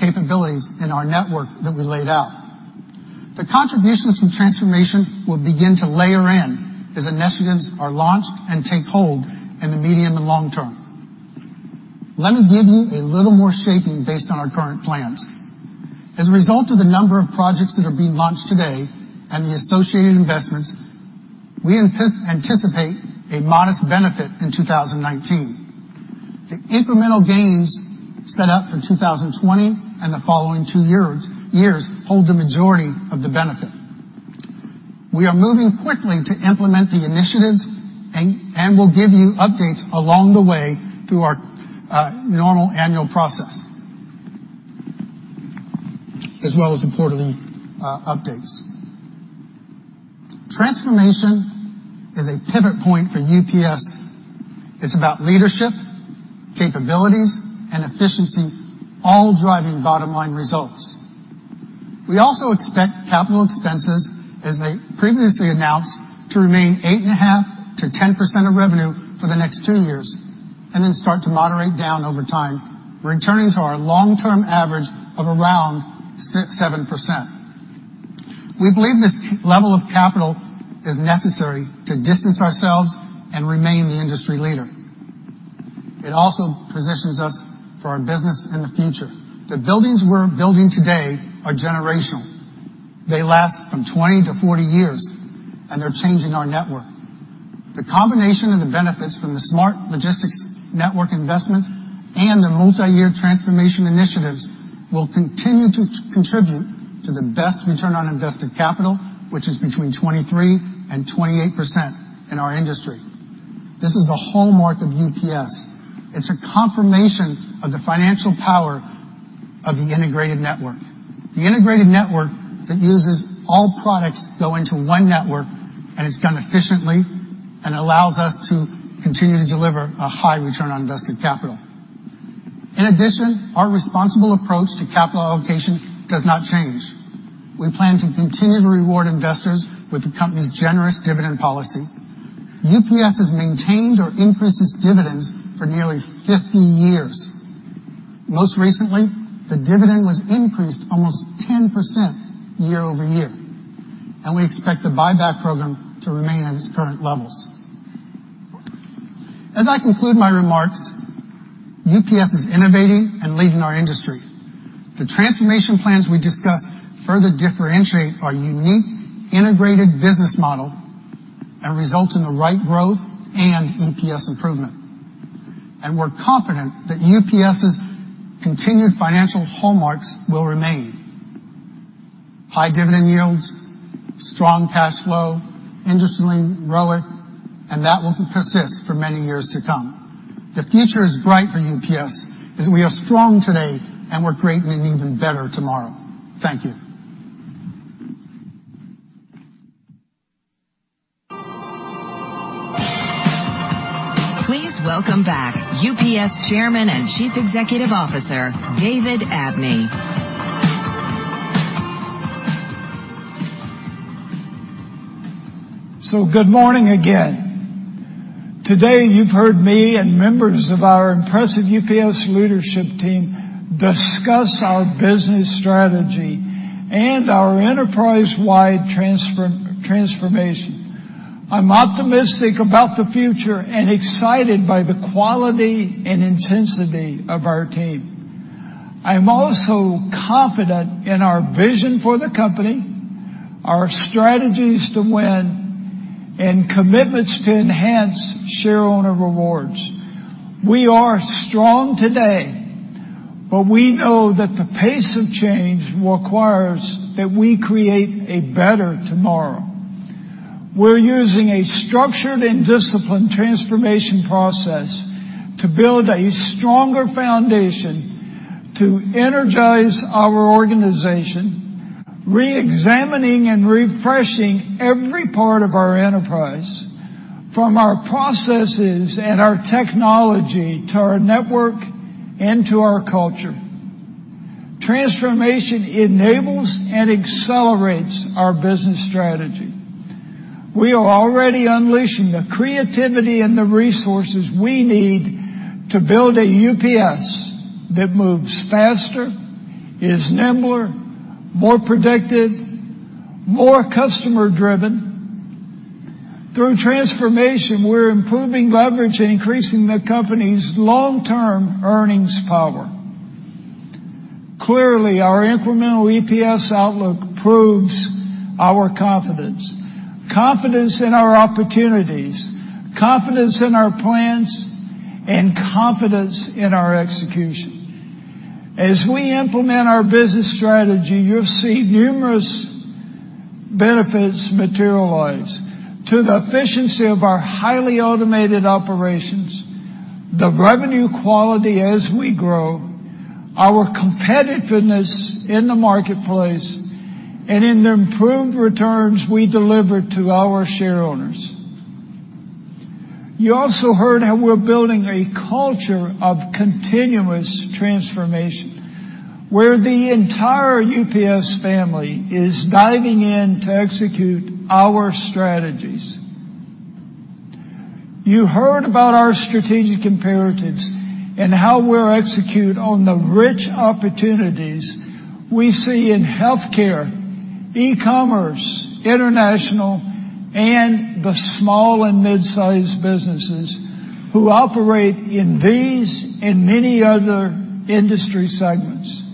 capabilities in our network that we laid out. The contributions from transformation will begin to layer in as initiatives are launched and take hold in the medium and long term. Let me give you a little more shaping based on our current plans. As a result of the number of projects that are being launched today and the associated investments, we anticipate a modest benefit in 2019. The incremental gains set out for 2020 and the following two years hold the majority of the benefit. We are moving quickly to implement the initiatives and will give you updates along the way through our normal annual process as well as the quarterly updates. Transformation is a pivot point for UPS. It's about leadership, capabilities, and efficiency, all driving bottom-line results. We also expect capital expenses, as I previously announced, to remain 8.5%-10% of revenue for the next two years, then start to moderate down over time, returning to our long-term average of around 7%. We believe this level of capital is necessary to distance ourselves and remain the industry leader. It also positions us for our business in the future. The buildings we're building today are generational. They last from 20-40 years, and they're changing our network. The combination of the benefits from the Smart Logistics Network investments and the multi-year transformation initiatives will continue to contribute to the best return on invested capital, which is between 23%-28% in our industry. This is the hallmark of UPS. It's a confirmation of the financial power of the integrated network. The integrated network that uses all products go into one network, and it's done efficiently and allows us to continue to deliver a high return on invested capital. In addition, our responsible approach to capital allocation does not change. We plan to continue to reward investors with the company's generous dividend policy. UPS has maintained or increased its dividends for nearly 50 years. Most recently, the dividend was increased almost 10% year-over-year. We expect the buyback program to remain at its current levels. As I conclude my remarks, UPS is innovating and leading our industry. The transformation plans we discussed further differentiate our unique integrated business model and result in the right growth and EPS improvement. We're confident that UPS's continued financial hallmarks will remain: high dividend yields, strong cash flow, industry-leading ROIC, that will persist for many years to come. The future is bright for UPS as we are strong today. We're creating an even better tomorrow. Thank you. Please welcome back UPS Chairman and Chief Executive Officer, David Abney. Good morning again. Today, you've heard me and members of our impressive UPS leadership team discuss our business strategy and our enterprise-wide transformation. I'm optimistic about the future and excited by the quality and intensity of our team. I'm also confident in our vision for the company, our strategies to win, and commitments to enhance shareowner rewards. We are strong today, but we know that the pace of change requires that we create a better tomorrow. We're using a structured and disciplined transformation process to build a stronger foundation to energize our organization, re-examining and refreshing every part of our enterprise, from our processes and our technology to our network and to our culture. Transformation enables and accelerates our business strategy. We are already unleashing the creativity and the resources we need to build a UPS that moves faster, is nimbler, more productive, more customer-driven. Through transformation, we're improving leverage and increasing the company's long-term earnings power. Clearly, our incremental EPS outlook proves our confidence. Confidence in our opportunities, confidence in our plans, and confidence in our execution. As we implement our business strategy, you'll see numerous benefits materialize to the efficiency of our highly automated operations, the revenue quality as we grow, our competitiveness in the marketplace, and in the improved returns we deliver to our shareowners. You also heard how we're building a culture of continuous transformation where the entire UPS family is diving in to execute our strategies. You heard about our strategic imperatives and how we'll execute on the rich opportunities we see in healthcare, e-commerce, international, and the small and mid-sized businesses who operate in these and many other industry segments.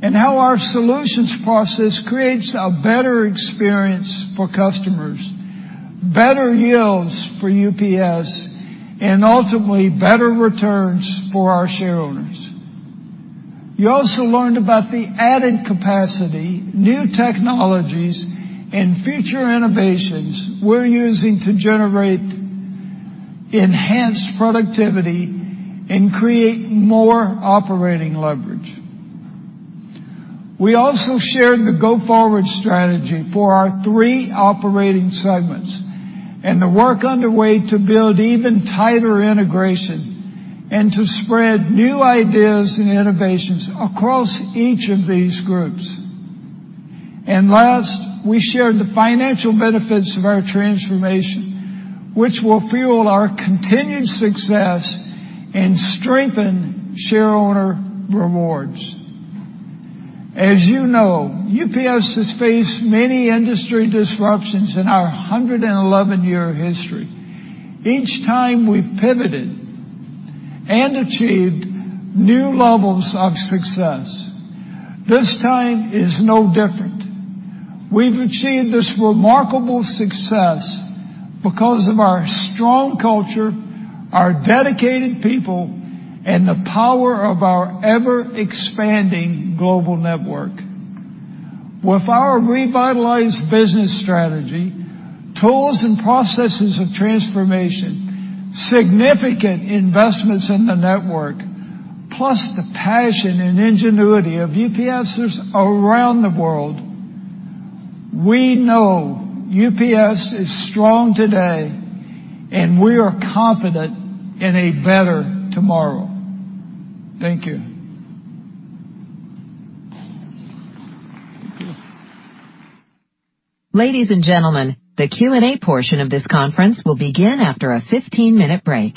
How our solutions process creates a better experience for customers, better yields for UPS, and ultimately, better returns for our shareowners. You also learned about the added capacity, new technologies, and future innovations we're using to generate enhanced productivity and create more operating leverage. We also shared the go-forward strategy for our three operating segments and the work underway to build even tighter integration and to spread new ideas and innovations across each of these groups. Last, we shared the financial benefits of our transformation, which will fuel our continued success and strengthen shareowner rewards. As you know, UPS has faced many industry disruptions in our 111-year history. Each time, we pivoted and achieved new levels of success. This time is no different. We've achieved this remarkable success because of our strong culture, our dedicated people, and the power of our ever-expanding global network. With our revitalized business strategy, tools and processes of transformation, significant investments in the network, plus the passion and ingenuity of UPSers around the world. We know UPS is strong today. We are confident in a better tomorrow. Thank you. Ladies and gentlemen, the Q&A portion of this conference will begin after a 15-minute break.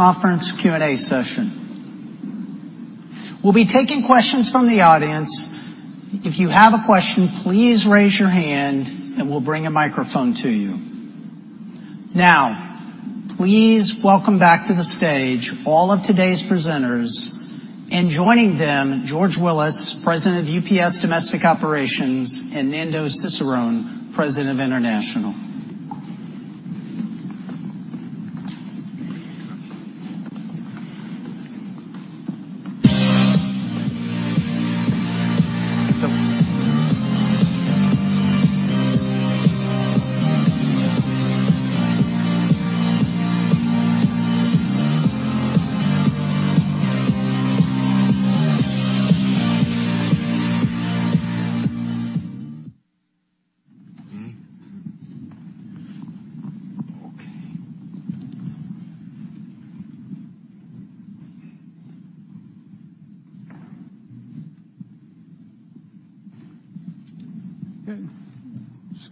Thank you. When our hearts beat as one together. Our lives will never be over. Our lives will never be over. Oh, my love, can't you see that you're the one? No other love brings me such joy every night. Oh, my love, can't you see that you're the one? No other love could come between our love and change my mind. In love. She said, "It's like now or never. Wait 10 years, we'll be together." I said, "Baby, we can never. Just don't make me wait forever. Welcome back for the conference Q&A session. We'll be taking questions from the audience. If you have a question, please raise your hand and we'll bring a microphone to you. Please welcome back to the stage all of today's presenters, and joining them, George Willis, President of US Domestic Operations, and Nando Cesarone, President of International.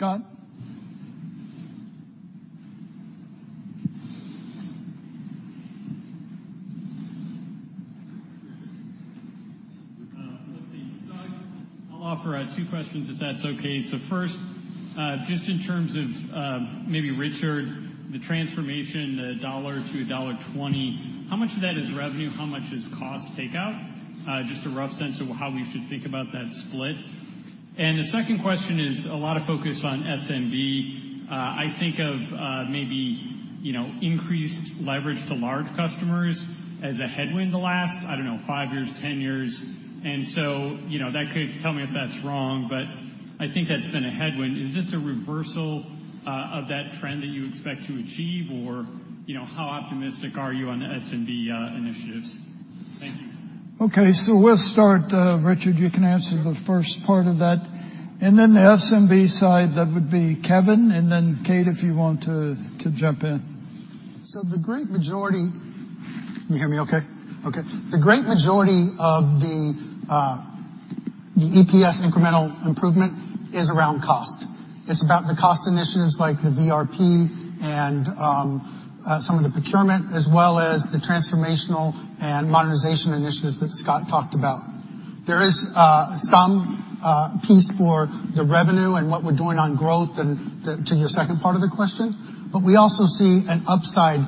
Let's go. Okay. Scott? Let's see. I'll offer two questions if that's okay. First, just in terms of, maybe Richard, the transformation, the $1-$1.20, how much of that is revenue? How much is cost takeout? Just a rough sense of how we should think about that split. The second question is a lot of focus on SMB. I think of maybe increased leverage to large customers as a headwind the last, I don't know, 5 years, 10 years. Tell me if that's wrong, but I think that's been a headwind. Is this a reversal of that trend that you expect to achieve, or how optimistic are you on SMB initiatives? Thank you. Okay. We'll start, Richard, you can answer the first part of that, and then the SMB side, that would be Kevin, and then Kate, if you want to jump in. Can you hear me okay? Okay. The great majority of the EPS incremental improvement is around cost. It's about the cost initiatives like the VRP and some of the procurement, as well as the transformational and modernization initiatives that Scott talked about. There is some piece for the revenue and what we're doing on growth to your second part of the question, but we also see an upside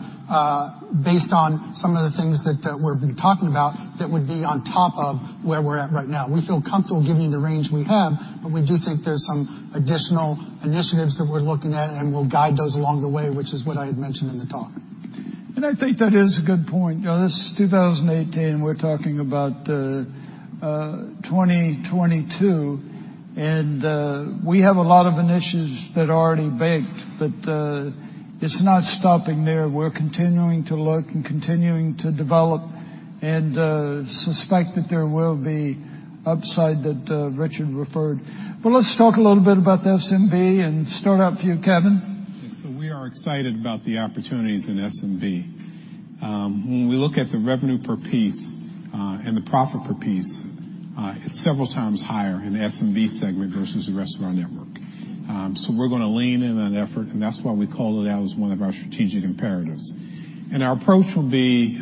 based on some of the things that we've been talking about that would be on top of where we're at right now. We feel comfortable giving you the range we have, but we do think there's some additional initiatives that we're looking at, and we'll guide those along the way, which is what I had mentioned in the talk. I think that is a good point. This is 2018, we're talking about 2022, and we have a lot of initiatives that are already baked, but it's not stopping there. We're continuing to look and continuing to develop and suspect that there will be upside that Richard referred. Let's talk a little bit about the SMB and start out for you, Kevin. We are excited about the opportunities in SMB. When we look at the revenue per piece and the profit per piece, it's several times higher in the SMB segment versus the rest of our network. We're going to lean in on that effort, and that's why we called it out as one of our strategic imperatives. Our approach will be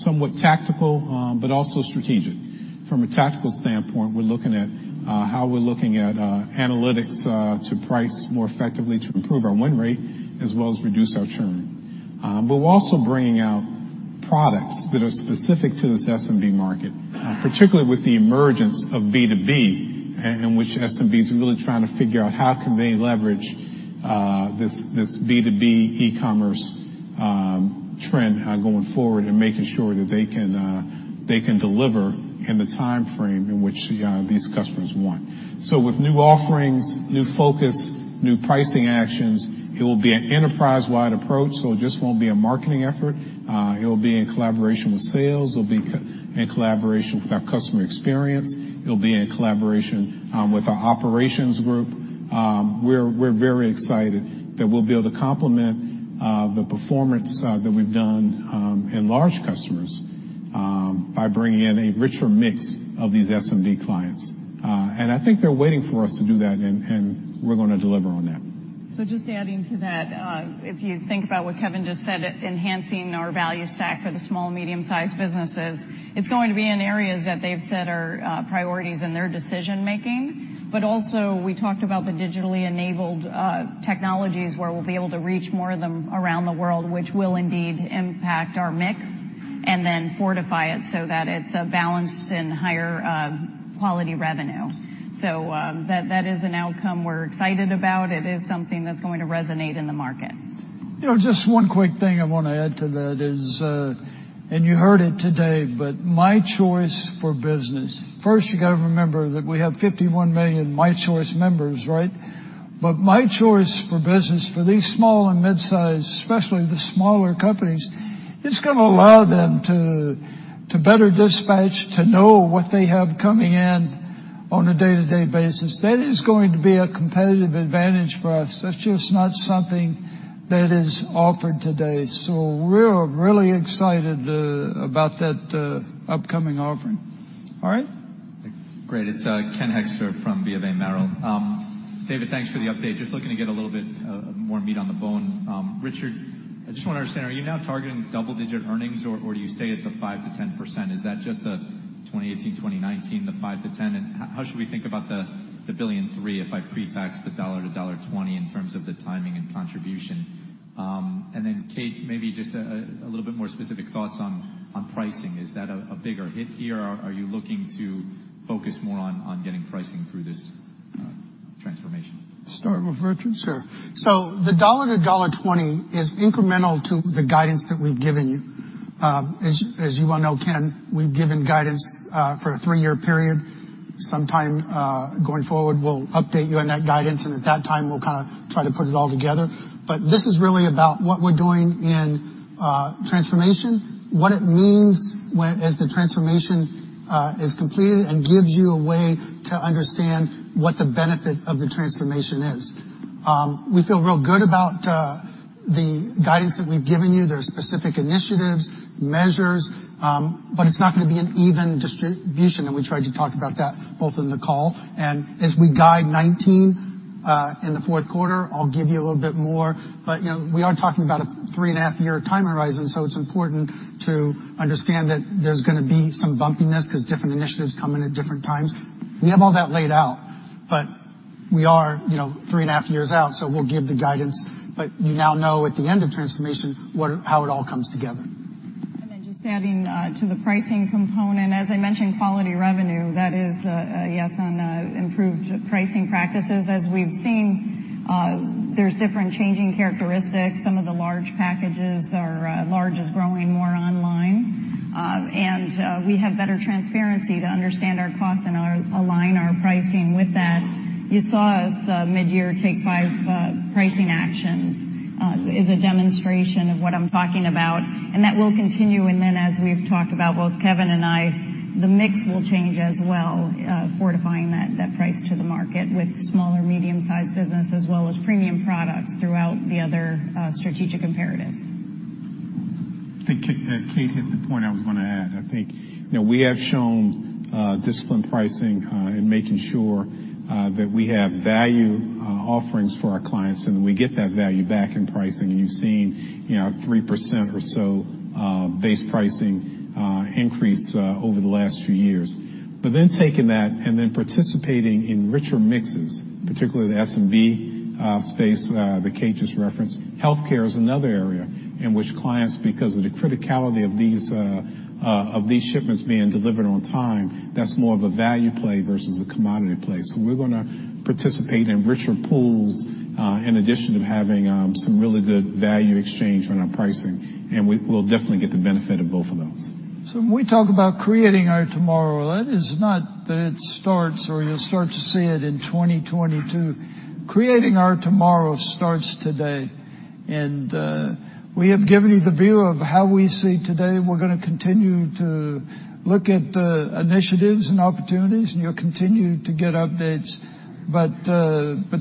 somewhat tactical, but also strategic. From a tactical standpoint, we're looking at how we're looking at analytics to price more effectively to improve our win rate as well as reduce our churn. We're also bringing out products that are specific to the SMB market, particularly with the emergence of B2B, in which SMBs are really trying to figure out how can they leverage this B2B e-commerce trend going forward and making sure that they can deliver in the timeframe in which these customers want. With new offerings, new focus, new pricing actions, it will be an enterprise-wide approach, so it just won't be a marketing effort. It'll be in collaboration with sales. It'll be in collaboration with our customer experience. It'll be in collaboration with our operations group. We're very excited that we'll be able to complement the performance that we've done in large customers by bringing in a richer mix of these SMB clients. I think they're waiting for us to do that, and we're going to deliver on that. Just adding to that, if you think about what Kevin just said, enhancing our value stack for the small, medium-sized businesses, it's going to be in areas that they've said are priorities in their decision-making. Also, we talked about the digitally-enabled technologies where we'll be able to reach more of them around the world, which will indeed impact our mix, and then fortify it so that it's a balanced and higher quality revenue. That is an outcome we're excited about. It is something that's going to resonate in the market. Just one quick thing I want to add to that is, and you heard it today, but UPS My Choice for business. First, you got to remember that we have 51 million UPS My Choice members, right? UPS My Choice for business for these small and mid-size, especially the smaller companies, it's going to allow them to better dispatch, to know what they have coming in on a day-to-day basis. That is going to be a competitive advantage for us. That's just not something that is offered today. We're really excited about that upcoming offering. All right? Great. It's Ken Hoexter from BofA Merrill. David, thanks for the update. Just looking to get a little bit more meat on the bone. Richard, I just want to understand, are you now targeting double-digit earnings, or do you stay at the 5%-10%? Is that just a 2018, 2019, the 5%-10%? How should we think about the billion three if I pre-tax the $1-$1.20 in terms of the timing and contribution? Then Kate, maybe just a little bit more specific thoughts on pricing. Is that a bigger hit here, or are you looking to focus more on getting pricing through this transformation? Start with Richard. Sure. The $1-$1.20 is incremental to the guidance that we've given you. As you well know, Ken, we've given guidance for a three-year period. Sometime going forward, we'll update you on that guidance, and at that time, we'll kind of try to put it all together. This is really about what we're doing in transformation, what it means as the transformation is completed, and gives you a way to understand what the benefit of the transformation is. We feel real good about the guidance that we've given you. There are specific initiatives, measures, but it's not going to be an even distribution, and we tried to talk about that both in the call, and as we guide 2019 in the fourth quarter, I'll give you a little bit more. We are talking about a three-and-a-half-year time horizon, it's important to understand that there's going to be some bumpiness because different initiatives come in at different times. We have all that laid out, we are three and a half years out, we'll give the guidance. You now know at the end of transformation how it all comes together. Just adding to the pricing component, as I mentioned, quality revenue, that is a yes on improved pricing practices. As we've seen, there's different changing characteristics. Some of the large is growing more online. We have better transparency to understand our costs and align our pricing with that. You saw mid-year Take Five pricing actions is a demonstration of what I'm talking about, that will continue. As we've talked about, both Kevin and I, the mix will change as well, fortifying that price to the market with small or medium-sized business as well as premium products throughout the other strategic imperatives. I think Kate hit the point I was going to add. I think we have shown disciplined pricing in making sure that we have value offerings for our clients, and we get that value back in pricing. You've seen 3% or so base pricing increase over the last few years. Taking that and then participating in richer mixes, particularly the SMB space that Kate just referenced. Healthcare is another area in which clients, because of the criticality of these shipments being delivered on time, that's more of a value play versus a commodity play. We're going to participate in richer pools in addition to having some really good value exchange on our pricing, we'll definitely get the benefit of both of those. When we talk about creating our tomorrow, that is not that it starts or you'll start to see it in 2022. Creating our tomorrow starts today. We have given you the view of how we see today. We're going to continue to look at initiatives and opportunities. You'll continue to get updates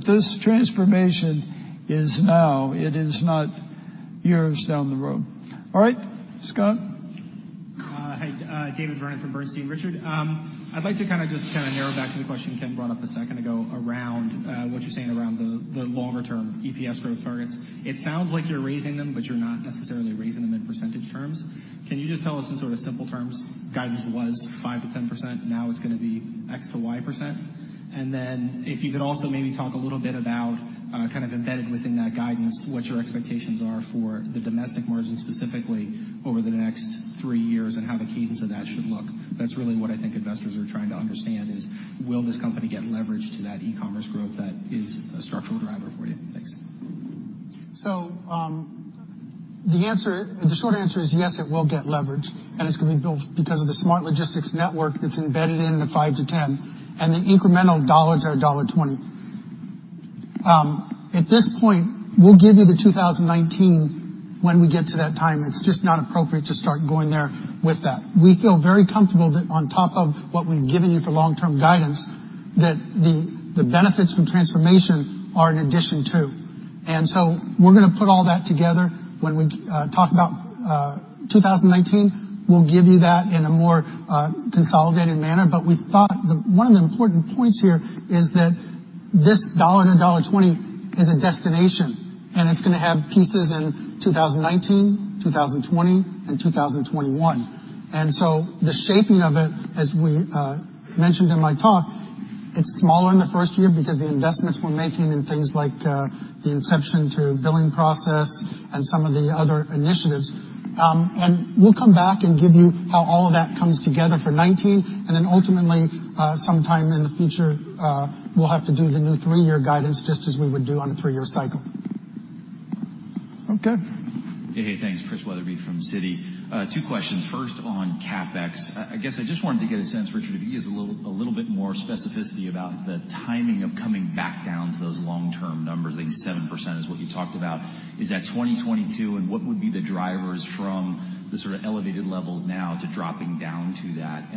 This transformation is now, it is not years down the road. All right. Scott? Hi. David Vernon from Bernstein. Richard, I'd like to just narrow back to the question Ken brought up a second ago around what you're saying around the longer-term EPS growth targets. It sounds like you're raising them, but you're not necessarily raising them in percentage terms. Can you just tell us in simple terms, guidance was 5%-10%, now it's going to be X to Y%? Then if you could also maybe talk a little bit about, kind of embedded within that guidance, what your expectations are for the domestic margins specifically over the next three years, and how the cadence of that should look. That's really what I think investors are trying to understand is, will this company get leverage to that e-commerce growth that is a structural driver for you? Thanks. The short answer is yes, it will get leverage, and it's going to be built because of the smart logistics network that's embedded in the 5%-10% and the incremental $1-$1.20. At this point, we'll give you the 2019 when we get to that time. It's just not appropriate to start going there with that. We feel very comfortable that on top of what we've given you for long-term guidance, that the benefits from transformation are in addition to. We're going to put all that together. When we talk about 2019, we'll give you that in a more consolidated manner. We thought one of the important points here is that this $1-$1.20 is a destination, and it's going to have pieces in 2019, 2020, and 2021. The shaping of it, as we mentioned in my talk, it's smaller in the first year because the investments we're making in things like the Inception to Billing Process and some of the other initiatives. We'll come back and give you how all of that comes together for 2019, ultimately, sometime in the future, we'll have to do the new three-year guidance just as we would do on a three-year cycle. Okay. Hey, thanks. Chris Wetherbee from Citi. Two questions. First on CapEx. I guess I just wanted to get a sense, Richard, if you could give us a little bit more specificity about the timing of coming back down to those long-term numbers. I think 7% is what you talked about. Is that 2022? What would be the drivers from the sort of elevated levels now to dropping down to that?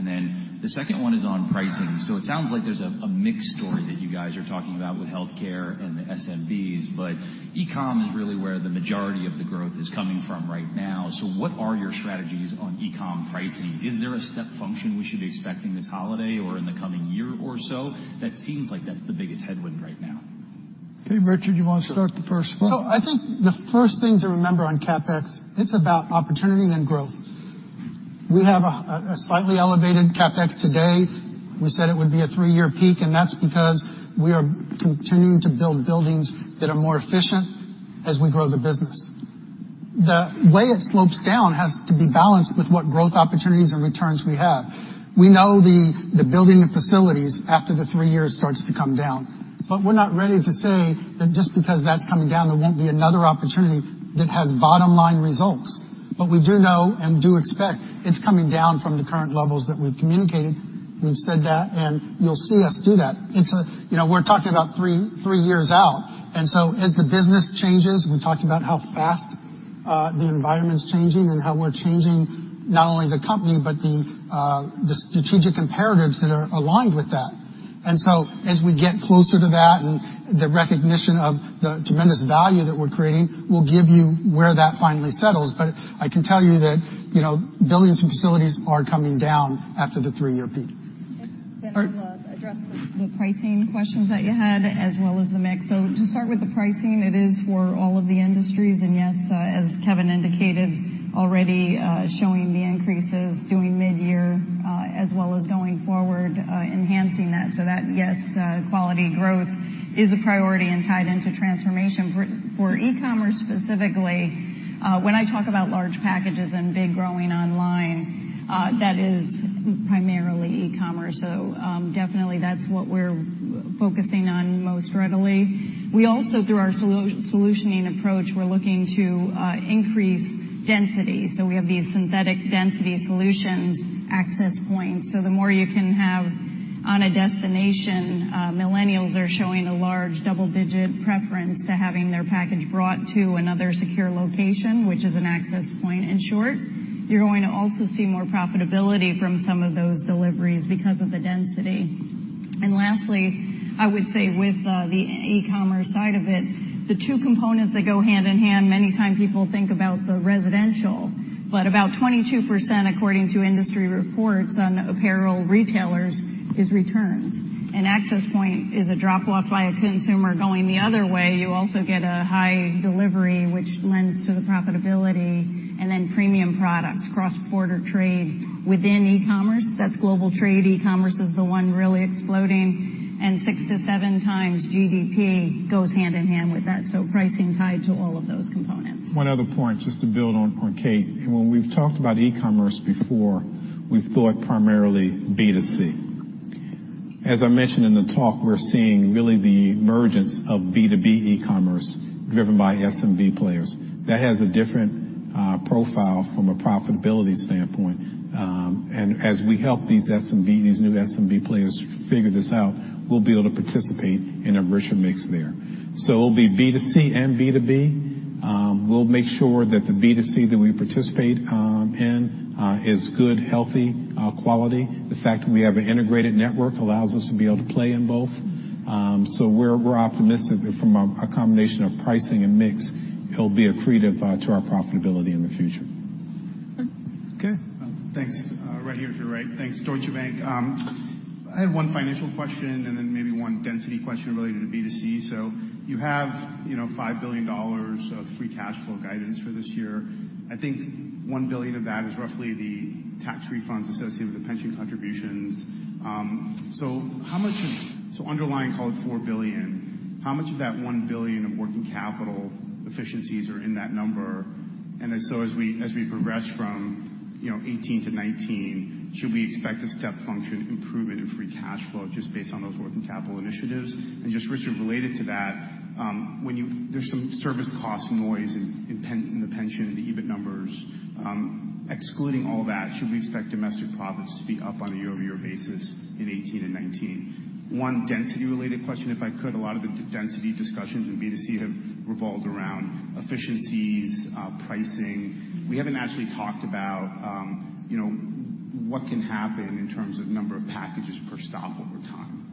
The second one is on pricing. It sounds like there's a mixed story that you guys are talking about with healthcare and the SMBs, but e-com is really where the majority of the growth is coming from right now. What are your strategies on e-com pricing? Is there a step function we should be expecting this holiday or in the coming year or so? That seems like that's the biggest headwind right now. Okay, Richard, you want to start the first one? I think the first thing to remember on CapEx, it's about opportunity and growth. We have a slightly elevated CapEx today. We said it would be a three-year peak, that's because we are continuing to build buildings that are more efficient as we grow the business. The way it slopes down has to be balanced with what growth opportunities and returns we have. We know the building of facilities after the three years starts to come down. We're not ready to say that just because that's coming down, there won't be another opportunity that has bottom-line results. We do know and do expect it's coming down from the current levels that we've communicated. We've said that, and you'll see us do that. We're talking about three years out. As the business changes, we talked about how fast the environment's changing and how we're changing not only the company, but the strategic imperatives that are aligned with that. As we get closer to that and the recognition of the tremendous value that we're creating, we'll give you where that finally settles. I can tell you that buildings and facilities are coming down after the 3-year peak. All right. I will address the pricing questions that you had as well as the mix. To start with the pricing, it is for all of the industries, and yes, as Kevin indicated already, showing the increases doing mid-year as well as going forward enhancing that. That, yes, quality growth is a priority and tied into transformation. E-commerce specifically, when I talk about large packages and big growing online, that is primarily e-commerce. Definitely, that's what we're focusing on most readily. We also, through our solutioning approach, we're looking to increase density. We have these synthetic density solutions Access Points. The more you can have on a destination, millennials are showing a large double-digit preference to having their package brought to another secure location, which is an Access Point, in short. You're going to also see more profitability from some of those deliveries because of the density. Lastly, I would say with the e-commerce side of it, the two components that go hand in hand, many times people think about the residential, but about 22%, according to industry reports on apparel retailers, is returns. An Access Point is a drop-off by a consumer going the other way. You also get a high delivery, which lends to the profitability, and then premium products, cross-border trade within e-commerce. That's global trade. E-commerce is the one really exploding, and six to seven times GDP goes hand in hand with that, pricing tied to all of those components. One other point, just to build on Kate. When we've talked about e-commerce before, we've thought primarily B2C. As I mentioned in the talk, we're seeing really the emergence of B2B e-commerce driven by SMB players. That has a different profile from a profitability standpoint. As we help these new SMB players figure this out, we'll be able to participate in a richer mix there. It'll be B2C and B2B. We'll make sure that the B2C that we participate in is good, healthy quality. The fact that we have an integrated network allows us to be able to play in both. We're optimistic from a combination of pricing and mix, it'll be accretive to our profitability in the future. Okay. Thanks. Right here to your right. Thanks. Deutsche Bank. I have one financial question, and then maybe one density question related to B2C. You have $5 billion of free cash flow guidance for this year. I think $1 billion of that is roughly the tax refunds associated with the pension contributions. Underlying, call it $4 billion. How much of that $1 billion of working capital efficiencies are in that number? As we progress from 2018 to 2019, should we expect a step function improvement in free cash flow just based on those working capital initiatives? Just, Richard, related to that, there's some service cost noise in the pension and the EBIT numbers. Excluding all that, should we expect domestic profits to be up on a year-over-year basis in 2018 and 2019? One density-related question, if I could. A lot of the density discussions in B2C have revolved around efficiencies, pricing. We haven't actually talked about what can happen in terms of number of packages per stop over time.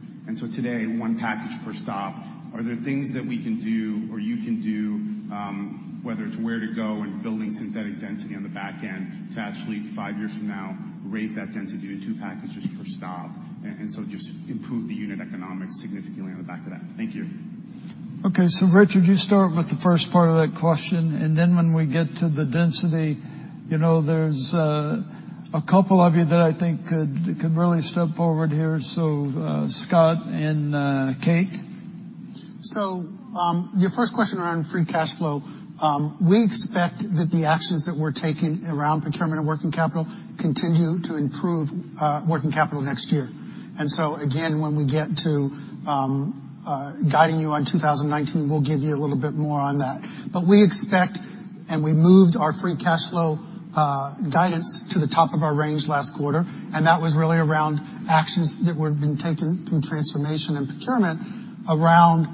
Today, one package per stop, are there things that we can do or you can do, whether it's Ware2Go and building synthetic density on the back end to actually, five years from now, raise that density to two packages per stop, just improve the unit economics significantly on the back of that? Thank you. Richard, you start with the first part of that question, and then when we get to the density, there's a couple of you that I think could really step forward here. Scott and Kate. Your first question around free cash flow. We expect that the actions that we're taking around procurement and working capital continue to improve working capital next year. Again, when we get to guiding you on 2019, we'll give you a little bit more on that. We expect, and we moved our free cash flow guidance to the top of our range last quarter, and that was really around actions that were being taken through transformation and procurement around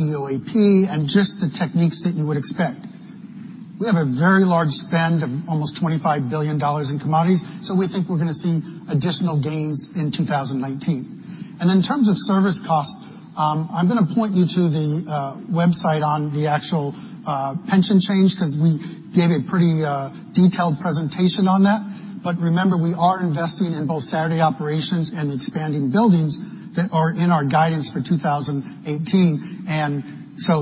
EAM and just the techniques that you would expect. We have a very large spend of almost $25 billion in commodities, so we think we're going to see additional gains in 2019. In terms of service costs, I'm going to point you to the website on the actual pension change because we gave a pretty detailed presentation on that. Remember, we are investing in both Saturday operations and expanding buildings that are in our guidance for 2018.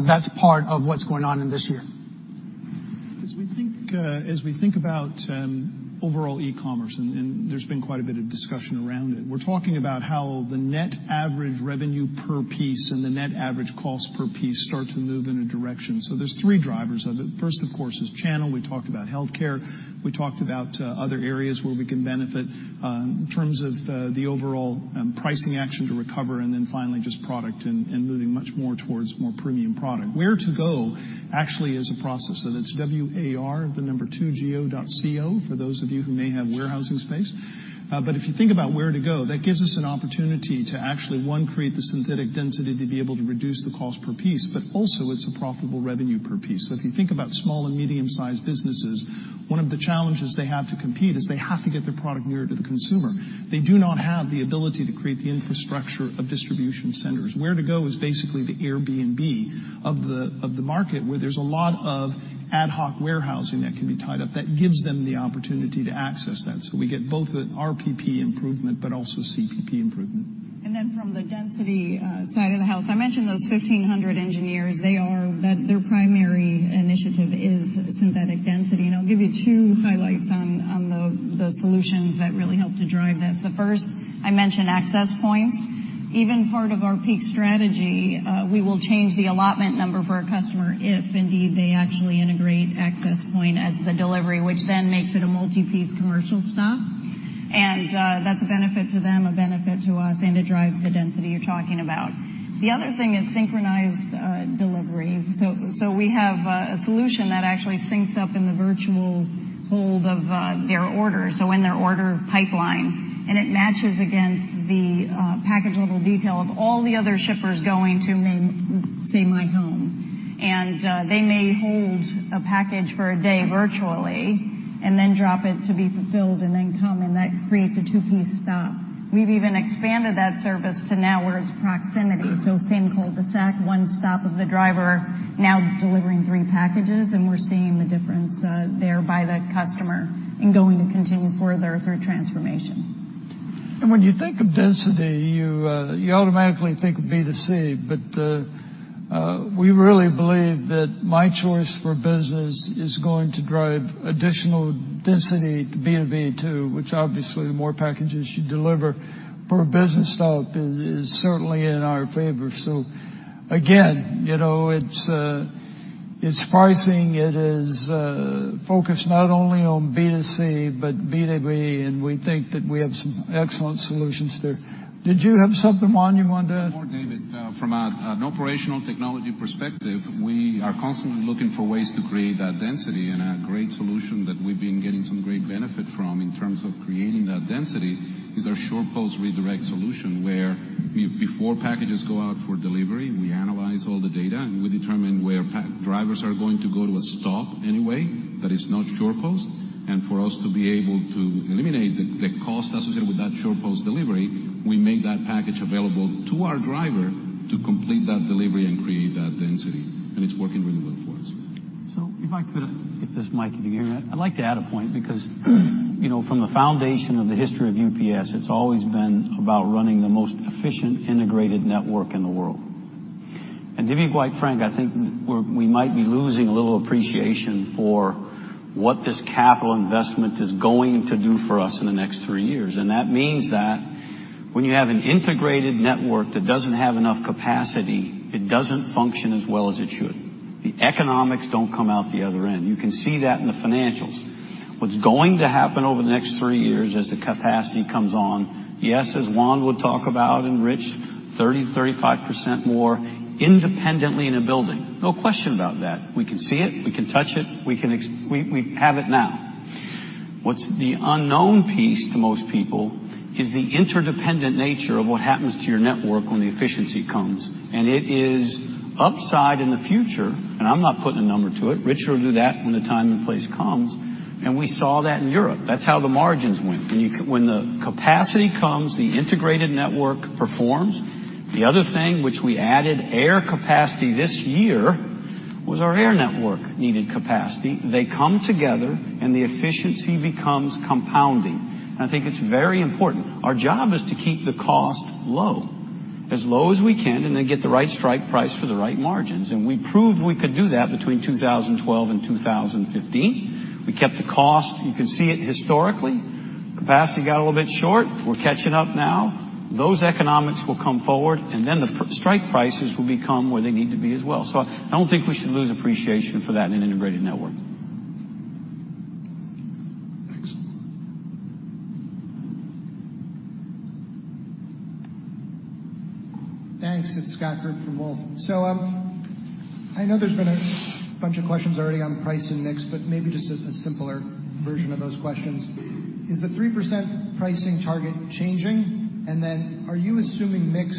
That's part of what's going on in this year. As we think about overall e-commerce, there's been quite a bit of discussion around it, we're talking about how the net average revenue per piece and the net average cost per piece start to move in a direction. There's three drivers of it. First, of course, is channel. We talked about healthcare. We talked about other areas where we can benefit in terms of the overall pricing action to recover, and then finally, just product and moving much more towards more premium product. Ware2Go actually is a process, so that's W-A-R, 2, GO.co for those of you who may have warehousing space. If you think about Ware2Go, that gives us an opportunity to actually, one, create the synthetic density to be able to reduce the cost per piece, but also it's a profitable revenue per piece. If you think about small and medium-sized businesses, one of the challenges they have to compete is they have to get their product nearer to the consumer. They do not have the ability to create the infrastructure of distribution centers. Ware2Go is basically the Airbnb of the market, where there's a lot of ad hoc warehousing that can be tied up. That gives them the opportunity to access that. We get both an RPP improvement, but also CPP improvement. From the density side of the house, I mentioned those 1,500 engineers. Their primary initiative is synthetic density, and I'll give you two highlights on the solutions that really help to drive this. The first, I mentioned Access Point. Even part of our peak strategy, we will change the allotment number for a customer if indeed they actually integrate Access Point as the delivery, which then makes it a multi-piece commercial stop. That's a benefit to them, a benefit to us, and it drives the density you're talking about. The other thing is synchronized delivery. We have a solution that actually syncs up in the virtual hold of their order, so in their order pipeline. It matches against the package level detail of all the other shippers going to, say, my home. They may hold a package for a day virtually and then drop it to be fulfilled and then come, and that creates a two-piece stop. We've even expanded that service to now where it's proximity. Same cul-de-sac, one stop of the driver now delivering three packages, and we're seeing the difference there by the customer and going to continue further through transformation. When you think of density, you automatically think of B2C, but we really believe that My Choice for business is going to drive additional density to B2B, too, which obviously more packages you deliver per business stop is certainly in our favor. Again, it's pricing. It is focused not only on B2C, but B2B, and we think that we have some excellent solutions there. Did you have something, Juan, you wanted to? One more, David. From an operational technology perspective, we are constantly looking for ways to create that density. A great solution that we've been getting some great benefit from in terms of creating that density is our SurePost redirect solution, where before packages go out for delivery, we are. --analyze all the data, and we determine where drivers are going to go to a stop anyway that is not SurePost. For us to be able to eliminate the cost associated with that SurePost delivery, we make that package available to our driver to complete that delivery and create that density. It's working really well for us. If I could get this mic. Can you hear me? I'd like to add a point because from the foundation of the history of UPS, it's always been about running the most efficient, integrated network in the world. To be quite frank, I think we might be losing a little appreciation for what this capital investment is going to do for us in the next three years. That means that when you have an integrated network that doesn't have enough capacity, it doesn't function as well as it should. The economics don't come out the other end. You can see that in the financials. What's going to happen over the next three years as the capacity comes on, yes, as Juan would talk about, and Rich, 30-35% more independently in a building. No question about that. We can see it, we can touch it, we have it now. What's the unknown piece to most people is the interdependent nature of what happens to your network when the efficiency comes. It is upside in the future, and I'm not putting a number to it. Rich will do that when the time and place comes, and we saw that in Europe. That's how the margins went. When the capacity comes, the integrated network performs. The other thing which we added air capacity this year was our air network needed capacity. They come together, and the efficiency becomes compounding. I think it's very important. Our job is to keep the cost low, as low as we can, and then get the right strike price for the right margins. We proved we could do that between 2012 and 2015. We kept the cost. You can see it historically. Capacity got a little bit short. We're catching up now. Those economics will come forward, then the strike prices will become where they need to be as well. I don't think we should lose appreciation for that in an integrated network. Thanks. Thanks. It's Scott Group from Wolfe Research. I know there's been a bunch of questions already on price and mix, but maybe just a simpler version of those questions. Is the 3% pricing target changing? Are you assuming mix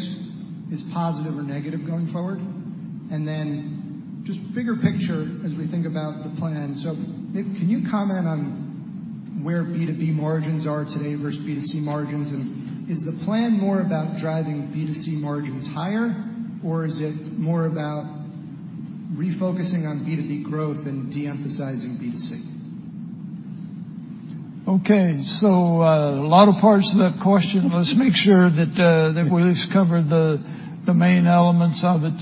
is positive or negative going forward? Just bigger picture as we think about the plan. Can you comment on where B2B margins are today versus B2C margins, and is the plan more about driving B2C margins higher, or is it more about refocusing on B2B growth and de-emphasizing B2C? Okay. A lot of parts to that question. Let's make sure that we at least cover the main elements of it.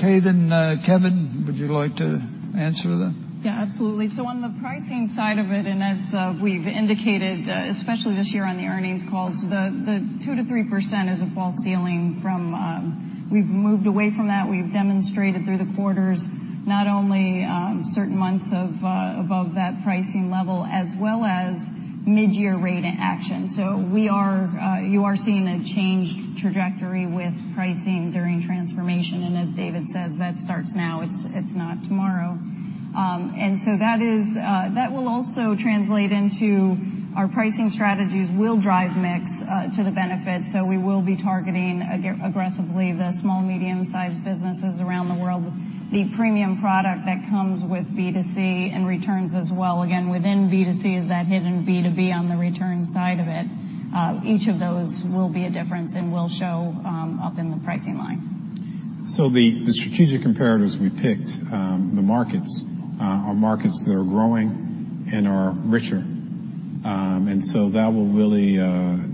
Kate and Kevin, would you like to answer that? Yeah, absolutely. On the pricing side of it, and as we've indicated, especially this year on the earnings calls, the 2%-3% is a false ceiling. We've moved away from that. We've demonstrated through the quarters, not only certain months above that pricing level, as well as midyear rate action. You are seeing a change trajectory with pricing during transformation, and as David says, that starts now. It's not tomorrow. That will also translate into our pricing strategies will drive mix to the benefit. We will be targeting aggressively the small, medium-sized businesses around the world. The premium product that comes with B2C and returns as well, again, within B2C is that hidden B2B on the return side of it. Each of those will be a difference and will show up in the pricing line. The strategic imperatives we picked, the markets are markets that are growing and are richer. That will really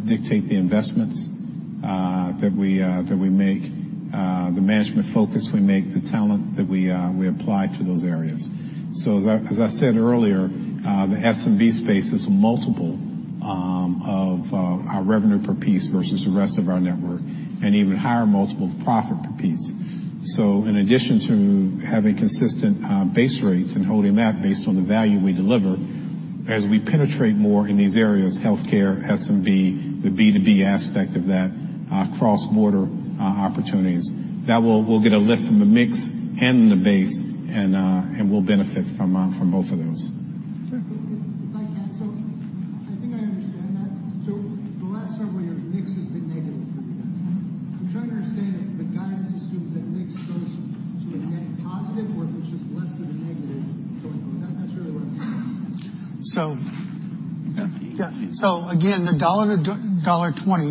dictate the investments that we make, the management focus we make, the talent that we apply to those areas. As I said earlier, the SMB space is a multiple of our revenue per piece versus the rest of our network, and even higher multiple profit per piece. In addition to having consistent base rates and holding that based on the value we deliver, as we penetrate more in these areas, healthcare, SMB, the B2B aspect of that, cross-border opportunities, that will get a lift from the mix and the base and will benefit from both of those. Mike, I think I understand that. The last several years, mix has been negative for you guys. I am trying to understand if the guidance assumes that mix goes to a net positive or if it is just less of a negative going forward. That is really what I am getting at. Again, the $1 to $1.20,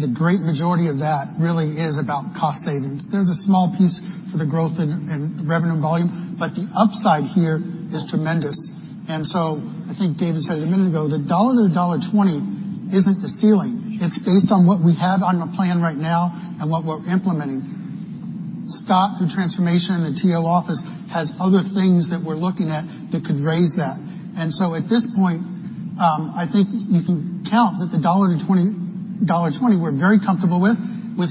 the great majority of that really is about cost savings. There is a small piece for the growth in revenue volume, the upside here is tremendous. I think David said a minute ago, the $1 to the $1.20 isn't the ceiling. It is based on what we have on the plan right now and what we are implementing. Scott, through transformation in the TO office, has other things that we are looking at that could raise that. At this point, I think you can count that the $1 to the $1.20 we are very comfortable with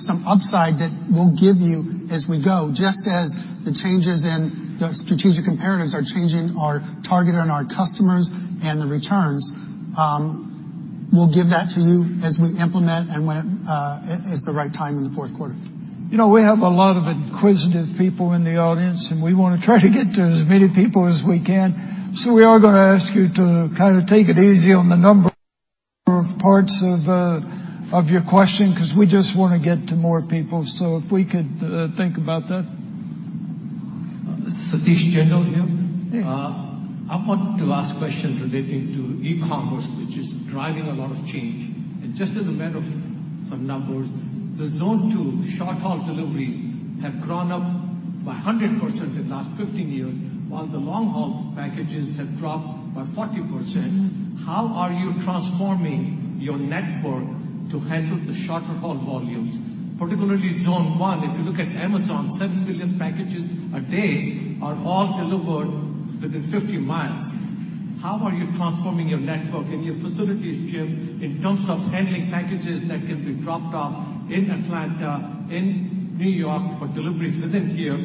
some upside that we will give you as we go, just as the changes in the strategic imperatives are changing our target and our customers and the returns. We will give that to you as we implement and when it is the right time in the fourth quarter. We have a lot of inquisitive people in the audience, we want to try to get to as many people as we can. We are going to ask you to kind of take it easy on the numbers parts of your question, because we just want to get to more people. If we could think about that. Satish Chandral here. Yeah. I want to ask questions relating to e-commerce, which is driving a lot of change. Just as a matter of some numbers, the zone 2 short-haul deliveries have gone up by 100% in the last 15 years, while the long-haul packages have dropped by 40%. How are you transforming your network to handle the shorter haul volumes? Particularly zone 1, if you look at Amazon, seven billion packages a day are all delivered within 50 miles. How are you transforming your network and your facilities, Jim, in terms of handling packages that can be dropped off in Atlanta, in New York, for deliveries within here?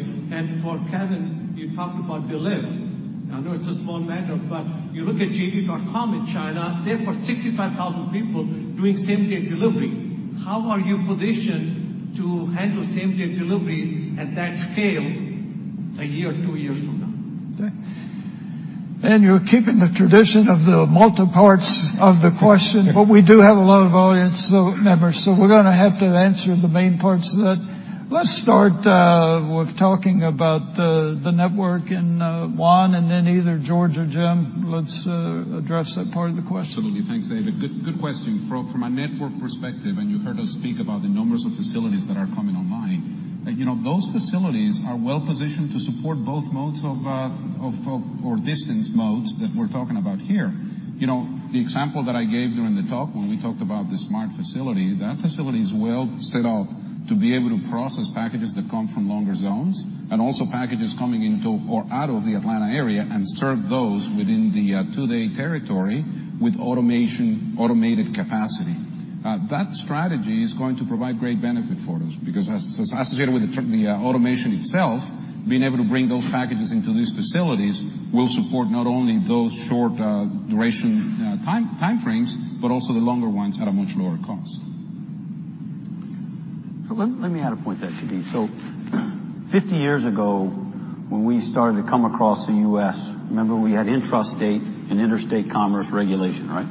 For Kevin, you talked about delivery. I know it's a small matter, but you look at JD.com in China, they've got 65,000 people doing same-day delivery. How are you positioned to handle same-day delivery at that scale a year or two years from now? Okay. You're keeping the tradition of the multi parts of the question. We do have a lot of audience members, so we're going to have to answer the main parts of that. Let's start with talking about the network and Juan, either George or Jim, let's address that part of the question. Absolutely. Thanks, Dave. A good question. From a network perspective, you heard us speak about the numbers of facilities that are coming online. Those facilities are well-positioned to support both modes or distance modes that we're talking about here. The example that I gave during the talk when we talked about the SMART facility, that facility is well set up to be able to process packages that come from longer zones, and also packages coming into or out of the Atlanta area, and serve those within the two-day territory with automated capacity. That strategy is going to provide great benefit for us, because associated with the automation itself, being able to bring those packages into these facilities will support not only those short duration timeframes, but also the longer ones at a much lower cost. Let me add a point there, Satish. 50 years ago, when we started to come across the U.S., remember we had intrastate and interstate commerce regulation, right?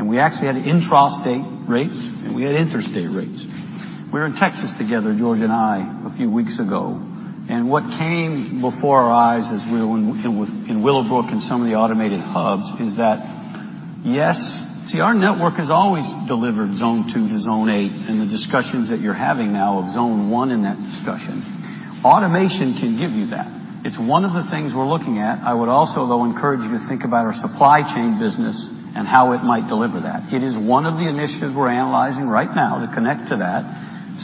We actually had intrastate rates, and we had interstate rates. We were in Texas together, George and I, a few weeks ago, what came before our eyes as we were in Willowbrook and some of the automated hubs is that, See, our network has always delivered zone 2 to zone 8, and the discussions that you're having now of zone 1 in that discussion. Automation can give you that. It's one of the things we're looking at. I would also, though, encourage you to think about our supply chain business and how it might deliver that. It is one of the initiatives we're analyzing right now to connect to that.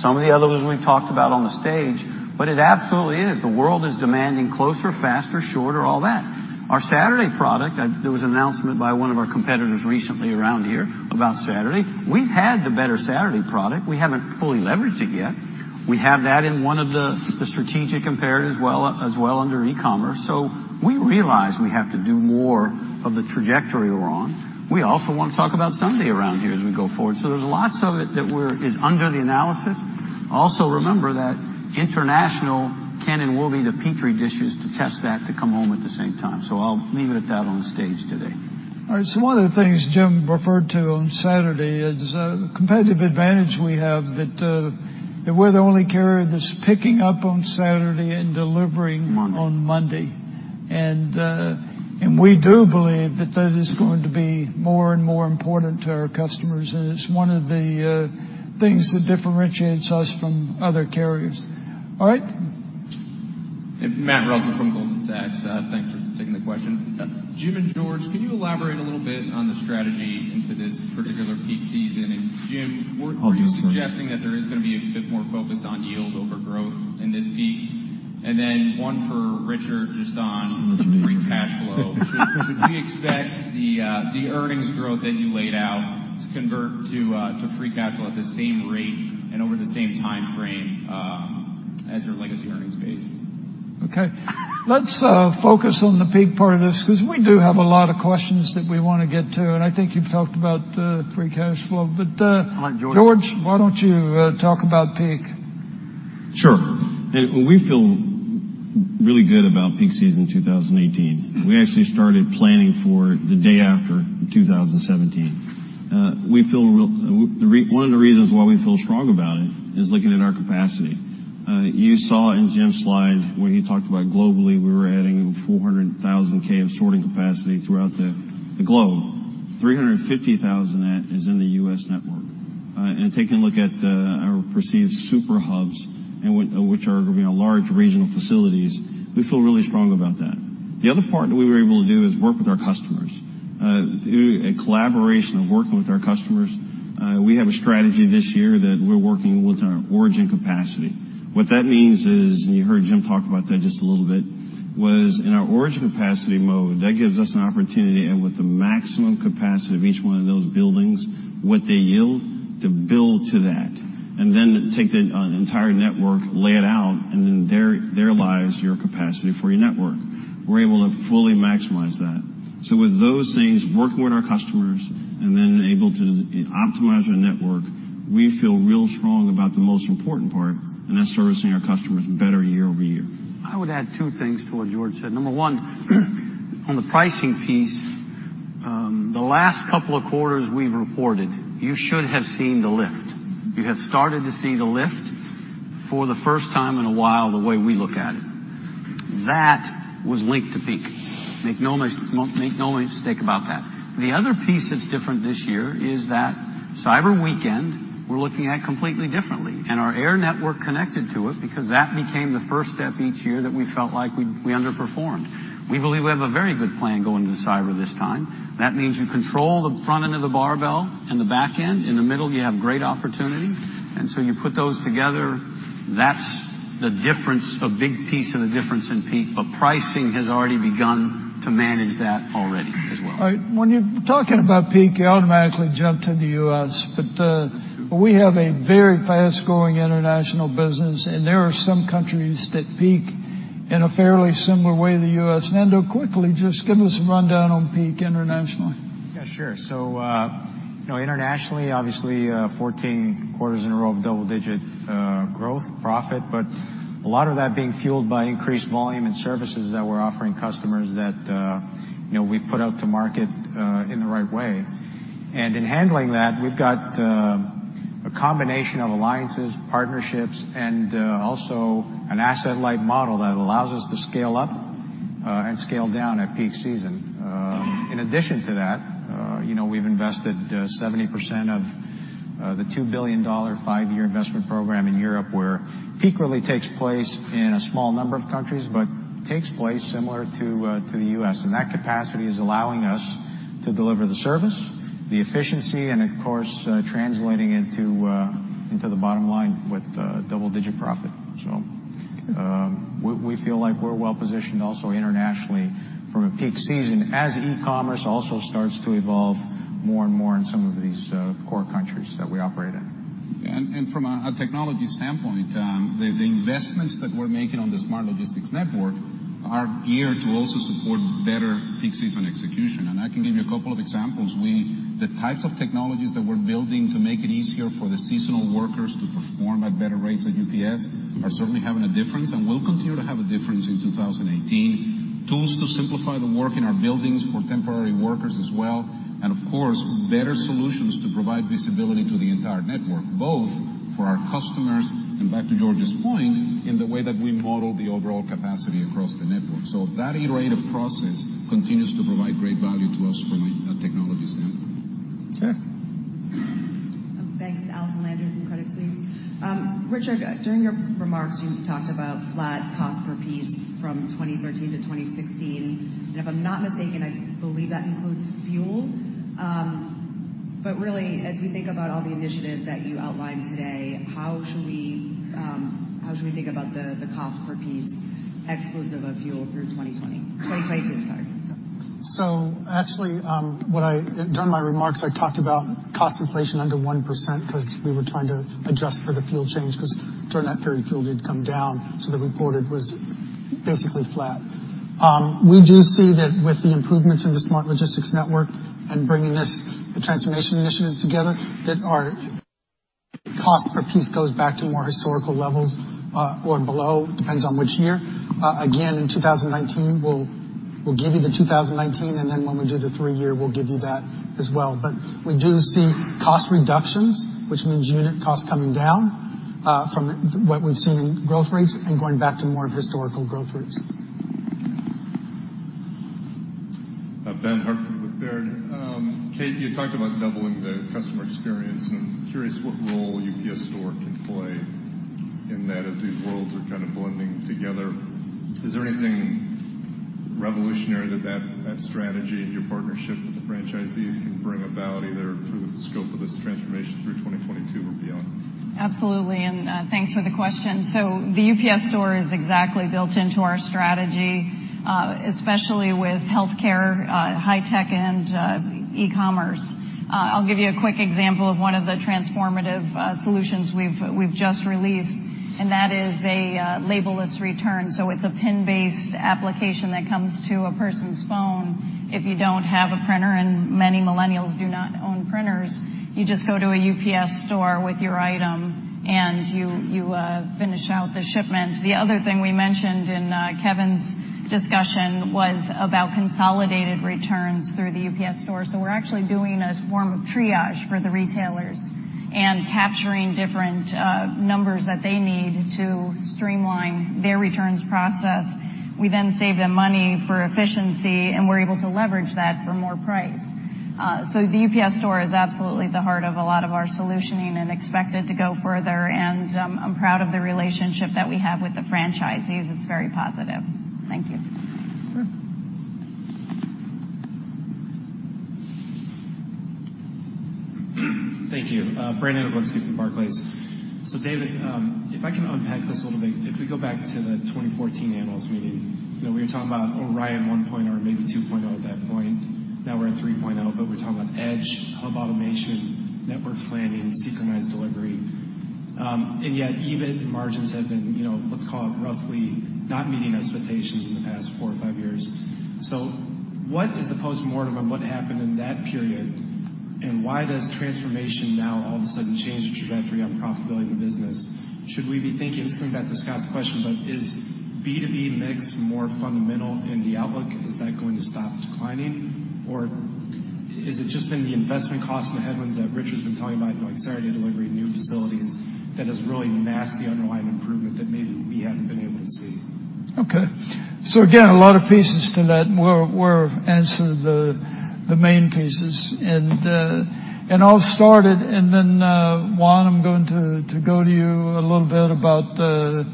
Some of the other ones we've talked about on the stage. It absolutely is. The world is demanding closer, faster, shorter, all that. Our Saturday product, there was an announcement by one of our competitors recently around here about Saturday. We've had the better Saturday product. We haven't fully leveraged it yet. We have that in one of the strategic imperatives as well under e-commerce. We realize we have to do more of the trajectory we're on. We also want to talk about Sunday around here as we go forward. There's lots of it that is under the analysis. Also remember that international can and will be the Petri dishes to test that to come home at the same time. I'll leave it at that on the stage today. All right. One of the things Jim referred to on Saturday is a competitive advantage we have that we're the only carrier that's picking up on Saturday and delivering- Monday on Monday. We do believe that that is going to be more and more important to our customers, and it's one of the things that differentiates us from other carriers. All right? Matt Russell from Goldman Sachs. Thanks for taking the question. Jim and George, can you elaborate a little bit on the strategy into this particular peak season? I'll do this one Were you suggesting that there is going to be a bit more focus on yield over growth in this peak? Then one for Richard, just on free cash flow. Should we expect the earnings growth that you laid out to convert to free cash flow at the same rate and over the same timeframe as your legacy earnings base? Okay. Let's focus on the peak part of this, because we do have a lot of questions that we want to get to, and I think you've talked about free cash flow. I like George. George, why don't you talk about peak? Sure. We feel really good about peak season 2018. We actually started planning for it the day after 2017. One of the reasons why we feel strong about it is looking at our capacity. You saw in Jim's slide where he talked about globally, we were adding 400,000 K of sorting capacity throughout the globe. 350,000 of that is in the U.S. network. Taking a look at our perceived super hubs, which are large regional facilities, we feel really strong about that. The other part that we were able to do is work with our customers. Through a collaboration of working with our customers, we have a strategy this year that we're working with our origin capacity. What that means is, you heard Jim talk about that just a little bit, was in our origin capacity mode, that gives us an opportunity and with the maximum capacity of each one of those buildings, what they yield, to build to that. Then take the entire network, lay it out, and then there lies your capacity for your network. We're able to fully maximize that. With those things, working with our customers, and then able to optimize our network, we feel real strong about the most important part, and that's servicing our customers better year-over-year. I would add two things to what George said. Number one On the pricing piece, the last couple of quarters we've reported, you should have seen the lift. You have started to see the lift for the first time in a while, the way we look at it. That was linked to peak. Make no mistake about that. The other piece that's different this year is that Cyber Weekend, we're looking at completely differently, and our air network connected to it because that became the first step each year that we felt like we underperformed. We believe we have a very good plan going into cyber this time. That means you control the front end of the barbell and the back end. In the middle, you have great opportunity. You put those together, that's a big piece of the difference in peak. Pricing has already begun to manage that already as well. All right. When you're talking about peak, you automatically jump to the U.S., We have a very fast-growing international business, There are some countries that peak in a fairly similar way to the U.S. Nando, quickly, just give us a rundown on peak internationally. Yeah, sure. Internationally, obviously, 14 quarters in a row of double-digit growth profit, A lot of that being fueled by increased volume and services that we're offering customers that we've put out to market in the right way. In handling that, we've got a combination of alliances, partnerships, and also an asset-light model that allows us to scale up and scale down at peak season. In addition to that, we've invested 70% of the $2 billion five-year investment program in Europe, where peak really takes place in a small number of countries, Takes place similar to the U.S. That capacity is allowing us to deliver the service, the efficiency, and of course, translating into the bottom line with double-digit profit. We feel like we're well-positioned also internationally from a peak season, as e-commerce also starts to evolve more and more in some of these core countries that we operate in. From a technology standpoint, the investments that we're making on the smart logistics network are geared to also support better peak season execution, and I can give you a couple of examples. The types of technologies that we're building to make it easier for the seasonal workers to perform at better rates at UPS are certainly having a difference and will continue to have a difference in 2018. Tools to simplify the work in our buildings for temporary workers as well, and of course, better solutions to provide visibility to the entire network, both for our customers, and back to George's point, in the way that we model the overall capacity across the network. That iterative process continues to provide great value to us from a technology standpoint. Sure. Thanks. Allison Landry from Credit Suisse. Richard, during your remarks, you talked about flat cost per piece from 2013 to 2016, and if I'm not mistaken, I believe that includes fuel. Really, as we think about all the initiatives that you outlined today, how should we think about the cost per piece exclusive of fuel through 2020? 2022, sorry. Actually, during my remarks, I talked about cost inflation under 1% because we were trying to adjust for the fuel change, because during that period, fuel did come down, so the reported was basically flat. We do see that with the improvements in the smart logistics network and bringing the transformation initiatives together, that our cost per piece goes back to more historical levels or below, depends on which year. Again, in 2019, we'll give you the 2019, and then when we do the three-year, we'll give you that as well. We do see cost reductions, which means unit cost coming down from what we've seen in growth rates and going back to more of historical growth rates. Ben Hartford with Baird. Kate, you talked about doubling the customer experience, I am curious what role The UPS Store can play in that as these worlds are kind of blending together. Is there anything revolutionary that that strategy and your partnership with the franchisees can bring about, either through the scope of this transformation through 2022 or beyond? Absolutely, thanks for the question. The UPS Store is exactly built into our strategy, especially with healthcare, high tech, and e-commerce. I will give you a quick example of one of the transformative solutions we have just released, that is a label-less return. It is a pin-based application that comes to a person's phone. If you do not have a printer, many millennials do not own printers, you just go to a UPS Store with your item, you finish out the shipment. The other thing we mentioned in Kevin's discussion was about consolidated returns through The UPS Store. We are actually doing a form of triage for the retailers and capturing different numbers that they need to streamline their returns process. We then save them money for efficiency, we are able to leverage that for more price. The UPS Store is absolutely the heart of a lot of our solutioning and expected to go further, I am proud of the relationship that we have with the franchisees. It is very positive. Thank you. Sure. Thank you. Brandon Oglenski from Barclays. David, if I can unpack this a little bit, if we go back to the 2014 analyst meeting, we were talking about ORION 1.0 or maybe 2.0 at that point. Now we are at 3.0, we are talking about EDGE, hub automation, network planning, synchronized delivery. Yet, EBIT margins have been, let us call it roughly, not meeting expectations in the past four or five years. What is the postmortem of what happened in that period? Why does transformation now all of a sudden change the trajectory on profitability of the business? Should we be thinking, this comes back to Scott's question, is B2B mix more fundamental in the outlook? Is that going to stop declining? Is it just been the investment cost and the headwinds that Richard's been telling about, Saturday delivery, new facilities, that is really masking underlying improvement that maybe we haven't been able to see? Okay. Again, a lot of pieces to that were answered, the main pieces. I'll start it, then, Juan, I'm going to go to you a little bit about the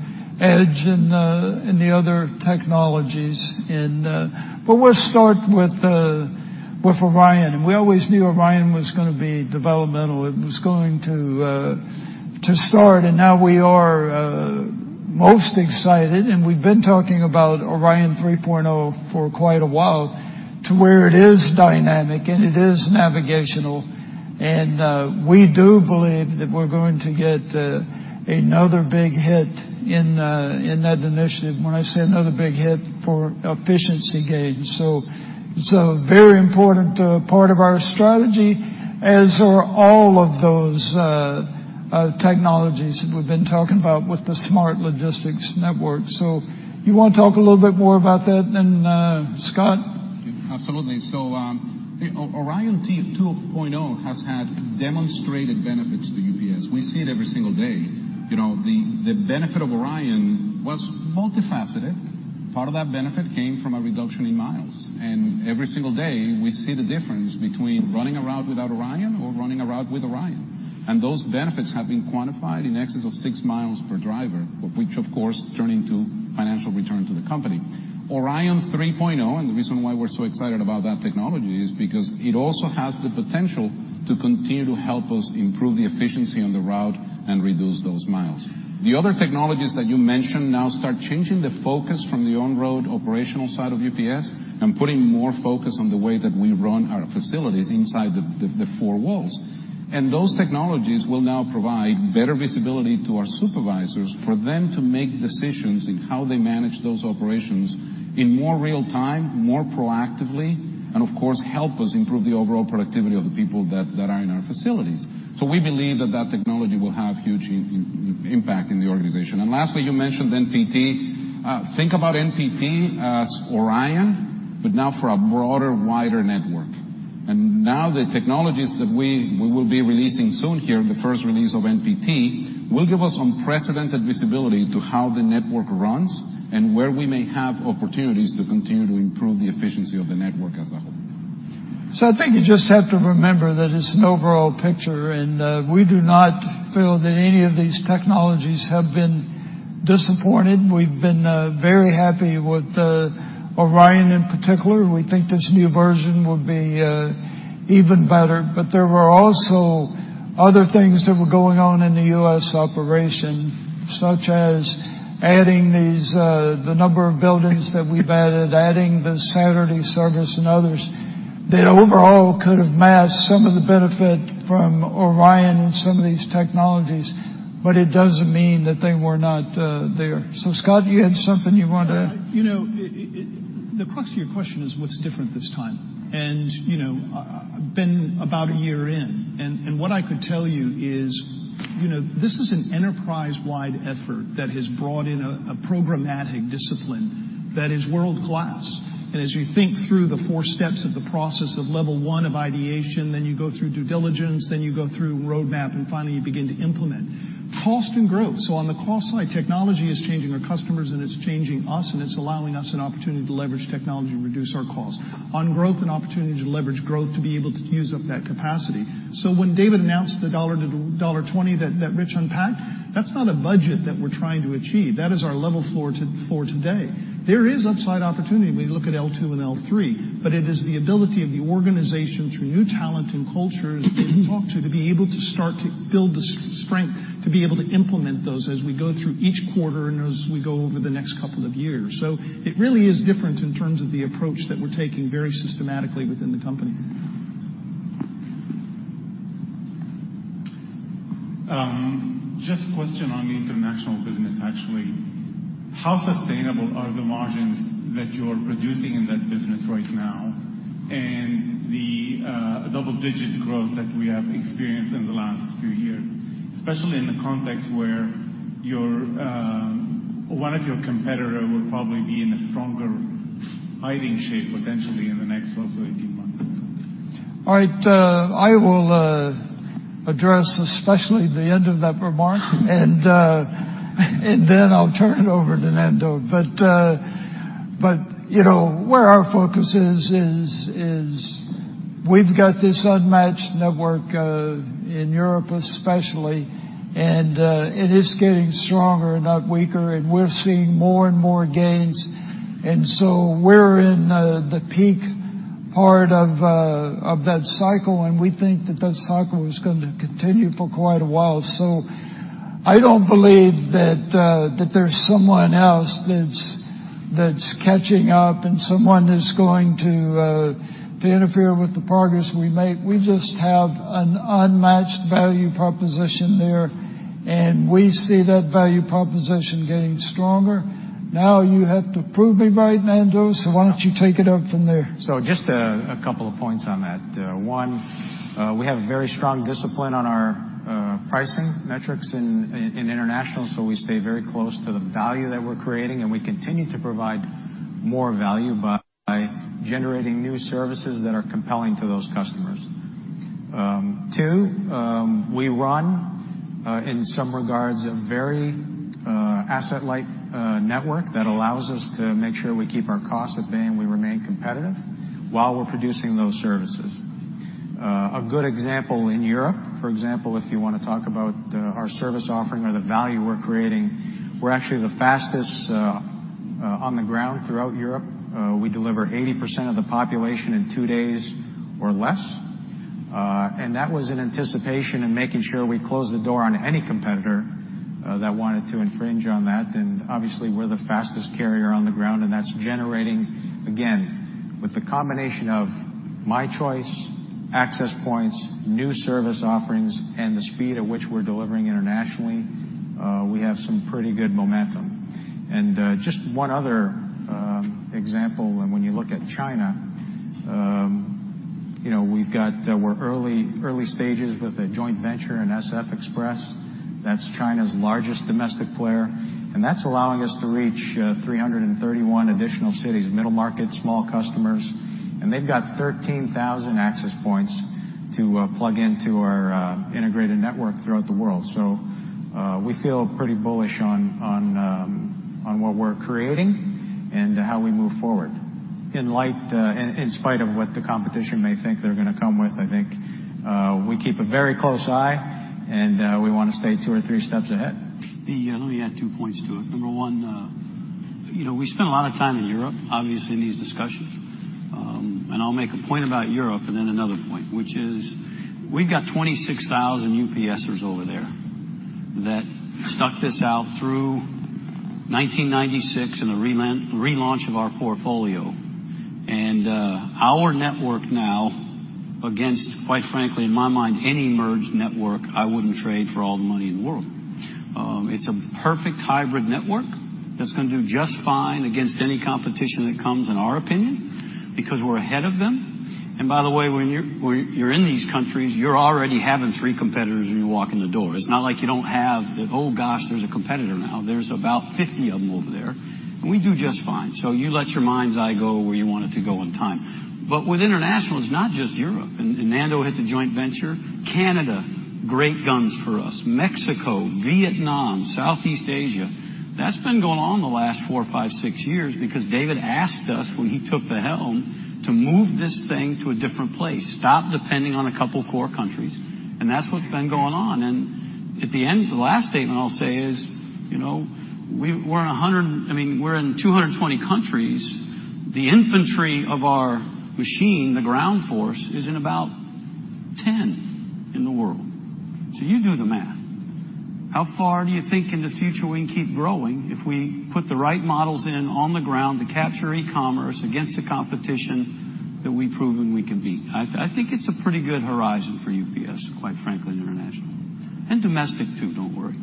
EDGE and the other technologies. We'll start with ORION. We always knew ORION was going to be developmental. It was going to start, and now we are most excited, and we've been talking about ORION 3.0 for quite a while, to where it is dynamic and it is navigational. We do believe that we're going to get another big hit in that initiative. When I say another big hit for efficiency gains. It's a very important part of our strategy, as are all of those technologies that we've been talking about with the smart logistics network. You want to talk a little bit more about that, then, Scott? Absolutely. ORION 2.0 has had demonstrated benefits to UPS. We see it every single day. The benefit of ORION was multifaceted. Part of that benefit came from a reduction in miles. Every single day, we see the difference between running a route without ORION or running a route with ORION. Those benefits have been quantified in excess of six miles per driver, which, of course, turn into financial return to the company. ORION 3.0, and the reason why we're so excited about that technology, is because it also has the potential to continue to help us improve the efficiency on the route and reduce those miles. The other technologies that you mentioned now start changing the focus from the on-road operational side of UPS and putting more focus on the way that we run our facilities inside the four walls. Those technologies will now provide better visibility to our supervisors for them to make decisions in how they manage those operations in more real-time, more proactively, and of course, help us improve the overall productivity of the people that are in our facilities. We believe that that technology will have huge impact in the organization. Lastly, you mentioned NPT. Think about NPT as ORION, but now for a broader, wider network. Now the technologies that we will be releasing soon here, the first release of NPT, will give us unprecedented visibility to how the network runs and where we may have opportunities to continue to improve the efficiency of the network as a whole. I think you just have to remember that it's an overall picture. We do not feel that any of these technologies have been disappointed. We've been very happy with ORION in particular. We think this new version will be even better. There were also other things that were going on in the U.S. operation, such as the number of buildings that we've added, adding the Saturday service, and others, that overall could have masked some of the benefit from ORION and some of these technologies, but it doesn't mean that they were not there. Scott, you had something you wanted to The crux of your question is what's different this time? I've been about a year in, and what I could tell you is, this is an enterprise-wide effort that has brought in a programmatic discipline that is world-class. As you think through the 4 steps of the process of level 1 of ideation, then you go through due diligence, then you go through roadmap, and finally, you begin to implement. Cost and growth. On the cost side, technology is changing our customers, and it's changing us, and it's allowing us an opportunity to leverage technology and reduce our costs. On growth and opportunity to leverage growth to be able to use up that capacity. When David announced the $1 to $1.20 that Rich unpacked, that's not a budget that we're trying to achieve. That is our level for today. There is upside opportunity when you look at L2 and L3. It is the ability of the organization through new talent and cultures that we talk to be able to start to build the strength to be able to implement those as we go through each quarter and as we go over the next couple of years. It really is different in terms of the approach that we're taking very systematically within the company. Just a question on the International business, actually. How sustainable are the margins that you're producing in that business right now and the double-digit growth that we have experienced in the last few years, especially in the context where one of your competitor will probably be in a stronger fighting shape potentially in the next 12-18 months? All right. I will address especially the end of that remark, then I'll turn it over to Nando. Where our focus is, we've got this unmatched network in Europe especially, and it is getting stronger, not weaker, and we're seeing more and more gains. We're in the peak part of that cycle, and we think that cycle is going to continue for quite a while. I don't believe that there's someone else that's catching up and someone is going to interfere with the progress we make. We just have an unmatched value proposition there. We see that value proposition getting stronger. Now you have to prove me right, Nando, why don't you take it up from there? Just a couple of points on that. One, we have very strong discipline on our pricing metrics in international, so we stay very close to the value that we're creating, and we continue to provide more value by generating new services that are compelling to those customers. Two, we run, in some regards, a very asset-light network that allows us to make sure we keep our costs at bay and we remain competitive while we're producing those services. A good example in Europe, for example, if you want to talk about our service offering or the value we're creating, we're actually the fastest on the ground throughout Europe. We deliver 80% of the population in two days or less. That was in anticipation in making sure we close the door on any competitor that wanted to infringe on that. Obviously, we're the fastest carrier on the ground, and that's generating, again, with the combination of My Choice, Access Point, new service offerings, and the speed at which we're delivering internationally, we have some pretty good momentum. Just one other example, when you look at China, we're early stages with a joint venture in SF Express. That's China's largest domestic player. That's allowing us to reach 331 additional cities, middle markets, small customers, and they've got 13,000 Access Point to plug into our integrated network throughout the world. We feel pretty bullish on what we're creating and how we move forward. In spite of what the competition may think they're going to come with, I think we keep a very close eye, and we want to stay two or three steps ahead. Let me add two points to it. Number one, we spend a lot of time in Europe, obviously, in these discussions. I'll make a point about Europe and then another point, which is, we've got 26,000 UPSers over there that stuck this out through 1996 and the relaunch of our portfolio. Our network now against, quite frankly, in my mind, any merged network, I wouldn't trade for all the money in the world. It's a perfect hybrid network that's going to do just fine against any competition that comes, in our opinion, because we're ahead of them. By the way, when you're in these countries, you're already having three competitors when you walk in the door. It's not like you don't have the, "Oh, gosh, there's a competitor now." There's about 50 of them over there. We do just fine. You let your mind's eye go where you want it to go in time. With international, it's not just Europe. Nando had the joint venture. Canada, great guns for us. Mexico, Vietnam, Southeast Asia. That's been going on the last four, five, six years because David asked us when he took the helm to move this thing to a different place. Stop depending on a couple core countries. That's what's been going on. At the end, the last statement I'll say is, we're in 220 countries. The infantry of our machine, the ground force, is in about 10 in the world. You do the math. How far do you think in the future we can keep growing if we put the right models in on the ground to capture e-commerce against the competition that we've proven we can beat? I think it's a pretty good horizon for UPS, quite frankly, international. Domestic, too, don't worry.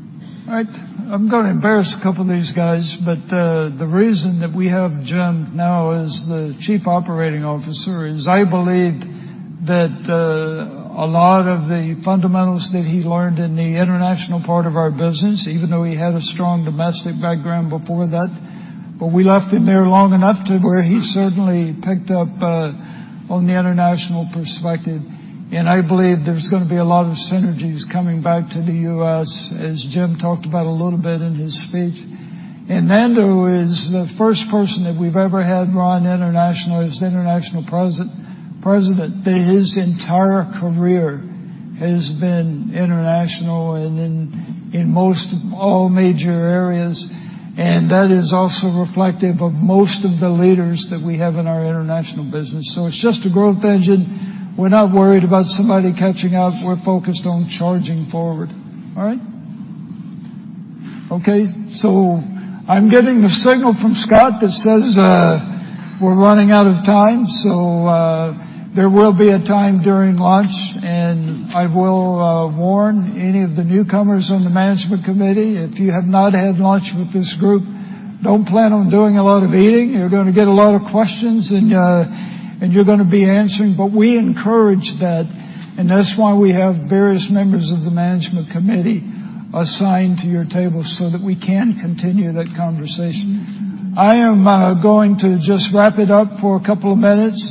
All right. I'm going to embarrass a couple of these guys, the reason that we have Jim now as the Chief Operating Officer is I believe that a lot of the fundamentals that he learned in the international part of our business, even though he had a strong domestic background before that, we left him there long enough to where he certainly picked up on the international perspective. I believe there's going to be a lot of synergies coming back to the U.S., as Jim talked about a little bit in his speech. Nando is the first person that we've ever had run international as International President, that his entire career has been international and in most all major areas, and that is also reflective of most of the leaders that we have in our international business. It's just a growth engine. We're not worried about somebody catching up. We're focused on charging forward. All right? Okay, I'm getting a signal from Scott that says we're running out of time. There will be a time during lunch, I will warn any of the newcomers on the management committee, if you have not had lunch with this group, don't plan on doing a lot of eating. You're going to get a lot of questions, and you're going to be answering. We encourage that's why we have various members of the management committee assigned to your table so that we can continue that conversation. I am going to just wrap it up for a couple of minutes.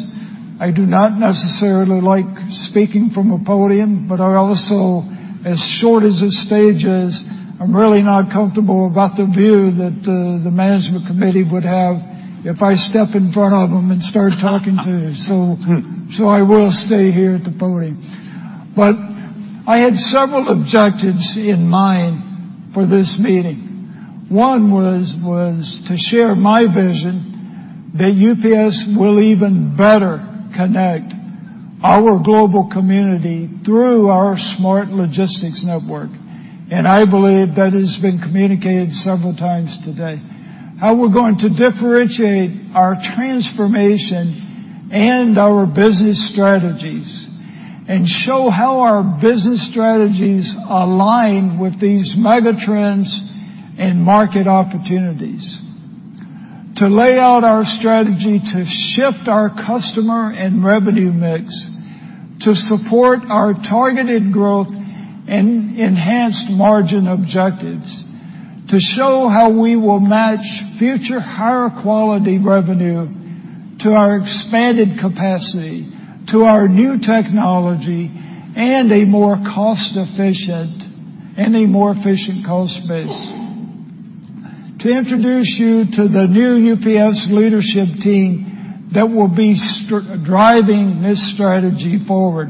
I do not necessarily like speaking from a podium, but also, as short as this stage is, I'm really not comfortable about the view that the management committee would have if I step in front of them and start talking to you. I will stay here at the podium. I had several objectives in mind for this meeting. One was to share my vision that UPS will even better connect our global community through our smart logistics network. I believe that has been communicated several times today. How we're going to differentiate our transformation and our business strategies, and show how our business strategies align with these mega trends and market opportunities. To lay out our strategy to shift our customer and revenue mix to support our targeted growth and enhanced margin objectives. To show how we will match future higher quality revenue to our expanded capacity, to our new technology, and a more efficient cost base. To introduce you to the new UPS leadership team that will be driving this strategy forward.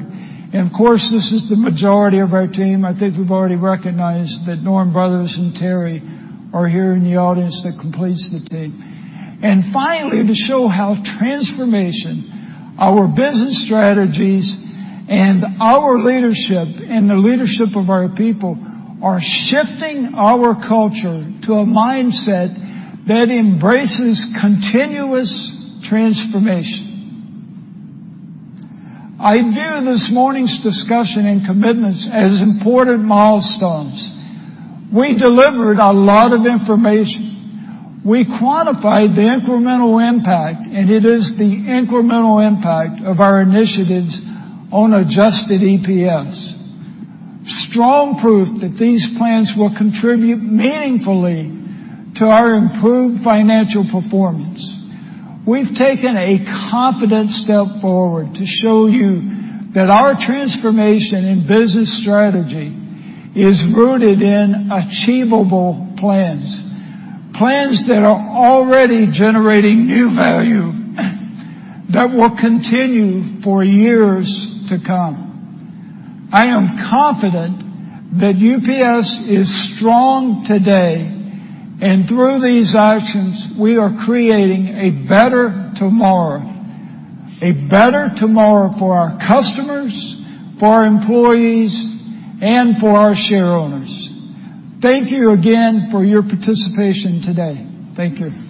Of course, this is the majority of our team. I think we've already recognized that Norm Brothers and Teri are here in the audience, that completes the team. Finally, to show how transformation, our business strategies, and our leadership and the leadership of our people are shifting our culture to a mindset that embraces continuous transformation. I view this morning's discussion and commitments as important milestones. We delivered a lot of information. We quantified the incremental impact, and it is the incremental impact of our initiatives on adjusted EPS. Strong proof that these plans will contribute meaningfully to our improved financial performance. We've taken a confident step forward to show you that our transformation and business strategy is rooted in achievable plans that are already generating new value that will continue for years to come. I am confident that UPS is strong today, and through these actions, we are creating a better tomorrow. A better tomorrow for our customers, for our employees, and for our shareowners. Thank you again for your participation today. Thank you.